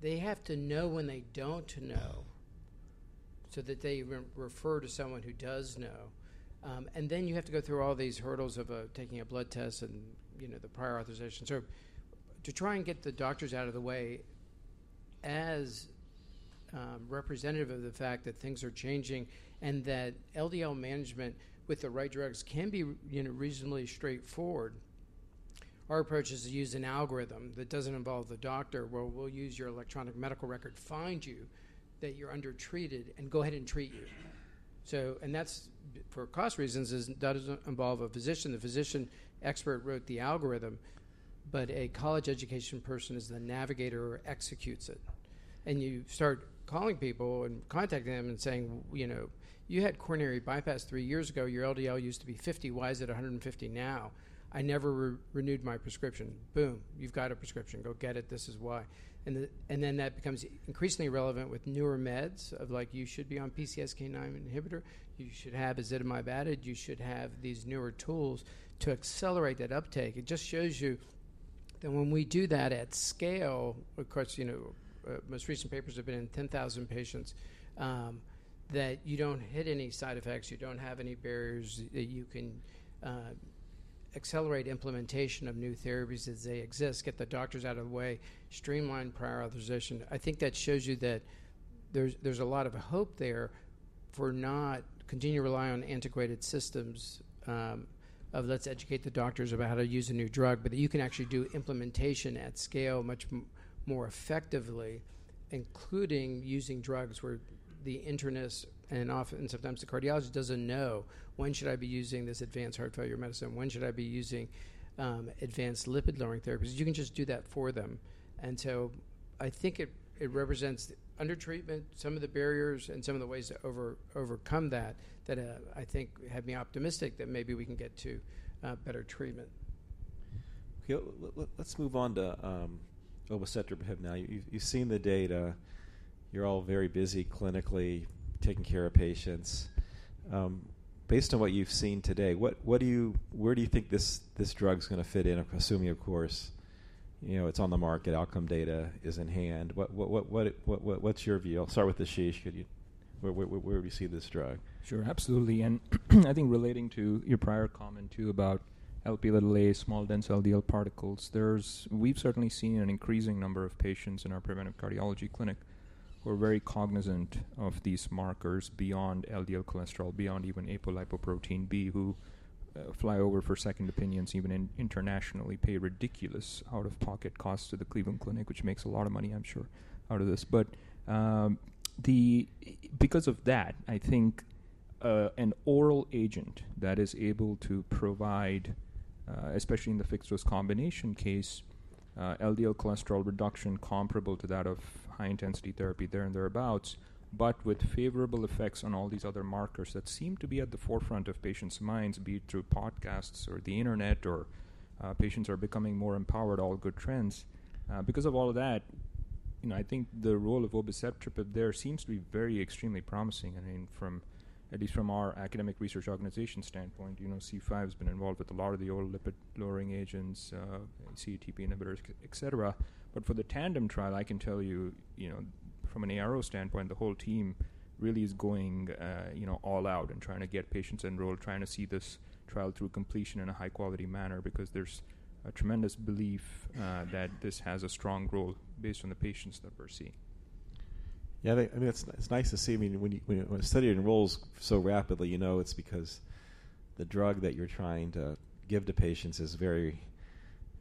L: They have to know when they don't know, so that they refer to someone who does know. And then you have to go through all these hurdles of taking a blood test and, you know, the prior authorization. So to try and get the doctors out of the way as representative of the fact that things are changing and that LDL management with the right drugs can be, you know, reasonably straightforward, our approach is to use an algorithm that doesn't involve the doctor, where we'll use your electronic medical record to find you that you're undertreated, and go ahead and treat you. So, and that's, for cost reasons, doesn't involve a physician. The physician expert wrote the algorithm, but a college-educated person is the navigator who executes it. You start calling people and contacting them and saying, you know, "You had coronary bypass three years ago. Your LDL used to be 50. Why is it 150 now?" "I never renewed my prescription." "Boom, you've got a prescription. Go get it. This is why." And then that becomes increasingly relevant with newer meds of like: You should be on PCSK9 inhibitor. You should have ezetimibe added. You should have these newer tools to accelerate that uptake. It just shows you that when we do that at scale, of course, you know, most recent papers have been in 10,000 patients, that you don't hit any side effects, you don't have any barriers, that you can accelerate implementation of new therapies as they exist, get the doctors out of the way, streamline prior authorization. I think that shows you that there's a lot of hope there for not continue to rely on antiquated systems of let's educate the doctors about how to use a new drug, but you can actually do implementation at scale much more effectively, including using drugs where the internist and often, sometimes the cardiologist doesn't know, when should I be using this advanced heart failure medicine? When should I be using advanced lipid-lowering therapies? You can just do that for them. And so I think it represents under treatment, some of the barriers and some of the ways to overcome that, I think have me optimistic that maybe we can get to better treatment.
A: Okay, let's move on to obicetrapib. Now, you've seen the data. You're all very busy clinically taking care of patients. Based on what you've seen today, what do you—where do you think this drug is going to fit in? I'm assuming, of course, you know, it's on the market, outcome data is in hand. What's your view? I'll start with Ashish. Could you—where do you see this drug?
M: Sure, absolutely. And I think relating to your prior comment, too, about Lp(a), small, dense LDL particles, there's we've certainly seen an increasing number of patients in our preventive cardiology clinic, who are very cognizant of these markers beyond LDL cholesterol, beyond even apolipoprotein B, who fly over for second opinions, even internationally, pay ridiculous out-of-pocket costs to the Cleveland Clinic, which makes a lot of money, I'm sure, out of this. But because of that, I think an oral agent that is able to provide, especially in the fixed-dose combination case, LDL cholesterol reduction comparable to that of high-intensity therapy there and thereabouts, but with favorable effects on all these other markers that seem to be at the forefront of patients' minds, be it through podcasts or the Internet, or patients are becoming more empowered, all good trends. Because of all of that, you know, I think the role of obicetrapib there seems to be very extremely promising. I mean, from at least from our academic research organization standpoint, you know, C5 has been involved with a lot of the old lipid-lowering agents, CETP inhibitors, et cetera. But for the TANDEM trial, I can tell you, you know, from an ARO standpoint, the whole team really is going, you know, all out and trying to get patients enrolled, trying to see this trial through completion in a high-quality manner because there's a tremendous belief that this has a strong role based on the patients that we're seeing.
A: Yeah, I think it's, it's nice to see. I mean, when you, when a study enrolls so rapidly, you know it's because the drug that you're trying to give to patients is very,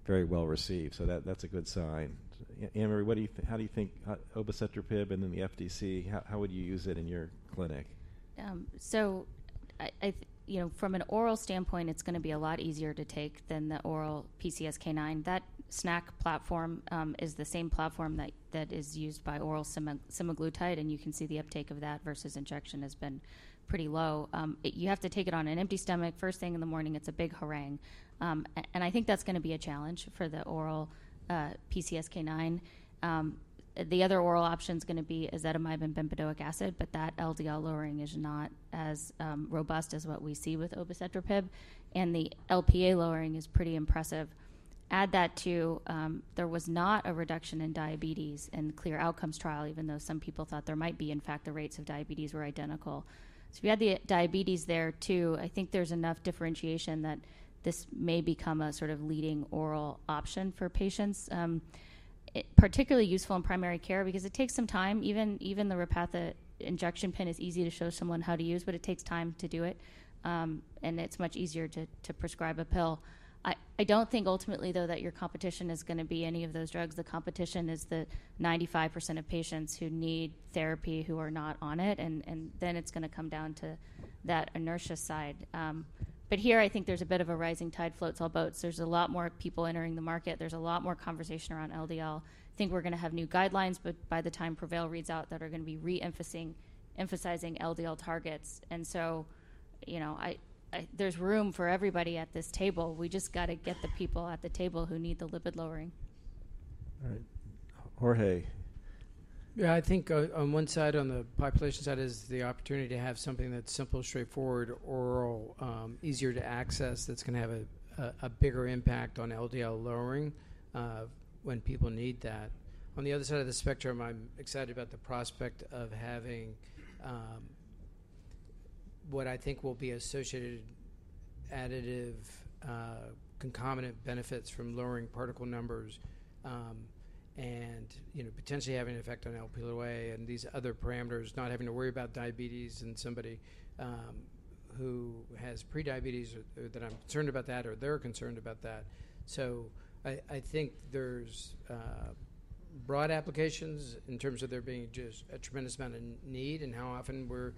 A: very well-received, so that, that's a good sign. Ann Marie, what do you, how do you think obicetrapib and then the FDC, how, how would you use it in your clinic?
K: So I, you know, from an oral standpoint, it's gonna be a lot easier to take than the oral PCSK9. That SNAC platform is the same platform that is used by oral semaglutide, and you can see the uptake of that versus injection has been pretty low. You have to take it on an empty stomach, first thing in the morning. It's a big harangue. And I think that's gonna be a challenge for the oral PCSK9. The other oral option is gonna be ezetimibe and bempedoic acid, but that LDL lowering is not as robust as what we see with obicetrapib, and the Lp lowering is pretty impressive. Add that to, there was not a reduction in diabetes and CLEAR Outcomes trial, even though some people thought there might be. In fact, the rates of diabetes were identical. So we had the diabetes there, too. I think there's enough differentiation that this may become a sort of leading oral option for patients. It particularly useful in primary care because it takes some time. Even the Repatha injection pen is easy to show someone how to use, but it takes time to do it, and it's much easier to prescribe a pill. I don't think ultimately, though, that your competition is gonna be any of those drugs. The competition is the 95% of patients who need therapy, who are not on it, and then it's gonna come down to that inertia side. But here I think there's a bit of a rising tide floats all boats. There's a lot more people entering the market. There's a lot more conversation around LDL. I think we're gonna have new guidelines, but by the time PREVAIL reads out, that are gonna be emphasizing LDL targets. And so, you know, there's room for everybody at this table. We just got to get the people at the table who need the lipid lowering.
A: All right. Jorge?
L: Yeah, I think, on one side, on the population side, is the opportunity to have something that's simple, straightforward, oral, easier to access, that's gonna have a bigger impact on LDL lowering, when people need that. On the other side of the spectrum, I'm excited about the prospect of having what I think will be associated additive, concomitant benefits from lowering particle numbers, and, you know, potentially having an effect on Lp and these other parameters, not having to worry about diabetes in somebody who has prediabetes, or that I'm concerned about that, or they're concerned about that. So I think there's broad applications in terms of there being just a tremendous amount of need and how often we're,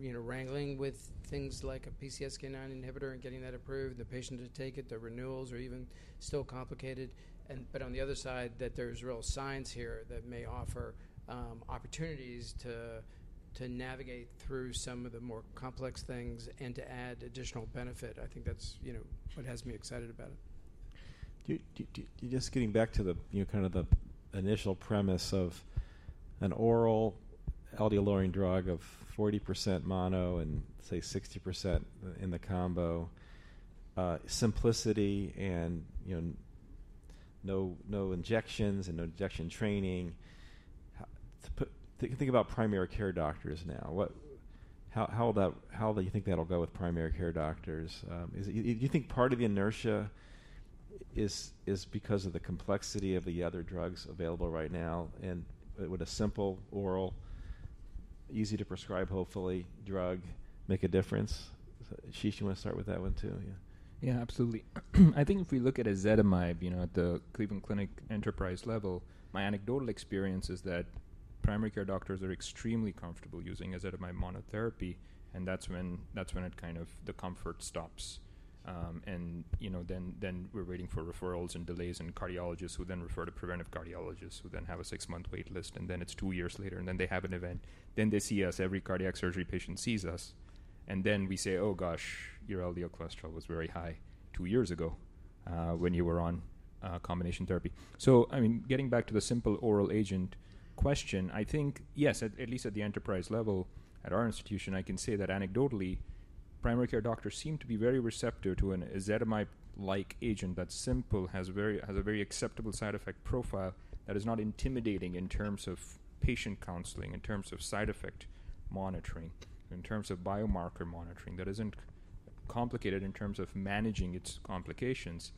L: you know, wrangling with things like a PCSK9 inhibitor and getting that approved, the patient to take it, the renewals are even still complicated. And but on the other side, that there's real signs here that may offer opportunities to navigate through some of the more complex things and to add additional benefit. I think that's, you know, what has me excited about it.
A: Just getting back to the, you know, kind of the initial premise of an oral LDL-lowering drug of 40% mono and say 60% in the combo, simplicity and, you know, no, no injections and no injection training. Think about primary care doctors now. How about, how do you think that'll go with primary care doctors? Do you think part of the inertia is because of the complexity of the other drugs available right now, and would a simple, oral, easy-to-prescribe, hopefully, drug make a difference? Ashish, you want to start with that one, too? Yeah.
M: Yeah, absolutely. I think if we look at ezetimibe, you know, at the Cleveland Clinic enterprise level, my anecdotal experience is that primary care doctors are extremely comfortable using ezetimibe monotherapy, and that's when it kind of, the comfort stops. And, you know, then we're waiting for referrals and delays, and cardiologists who then refer to preventive cardiologists, who then have a six-month wait list, and then it's two years later, and then they have an event. Then they see us. Every cardiac surgery patient sees us, and then we say: "Oh, gosh, your LDL cholesterol was very high two years ago, when you were on combination therapy." So, I mean, getting back to the simple oral agent question, I think, yes, at least at the enterprise level, at our institution, I can say that anecdotally, primary care doctors seem to be very receptive to an ezetimibe-like agent that's simple, has a very, has a very acceptable side effect profile, that is not intimidating in terms of patient counseling, in terms of side effect monitoring, in terms of biomarker monitoring, that isn't complicated in terms of managing its complications.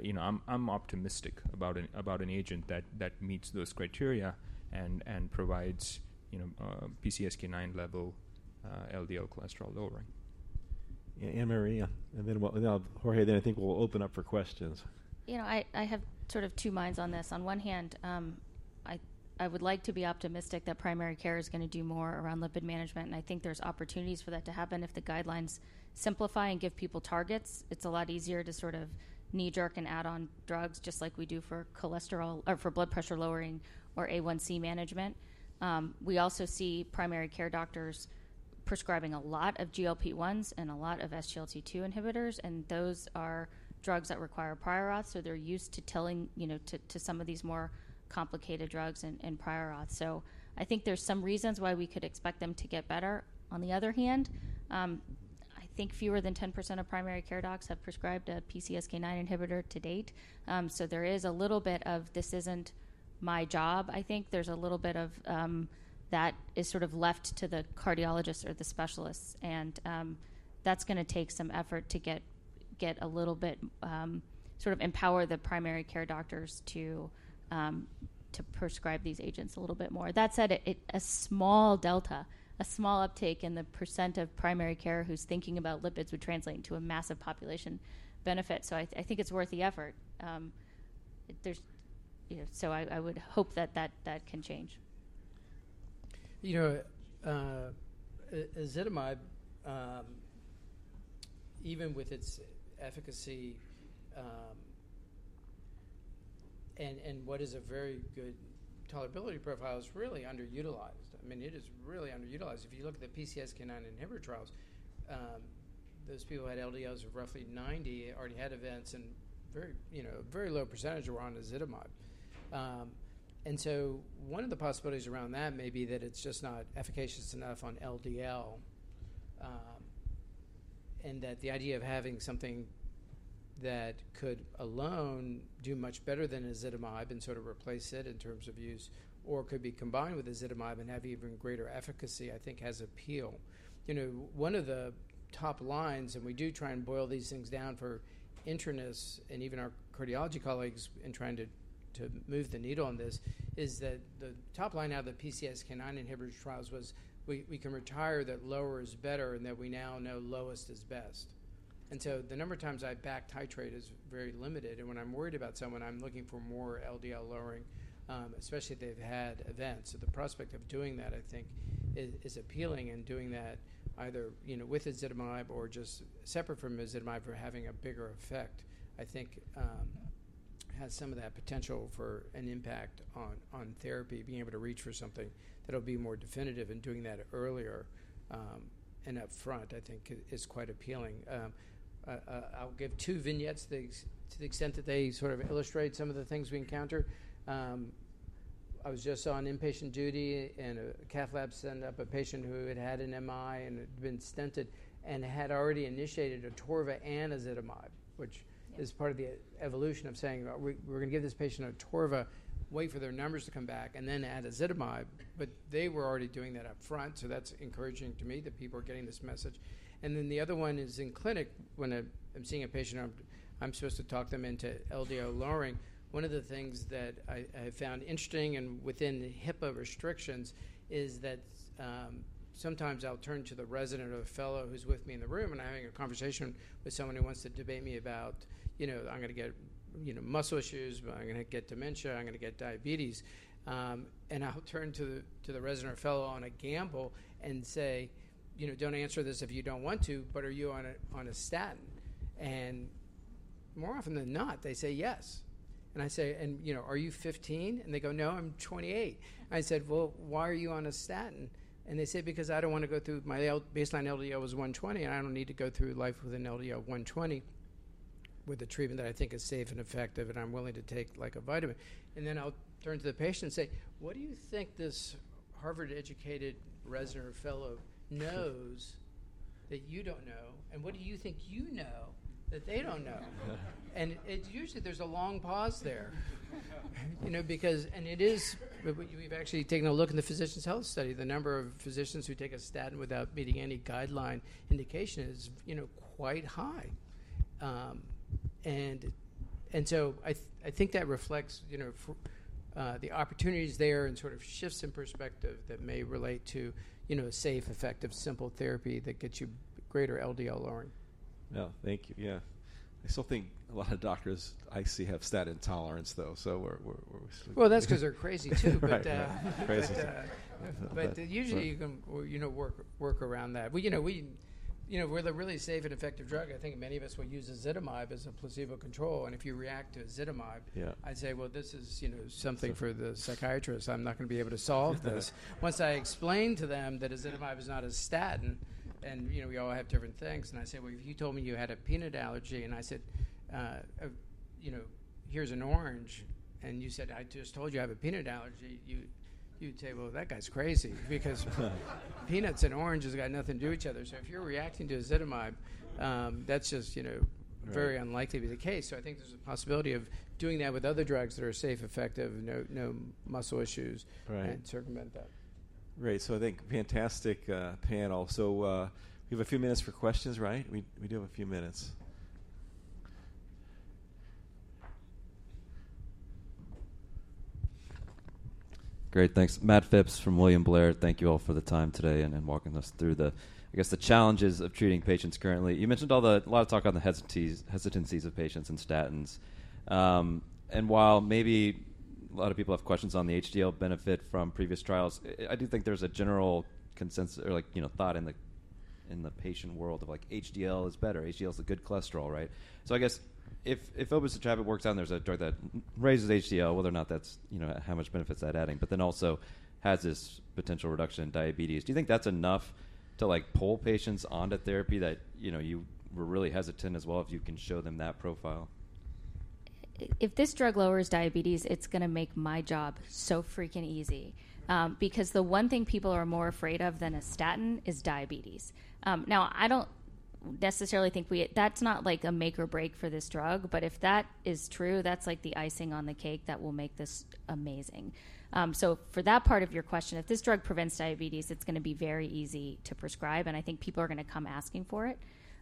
M: You know, I'm optimistic about an agent that meets those criteria and provides, you know, PCSK9 level LDL cholesterol lowering.
A: Yeah, Ann Marie, and then we'll... Jorge, then I think we'll open up for questions.
K: You know, I have sort of two minds on this. On one hand, I would like to be optimistic that primary care is going to do more around lipid management, and I think there's opportunities for that to happen. If the guidelines simplify and give people targets, it's a lot easier to sort of knee-jerk and add on drugs, just like we do for cholesterol... or for blood pressure lowering or A1c management. We also see primary care doctors prescribing a lot of GLP-1s and a lot of SGLT2 inhibitors, and those are drugs that require prior auth, so they're used to telling, you know, to some of these more complicated drugs and prior auth. So I think there's some reasons why we could expect them to get better. On the other hand, I think fewer than 10% of primary care docs have prescribed a PCSK9 inhibitor to date. So there is a little bit of, "This isn't my job." I think there's a little bit of, that is sort of left to the cardiologists or the specialists, and, that's going to take some effort to get a little bit sort of empower the primary care doctors to prescribe these agents a little bit more. That said, a small delta, a small uptake in the percent of primary care who's thinking about lipids would translate into a massive population benefit. So I think it's worth the effort. There's, you know, so I would hope that that can change.
L: You know, ezetimibe, even with its efficacy, and what is a very good tolerability profile, is really underutilized. I mean, it is really underutilized. If you look at the PCSK9 inhibitor trials, those people who had LDLs of roughly 90 already had events, and, you know, a very low percentage were on ezetimibe. And so one of the possibilities around that may be that it's just not efficacious enough on LDL, and that the idea of having something that could alone do much better than ezetimibe and sort of replace it in terms of use, or could be combined with ezetimibe and have even greater efficacy, I think has appeal. You know, one of the top lines, and we do try and boil these things down for internists and even our cardiology colleagues in trying to move the needle on this, is that the top line out of the PCSK9 inhibitors trials was we can retire that lower is better and that we now know lowest is best. And so the number of times I've back-titrated is very limited, and when I'm worried about someone, I'm looking for more LDL lowering, especially if they've had events. So the prospect of doing that, I think, is appealing, and doing that either, you know, with ezetimibe or just separate from ezetimibe, or having a bigger effect, I think, has some of that potential for an impact on therapy. Being able to reach for something that'll be more definitive and doing that earlier, and upfront, I think is quite appealing. I'll give two vignettes to the extent that they sort of illustrate some of the things we encounter. I was just on inpatient duty, cath lab sent up a patient who had had an MI and had been stented and had already initiated Atorva and ezetimibe, which-
A: Yeah...
L: is part of the evolution of saying, "Well, we're going to give this patient Atorva, wait for their numbers to come back, and then add ezetimibe." But they were already doing that up front, so that's encouraging to me that people are getting this message. And then the other one is in clinic. When I'm seeing a patient, I'm supposed to talk them into LDL lowering. One of the things that I found interesting, and within the HIPAA restrictions, is that sometimes I'll turn to the resident or fellow who's with me in the room, and I'm having a conversation with someone who wants to debate me about, you know, I'm going to get, you know, muscle issues, I'm going to get dementia, I'm going to get diabetes. And I'll turn to the resident or fellow on call and say, "You know, don't answer this if you don't want to, but are you on a statin?" And more often than not, they say, "Yes." And I say, you know, "Are you 15?" And they go, "No, I'm 28." I said, "Well, why are you on a statin?" And they say: "Because I don't want to go through... My baseline LDL was 120, and I don't need to go through life with an LDL of 120 with a treatment that I think is safe and effective, and I'm willing to take like a vitamin." And then I'll turn to the patient and say: "What do you think this Harvard-educated resident or fellow knows that you don't know, and what do you think you know that they don't know? Usually, there's a long pause there. You know, because—and it is, we've actually taken a look in the Physicians' Health Study, the number of physicians who take a statin without meeting any guideline indication is, you know, quite high. And so I think that reflects, you know, the opportunities there and sort of shifts in perspective that may relate to, you know, a safe, effective, simple therapy that gets you greater LDL lowering.
A: Well, thank you. Yeah. I still think a lot of doctors I see have statin intolerance, though, so we're-
L: Well, that's 'cause they're crazy, too.
A: Right.
L: But, uh-
A: Crazy.
L: but usually, you can, you know, work around that. Well, you know, we, you know, with a really safe and effective drug, I think many of us would use ezetimibe as a placebo control, and if you react to ezetimibe-
A: Yeah...
L: I'd say, "Well, this is, you know, something for the psychiatrist. I'm not going to be able to solve this." Once I explain to them that ezetimibe is not a statin, and, you know, we all have different things. And I say, "Well, if you told me you had a peanut allergy," and I said, "You know, here's an orange," and you said, "I just told you I have a peanut allergy," you, you'd say, "Well, that guy's crazy," because peanuts and oranges got nothing to do with each other. So if you're reacting to ezetimibe, that's just, you know-
A: Right...
L: very unlikely to be the case. So I think there's a possibility of doing that with other drugs that are safe, effective, no, no muscle issues-
A: Right...
L: and circumvent that.
A: Great. So I think fantastic, panel. So, we have a few minutes for questions, right? We do have a few minutes.
N: Great, thanks. Matt Phipps from William Blair. Thank you all for the time today and walking us through the, I guess, the challenges of treating patients currently. You mentioned all the... a lot of talk on the hesitancies of patients and statins. And while maybe a lot of people have questions on the HDL benefit from previous trials, I do think there's a general consensus or, like, you know, thought in the, in the patient world of, like, HDL is better. HDL is the good cholesterol, right? So I guess if obicetrapib works out, and there's a drug that raises HDL, whether or not that's, you know, how much benefits that adding, but then also has this potential reduction in diabetes. Do you think that's enough to, like, pull patients onto therapy that, you know, you were really hesitant as well, if you can show them that profile?
K: If this drug lowers diabetes, it's going to make my job so freaking easy. Because the one thing people are more afraid of than a statin is diabetes. Now, I don't necessarily think that's not like a make or break for this drug, but if that is true, that's like the icing on the cake that will make this amazing. So for that part of your question, if this drug prevents diabetes, it's going to be very easy to prescribe, and I think people are going to come asking for it.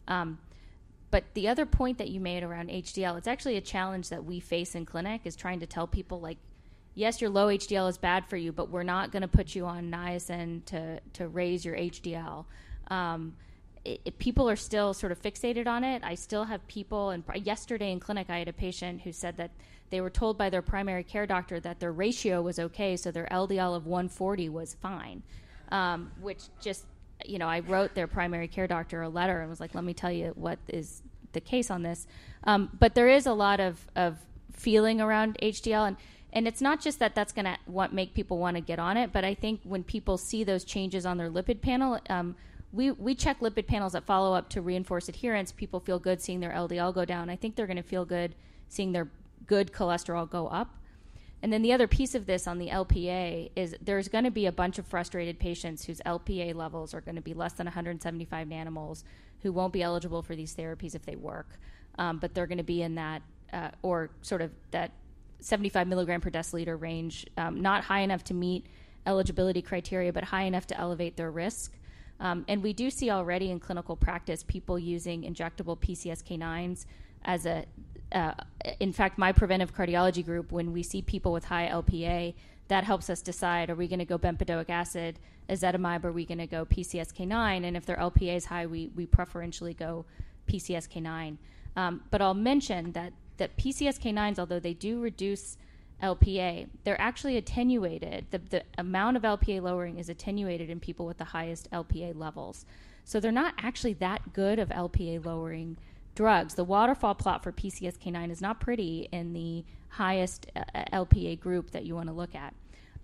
K: But the other point that you made around HDL, it's actually a challenge that we face in clinic, is trying to tell people like, "Yes, your low HDL is bad for you, but we're not going to put you on niacin to raise your HDL." It, people are still sort of fixated on it. I still have people, and yesterday in clinic, I had a patient who said that they were told by their primary care doctor that their ratio was okay, so their LDL of 140 was fine. Which just... You know, I wrote their primary care doctor a letter and was like: Let me tell you what is the case on this. But there is a lot of feeling around HDL, and it's not just that that's going to make people want to get on it, but I think when people see those changes on their lipid panel, we check lipid panels at follow-up to reinforce adherence. People feel good seeing their LDL go down. I think they're going to feel good seeing their good cholesterol go up. And then the other piece of this on the Lp is there's going to be a bunch of frustrated patients whose Lp levels are going to be less than 175 nmol, who won't be eligible for these therapies if they work. But they're going 75 mg/dl range, not high enough to meet eligibility criteria, but high enough to elevate their risk. And we do see already in clinical practice, people using injectable PCSK9s as a... In fact, my preventive cardiology group, when we see people with high Lp(a), that helps us decide, are we going to go bempedoic acid, ezetimibe, are we going to go PCSK9? And if their Lp(a) is high, we preferentially go PCSK9. But I'll mention that PCSK9s, although they do reduce Lp(a), they're actually attenuated. The amount of Lp(a) lowering is attenuated in people with the highest Lp(a) levels. So they're not actually that good of Lp(a)-lowering drugs. The waterfall plot for PCSK9 is not pretty in the highest Lp(a) group that you want to look at.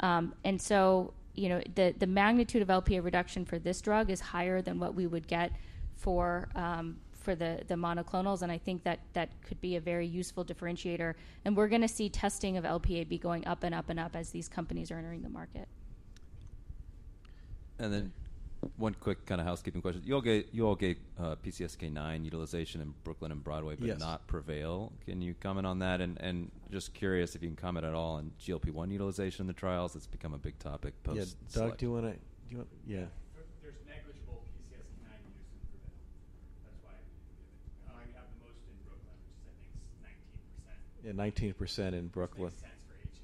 K: And so, you know, the magnitude of Lp reduction for this drug is higher than what we would get for the monoclonals, and I think that could be a very useful differentiator. And we're going to see testing of Lp be going up and up and up as these companies are entering the market.
N: Then one quick kind of housekeeping question. You all get PCSK9 utilization in BROOKLYN and BROADWAY-
A: Yes...
N: but not PREVAIL. Can you comment on that? And, and just curious if you can comment at all on GLP-1 utilization in the trials. It's become a big topic post-
A: Yeah. Doc, do you want to... Do you want-- Yeah.
M: There's negligible PCSK9 use in PREVAIL. That's why I didn't give it. We have the most in BROOKLYN, which is, I think, 19%.
A: Yeah, 19% in BROOKLYN.
M: Which makes sense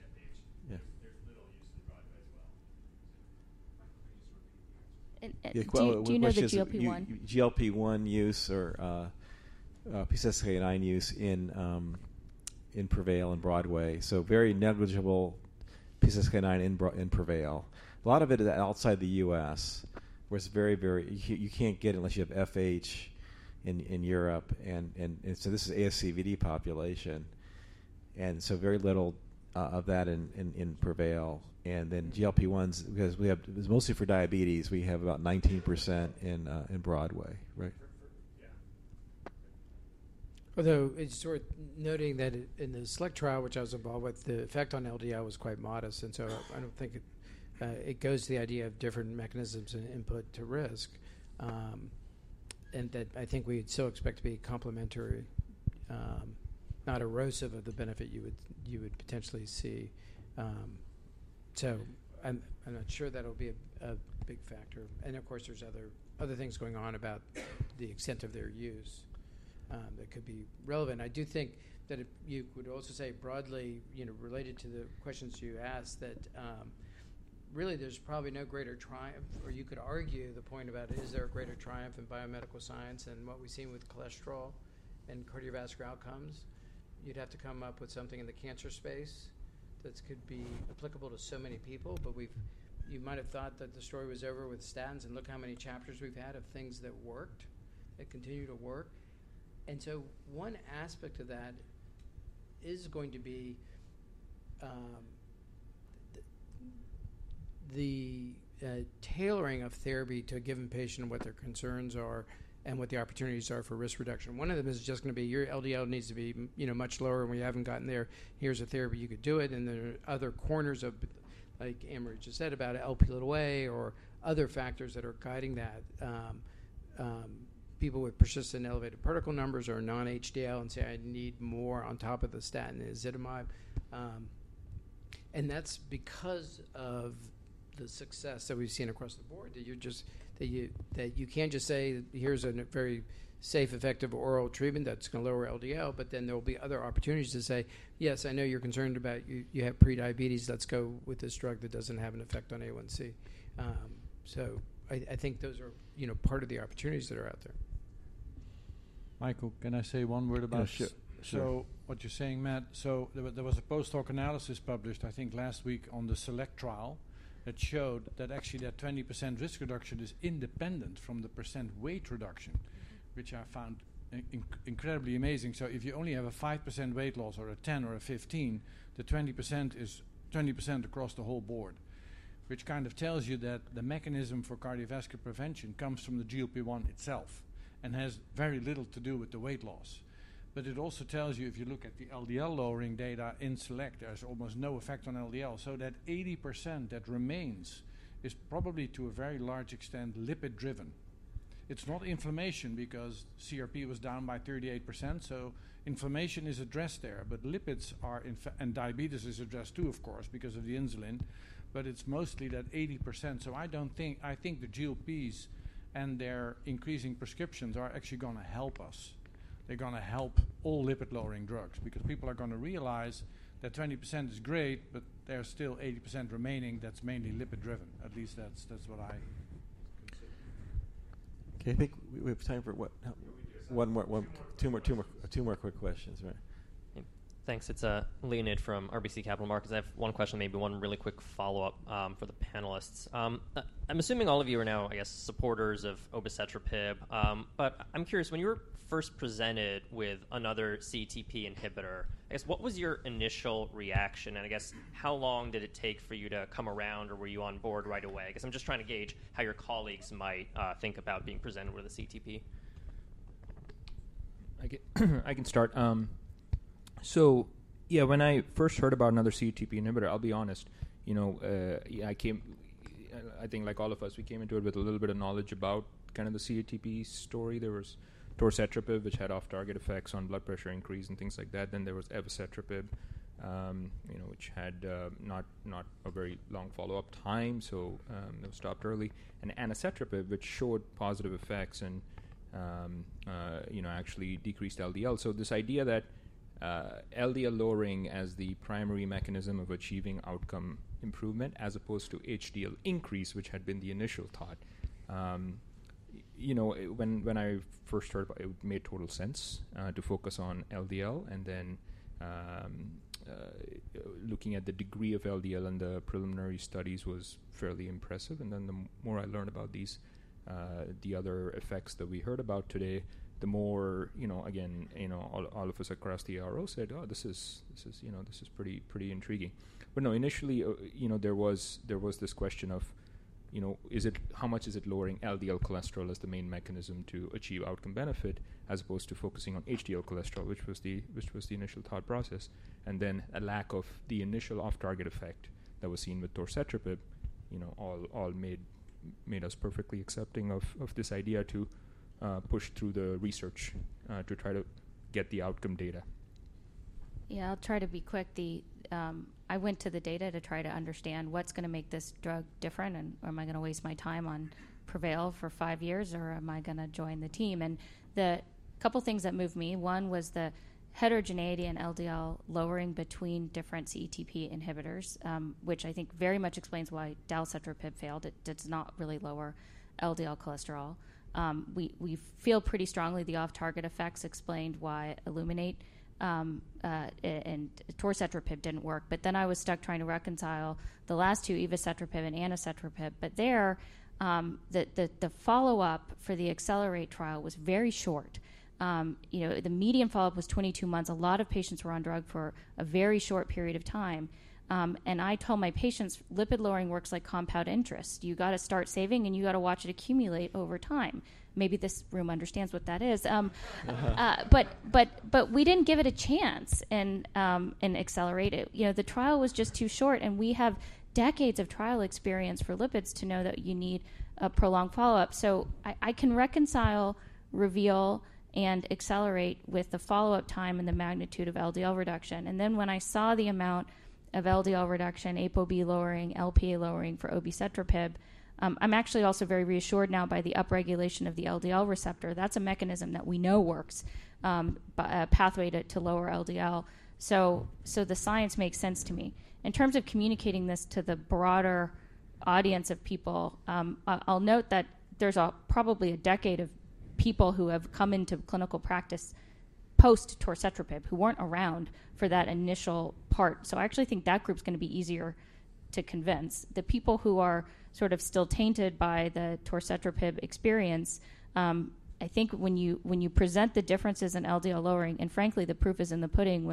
M: for HeFH.
A: Yeah. There's little use in BROADWAY as well.
K: And, and-
A: Yeah, well-
K: Do you know the GLP-1?
A: GLP-1 use or PCSK9 use in PREVAIL and BROADWAY. So very negligible PCSK9 in PREVAIL. A lot of it is outside the U.S., where it's very, very... You can't get it unless you have FH in Europe, and so this is ASCVD population, and so very little of that in PREVAIL. And then GLP-1s, because we have. It's mostly for diabetes. We have about 19% in BROADWAY, right?...
L: Although it's worth noting that in the SELECT trial, which I was involved with, the effect on LDL was quite modest, and so I don't think it, it goes to the idea of different mechanisms and input to risk. And that I think we'd still expect to be complementary, not erosive of the benefit you would, you would potentially see. So I'm, I'm not sure that'll be a, a big factor, and of course, there's other, other things going on about the extent of their use, that could be relevant. I do think that if you could also say broadly, you know, related to the questions you asked, that really there's probably no greater triumph, or you could argue the point about is there a greater triumph in biomedical science than what we've seen with cholesterol and cardiovascular outcomes? You'd have to come up with something in the cancer space that could be applicable to so many people. But you might have thought that the story was over with statins, and look how many chapters we've had of things that worked, that continue to work. And so one aspect of that is going to be the tailoring of therapy to a given patient and what their concerns are and what the opportunities are for risk reduction. One of them is just going to be your LDL needs to be, you know, much lower, and we haven't gotten there. Here's a therapy, you could do it, and there are other corners of, like Ann Marie just said, about Lp(a) or other factors that are guiding that. People with persistent elevated particle numbers or non-HDL say, "I need more on top of the statin, ezetimibe." And that's because of the success that we've seen across the board, you can't just say, "Here's a very safe, effective oral treatment that's going to lower LDL," but then there will be other opportunities to say, "Yes, I know you're concerned about you. You have prediabetes. Let's go with this drug that doesn't have an effect on A1c." So I think those are, you know, part of the opportunities that are out there.
B: Michael, can I say one word about-
A: Yes, sure.
B: So what you're saying, Matt, so there was a post-hoc analysis published, I think, last week on the SELECT trial that showed that actually that 20% risk reduction is independent from the percent weight reduction, which I found incredibly amazing. So if you only have a 5% weight loss or a 10% or a 15%, the 20% is 20% across the whole board, which kind of tells you that the mechanism for cardiovascular prevention comes from the GLP-1 itself and has very little to do with the weight loss. But it also tells you, if you look at the LDL-lowering data in SELECT, there's almost no effect on LDL. So that 80% that remains is probably, to a very large extent, lipid-driven. It's not inflammation because CRP was down by 38%, so inflammation is addressed there, but lipids are in fact... Diabetes is addressed, too, of course, because of the insulin, but it's mostly that 80%. So I think the GLPs and their increasing prescriptions are actually gonna help us. They're gonna help all lipid-lowering drugs because people are gonna realize that 20% is great, but there's still 80% remaining that's mainly lipid-driven. At least that's what I consider.
A: Okay, I think we have time for what? We do have some- 1 more, 2 more, 2 more, 2 more quick questions, right.
O: Thanks. It's, Leonid from RBC Capital Markets. I have one question, maybe one really quick follow-up, for the panelists. I'm assuming all of you are now, I guess, supporters of obicetrapib. But I'm curious, when you were first presented with another CETP inhibitor, I guess, what was your initial reaction? And I guess, how long did it take for you to come around, or were you on board right away? I guess I'm just trying to gauge how your colleagues might think about being presented with a CETP.
M: I can start. So, when I first heard about another CETP inhibitor, I'll be honest, you know, I think like all of us, we came into it with a little bit of knowledge about kind of the CETP story. There was torcetrapib, which had off-target effects on blood pressure increase and things like that. Then there was evacetrapib, you know, which had not a very long follow-up time, so it was stopped early, and anacetrapib, which showed positive effects and, you know, actually decreased LDL. So this idea that LDL lowering as the primary mechanism of achieving outcome improvement, as opposed to HDL increase, which had been the initial thought, you know, when I first heard about it, it made total sense to focus on LDL, and then looking at the degree of LDL and the preliminary studies was fairly impressive. And then the more I learned about these, the other effects that we heard about today, the more, you know, again, you know, all, all of us across the row said, "Oh, this is, this is, you know, this is pretty, pretty intriguing." But no, initially, you know, there was, there was this question of, you know, is it, how much is it lowering LDL cholesterol as the main mechanism to achieve outcome benefit, as opposed to focusing on HDL cholesterol, which was the, which was the initial thought process, and then a lack of the initial off-target effect that was seen with torcetrapib, you know, all, all made, made us perfectly accepting of, of this idea to, push through the research, to try to get the outcome data.
K: Yeah, I'll try to be quick. Then, I went to the data to try to understand what's gonna make this drug different, and am I gonna waste my time on PREVAIL for five years, or am I gonna join the team? And the couple of things that moved me, one was the heterogeneity in LDL lowering between different CETP inhibitors, which I think very much explains why dalcetrapib failed. It does not really lower LDL cholesterol. We feel pretty strongly the off-target effects explained why ILLUMINATE and torcetrapib didn't work. But then I was stuck trying to reconcile the last two, evacetrapib and anacetrapib, but there, the follow-up for the ACCELERATE trial was very short. You know, the median follow-up was 22 months. A lot of patients were on drug for a very short period of time, and I tell my patients, lipid-lowering works like compound interest. You gotta start saving, and you gotta watch it accumulate over time. Maybe this room understands what that is. But we didn't give it a chance in ACCELERATE. You know, the trial was just too short, and we have decades of trial experience for lipids to know that you need a prolonged follow-up. So I can reconcile REVEAL and ACCELERATE with the follow-up time and the magnitude of LDL reduction. And then when I saw the amount of LDL reduction, ApoB lowering, Lp lowering for obicetrapib, I'm actually also very reassured now by the upregulation of the LDL receptor. That's a mechanism that we know works by a pathway to lower LDL. The science makes sense to me. In terms of communicating this to the broader audience of people, I'll note that there's probably a decade of people who have come into clinical practice post torcetrapib, who weren't around for that initial part. So I actually think that group's gonna be easier to convince. The people who are sort of still tainted by the torcetrapib experience, I think when you present the differences in LDL lowering, and frankly, the proof is in the pudding.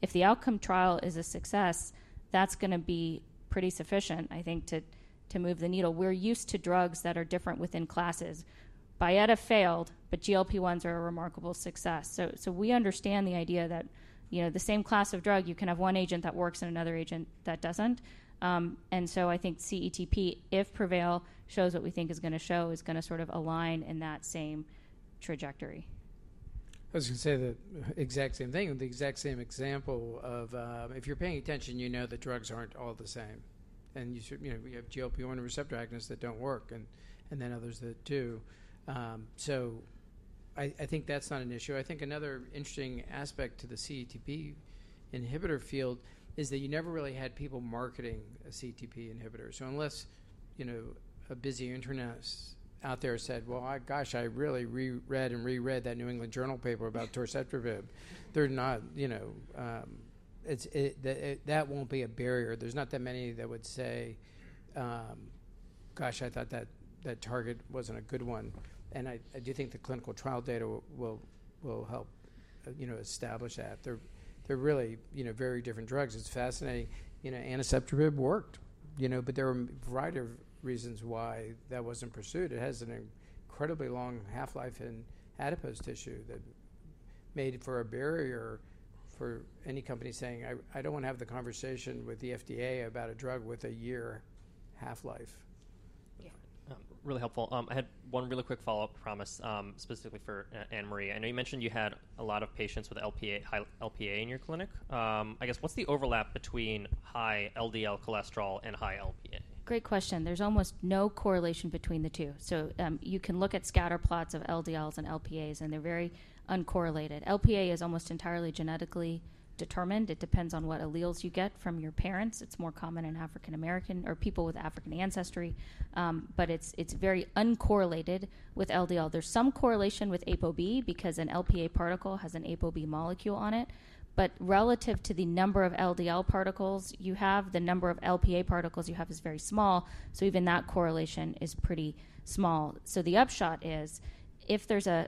K: If the outcome trial is a success, that's gonna be pretty sufficient, I think, to move the needle. We're used to drugs that are different within classes. Byetta failed, but GLP-1s are a remarkable success. So we understand the idea that, you know, the same class of drug, you can have one agent that works and another agent that doesn't. And so I think CETP, if PREVAIL shows what we think is gonna show, is gonna sort of align in that same trajectory.
L: I was gonna say the exact same thing and the exact same example of, if you're paying attention, you know that drugs aren't all the same. And you should, you know, we have GLP-1 receptor agonists that don't work, and then others that do. So I think that's not an issue. I think another interesting aspect to the CETP inhibitor field is that you never really had people marketing a CETP inhibitor. So unless, you know, a busy internist out there said: "Well, I, gosh, I really re-read and re-read that New England Journal paper about torcetrapib," they're not, you know. That won't be a barrier. There's not that many that would say: "Gosh, I thought that target wasn't a good one." And I do think the clinical trial data will help, you know, establish that. They're really, you know, very different drugs. It's fascinating. You know, anacetrapib worked, you know, but there are a variety of reasons why that wasn't pursued. It has an incredibly long half-life in adipose tissue that made for a barrier for any company saying, "I don't want to have the conversation with the FDA about a drug with a year half-life. Yeah.
O: Really helpful. I had one really quick follow-up promise, specifically for Ann Marie. I know you mentioned you had a lot of patients with Lp(a), high Lp(a) in your clinic. I guess, what's the overlap between high LDL cholesterol and high Lp(a)?
K: Great question. There's almost no correlation between the two. So, you can look at scatter plots of LDLs and Lp(a) s, and they're very uncorrelated. Lp(a) is almost entirely genetically determined. It depends on what alleles you get from your parents. It's more common in African American or people with African ancestry, but it's very uncorrelated with LDL. There's some correlation with ApoB because an Lp(a) particle has an ApoB molecule on it. But relative to the number of LDL particles you have, the number of Lp(a) particles you have is very small, so even that correlation is pretty small. So the upshot is, if there's a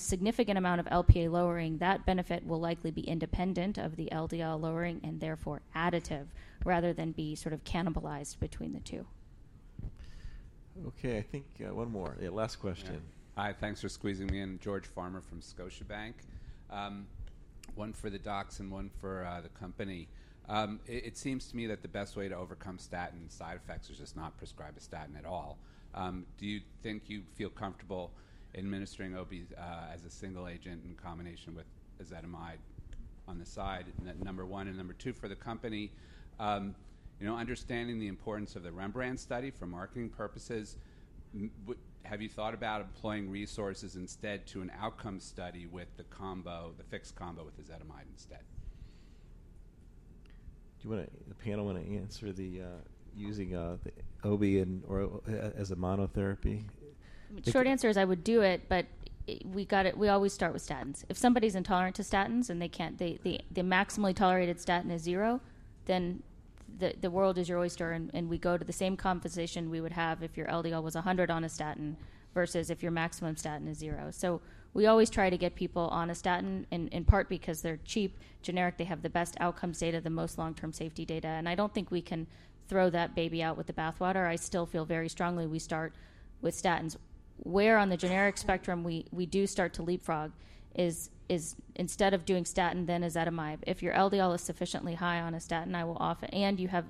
K: significant amount of Lp(a) lowering, that benefit will likely be independent of the LDL lowering and therefore additive, rather than be sort of cannibalized between the two.
A: Okay, I think, one more. Yeah, last question.
P: Hi, thanks for squeezing me in, George Farmer from Scotiabank. One for the docs and one for the company. It seems to me that the best way to overcome statin side effects is just not prescribe a statin at all. Do you think you feel comfortable administering Obi as a single agent in combination with ezetimibe on the side? That, number one, and number two, for the company, you know, understanding the importance of the REMBRANDT study for marketing purposes, have you thought about employing resources instead to an outcome study with the combo, the fixed combo with ezetimibe instead?
A: Do you wanna... The panel wanna answer the, using, the Obi and, or as a monotherapy?
K: Short answer is I would do it, but we got to. We always start with statins. If somebody's intolerant to statins and they can't. The maximally tolerated statin is zero, then the world is your oyster, and we go to the same conversation we would have if your LDL was 100 on a statin versus if your maximum statin is zero. So we always try to get people on a statin, in part because they're cheap, generic, they have the best outcome data, the most long-term safety data, and I don't think we can throw that baby out with the bathwater. I still feel very strongly we start with statins. Where on the generic spectrum we do start to leapfrog is instead of doing statin, then ezetimibe. If your LDL is sufficiently high on a statin, I will often, and you have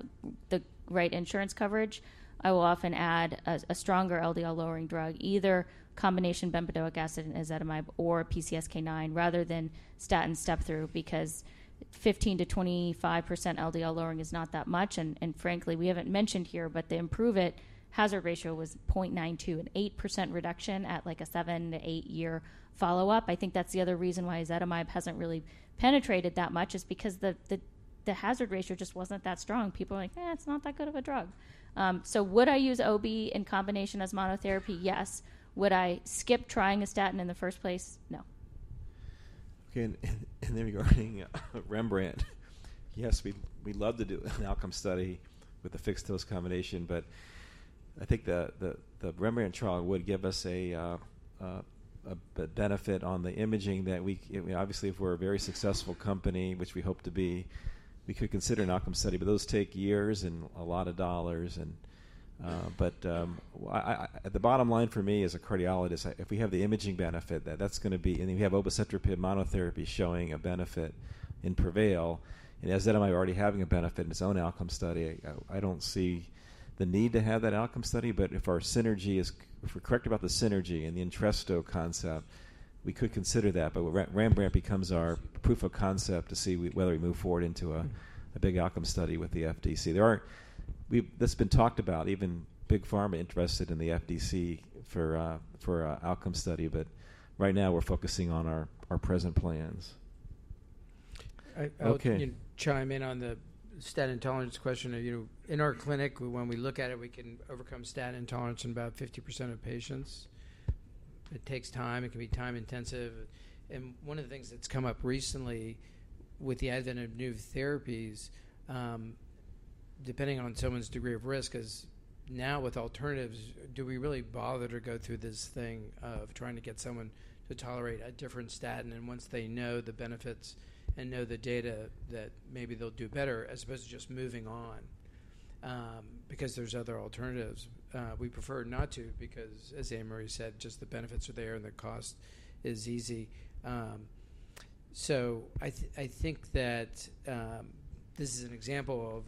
K: the right insurance coverage, I will often add a stronger LDL-lowering drug, either combination bempedoic acid and ezetimibe or PCSK9, rather than statin step-through, because 15%-25% LDL lowering is not that much, and frankly, we haven't mentioned here, but the IMPROVE-IT hazard ratio was 0.92, an 8% reduction at, like, a seven- to eight-year follow-up. I think that's the other reason why ezetimibe hasn't really penetrated that much, is because the hazard ratio just wasn't that strong. People are like, "Eh, it's not that good of a drug." So would I use Obi in combination as monotherapy? Yes. Would I skip trying a statin in the first place? No.
A: Okay, and then regarding REMBRANDT, yes, we'd love to do an outcome study with a fixed-dose combination, but I think the REMBRANDT trial would give us a benefit on the imaging that we obviously, if we're a very successful company, which we hope to be, we could consider an outcome study, but those take years and a lot of dollars. But well, I the bottom line for me as a cardiologist, if we have the imaging benefit, that's gonna be. And if we have obicetrapib monotherapy showing a benefit in PREVAIL, and ezetimibe already having a benefit in its own outcome study, I don't see the need to have that outcome study. But if our synergy is, if we're correct about the synergy and the Entresto concept, we could consider that. But REMBRANDT becomes our proof of concept to see whether we move forward into a big outcome study with the FDC. That's been talked about, even Big Pharma interested in the FDC for an outcome study, but right now we're focusing on our present plans....
L: Okay. Can chime in on the statin intolerance question. You know, in our clinic, when we look at it, we can overcome statin intolerance in about 50% of patients. It takes time. It can be time-intensive. And one of the things that's come up recently with the advent of new therapies, depending on someone's degree of risk, is now with alternatives, do we really bother to go through this thing of trying to get someone to tolerate a different statin, and once they know the benefits and know the data, that maybe they'll do better, as opposed to just moving on, because there's other alternatives? We prefer not to, because as Ann Marie said, just the benefits are there and the cost is easy. So I think that this is an example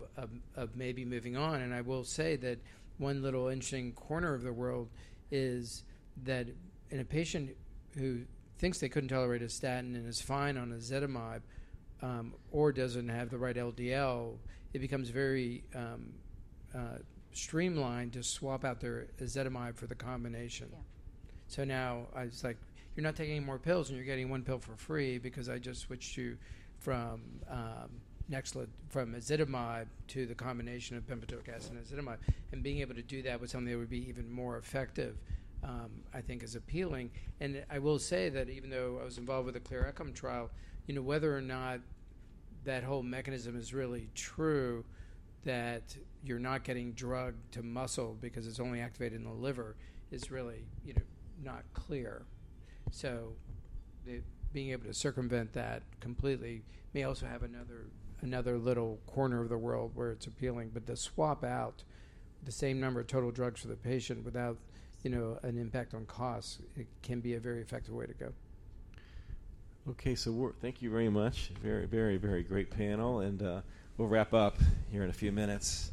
L: of maybe moving on, and I will say that one little interesting corner of the world is that in a patient who thinks they couldn't tolerate a statin and is fine on ezetimibe, or doesn't have the right LDL, it becomes very streamlined to swap out their ezetimibe for the combination.
K: Yeah.
L: So now it's like, you're not taking any more pills, and you're getting one pill for free because I just switched you from Nexletol, from ezetimibe to the combination of bempedoic acid and ezetimibe. And being able to do that with something that would be even more effective, I think is appealing. And I will say that even though I was involved with the CLEAR Outcomes trial, you know, whether or not that whole mechanism is really true, that you're not getting drug to muscle because it's only activated in the liver, is really, you know, not clear. So being able to circumvent that completely may also have another, another little corner of the world where it's appealing, but to swap out the same number of total drugs for the patient without, you know, an impact on cost, it can be a very effective way to go.
A: Okay. Thank you very much. Very, very, very great panel, and we'll wrap up here in a few minutes.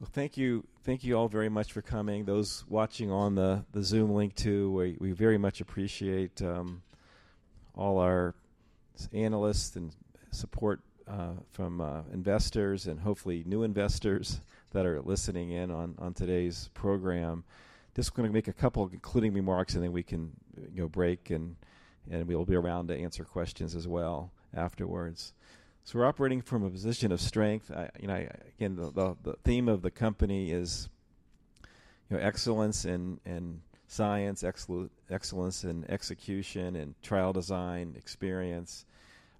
A: Well, thank you, thank you all very much for coming. Those watching on the Zoom link, too, we very much appreciate all our analysts and support from investors and hopefully new investors that are listening in on today's program. Just gonna make a couple of concluding remarks, and then we can, you know, break, and we'll be around to answer questions as well afterwards. So we're operating from a position of strength. You know, again, the theme of the company is, you know, excellence in science, excellence in execution, in trial design, experience.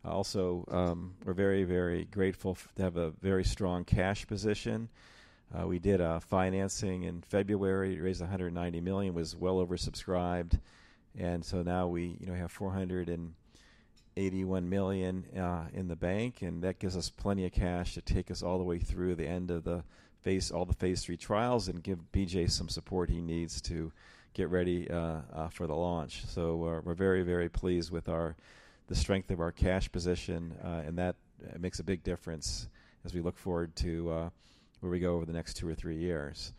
A: Also, we're very, very grateful to have a very strong cash position. We did a financing in February to raise $190 million. It was well oversubscribed, and so now we, you know, have $481 million in the bank, and that gives us plenty of cash to take us all the way through the end of the phase, all the phase III trials and give B.J. some support he needs to get ready for the launch. So we're, we're very, very pleased with our, the strength of our cash position, and that makes a big difference as we look forward to where we go over the next two or three years.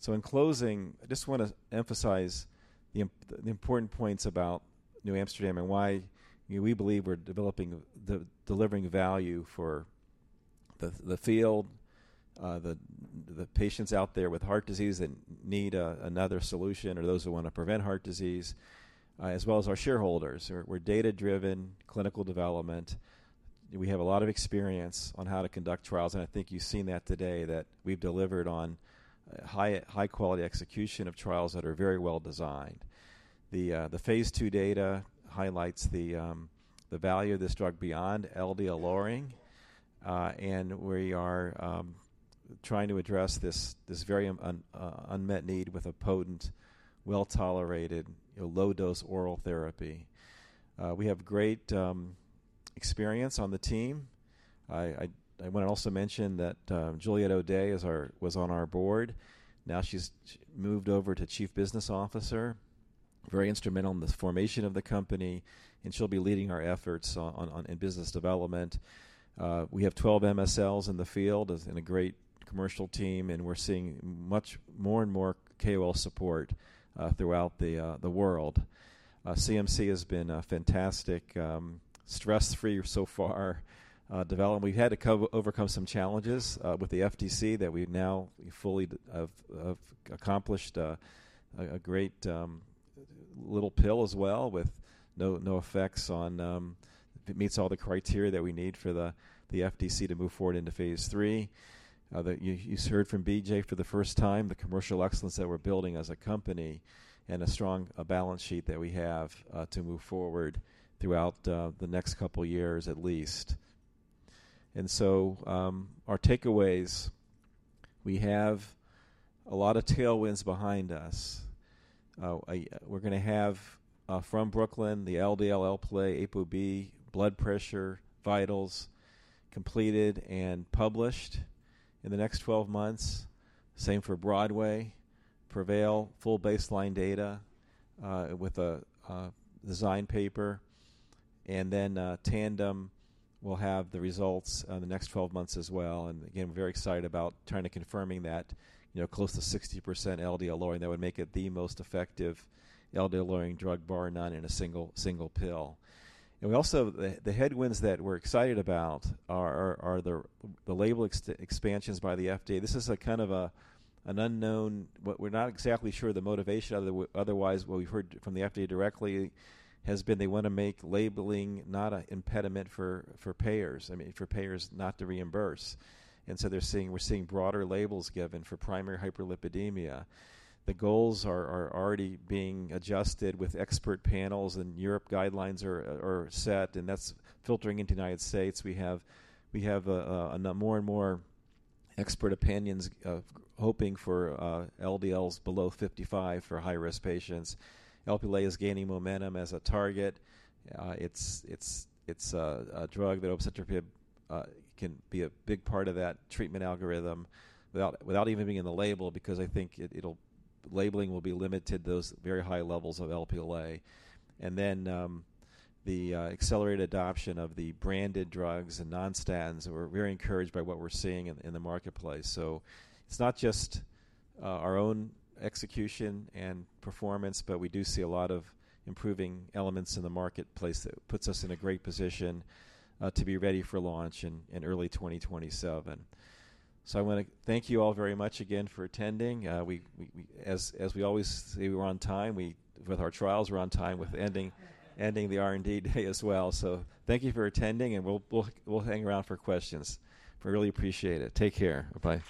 A: So in closing, I just want to emphasize the important points about NewAmsterdam and why, you know, we believe we're delivering value for the field, the patients out there with heart disease that need another solution or those who want to prevent heart disease, as well as our shareholders. We're data-driven clinical development. We have a lot of experience on how to conduct trials, and I think you've seen that today, that we've delivered on high-quality execution of trials that are very well designed. The phase II data highlights the value of this drug beyond LDL lowering, and we are trying to address this very unmet need with a potent, well-tolerated, low-dose oral therapy. We have great experience on the team. I want to also mention that Juliette Audet was on our board. Now she's moved over to Chief Business Officer, very instrumental in the formation of the company, and she'll be leading our efforts in business development. We have 12 MSLs in the field, and a great commercial team, and we're seeing much more KOL support throughout the world. CMC has been a fantastic, stress-free so far, development. We've had to overcome some challenges with the FDC that we've now fully accomplished, a great little pill as well, with no effects on... It meets all the criteria that we need for the FDC to move forward into phase III. That you heard from B.J. for the first time, the commercial excellence that we're building as a company and a strong balance sheet that we have to move forward throughout the next couple of years at least. And so, our takeaways, we have a lot of tailwinds behind us. We're gonna have from BROOKLYN the LDL, Lp(a), ApoB, blood pressure, vitals completed and published in the next 12 months. Same for BROADWAY, PREVAIL, full baseline data with a design paper, and then TANDEM will have the results in the next 12 months as well. And again, we're very excited about trying to confirming that, you know, close to 60% LDL lowering, that would make it the most effective LDL-lowering drug, bar none, in a single pill. And we also the headwinds that we're excited about are the label expansions by the FDA. This is a kind of a, an unknown, but we're not exactly sure the motivation. Otherwise, what we've heard from the FDA directly has been they want to make labeling not an impediment for, for payers, I mean, for payers not to reimburse. And so they're seeing, we're seeing broader labels given for primary hyperlipidemia. The goals are already being adjusted with expert panels, and Europe guidelines are set, and that's filtering into the United States. We have more and more expert opinions of hoping for LDLs below 55 for high-risk patients. LP is gaining momentum as a target. It's a drug that obicetrapib can be a big part of that treatment algorithm without even being in the label, because I think it, it'll... Labeling will be limited to those very high levels of Lp(a). And then, the accelerated adoption of the branded drugs and non-statins, and we're very encouraged by what we're seeing in the marketplace. So it's not just our own execution and performance, but we do see a lot of improving elements in the marketplace that puts us in a great position to be ready for launch in early 2027. So I want to thank you all very much again for attending. We, as we always say, we're on time. We, with our trials, we're on time with ending the R&D day as well. So thank you for attending, and we'll hang around for questions. We really appreciate it. Take care. Bye-bye.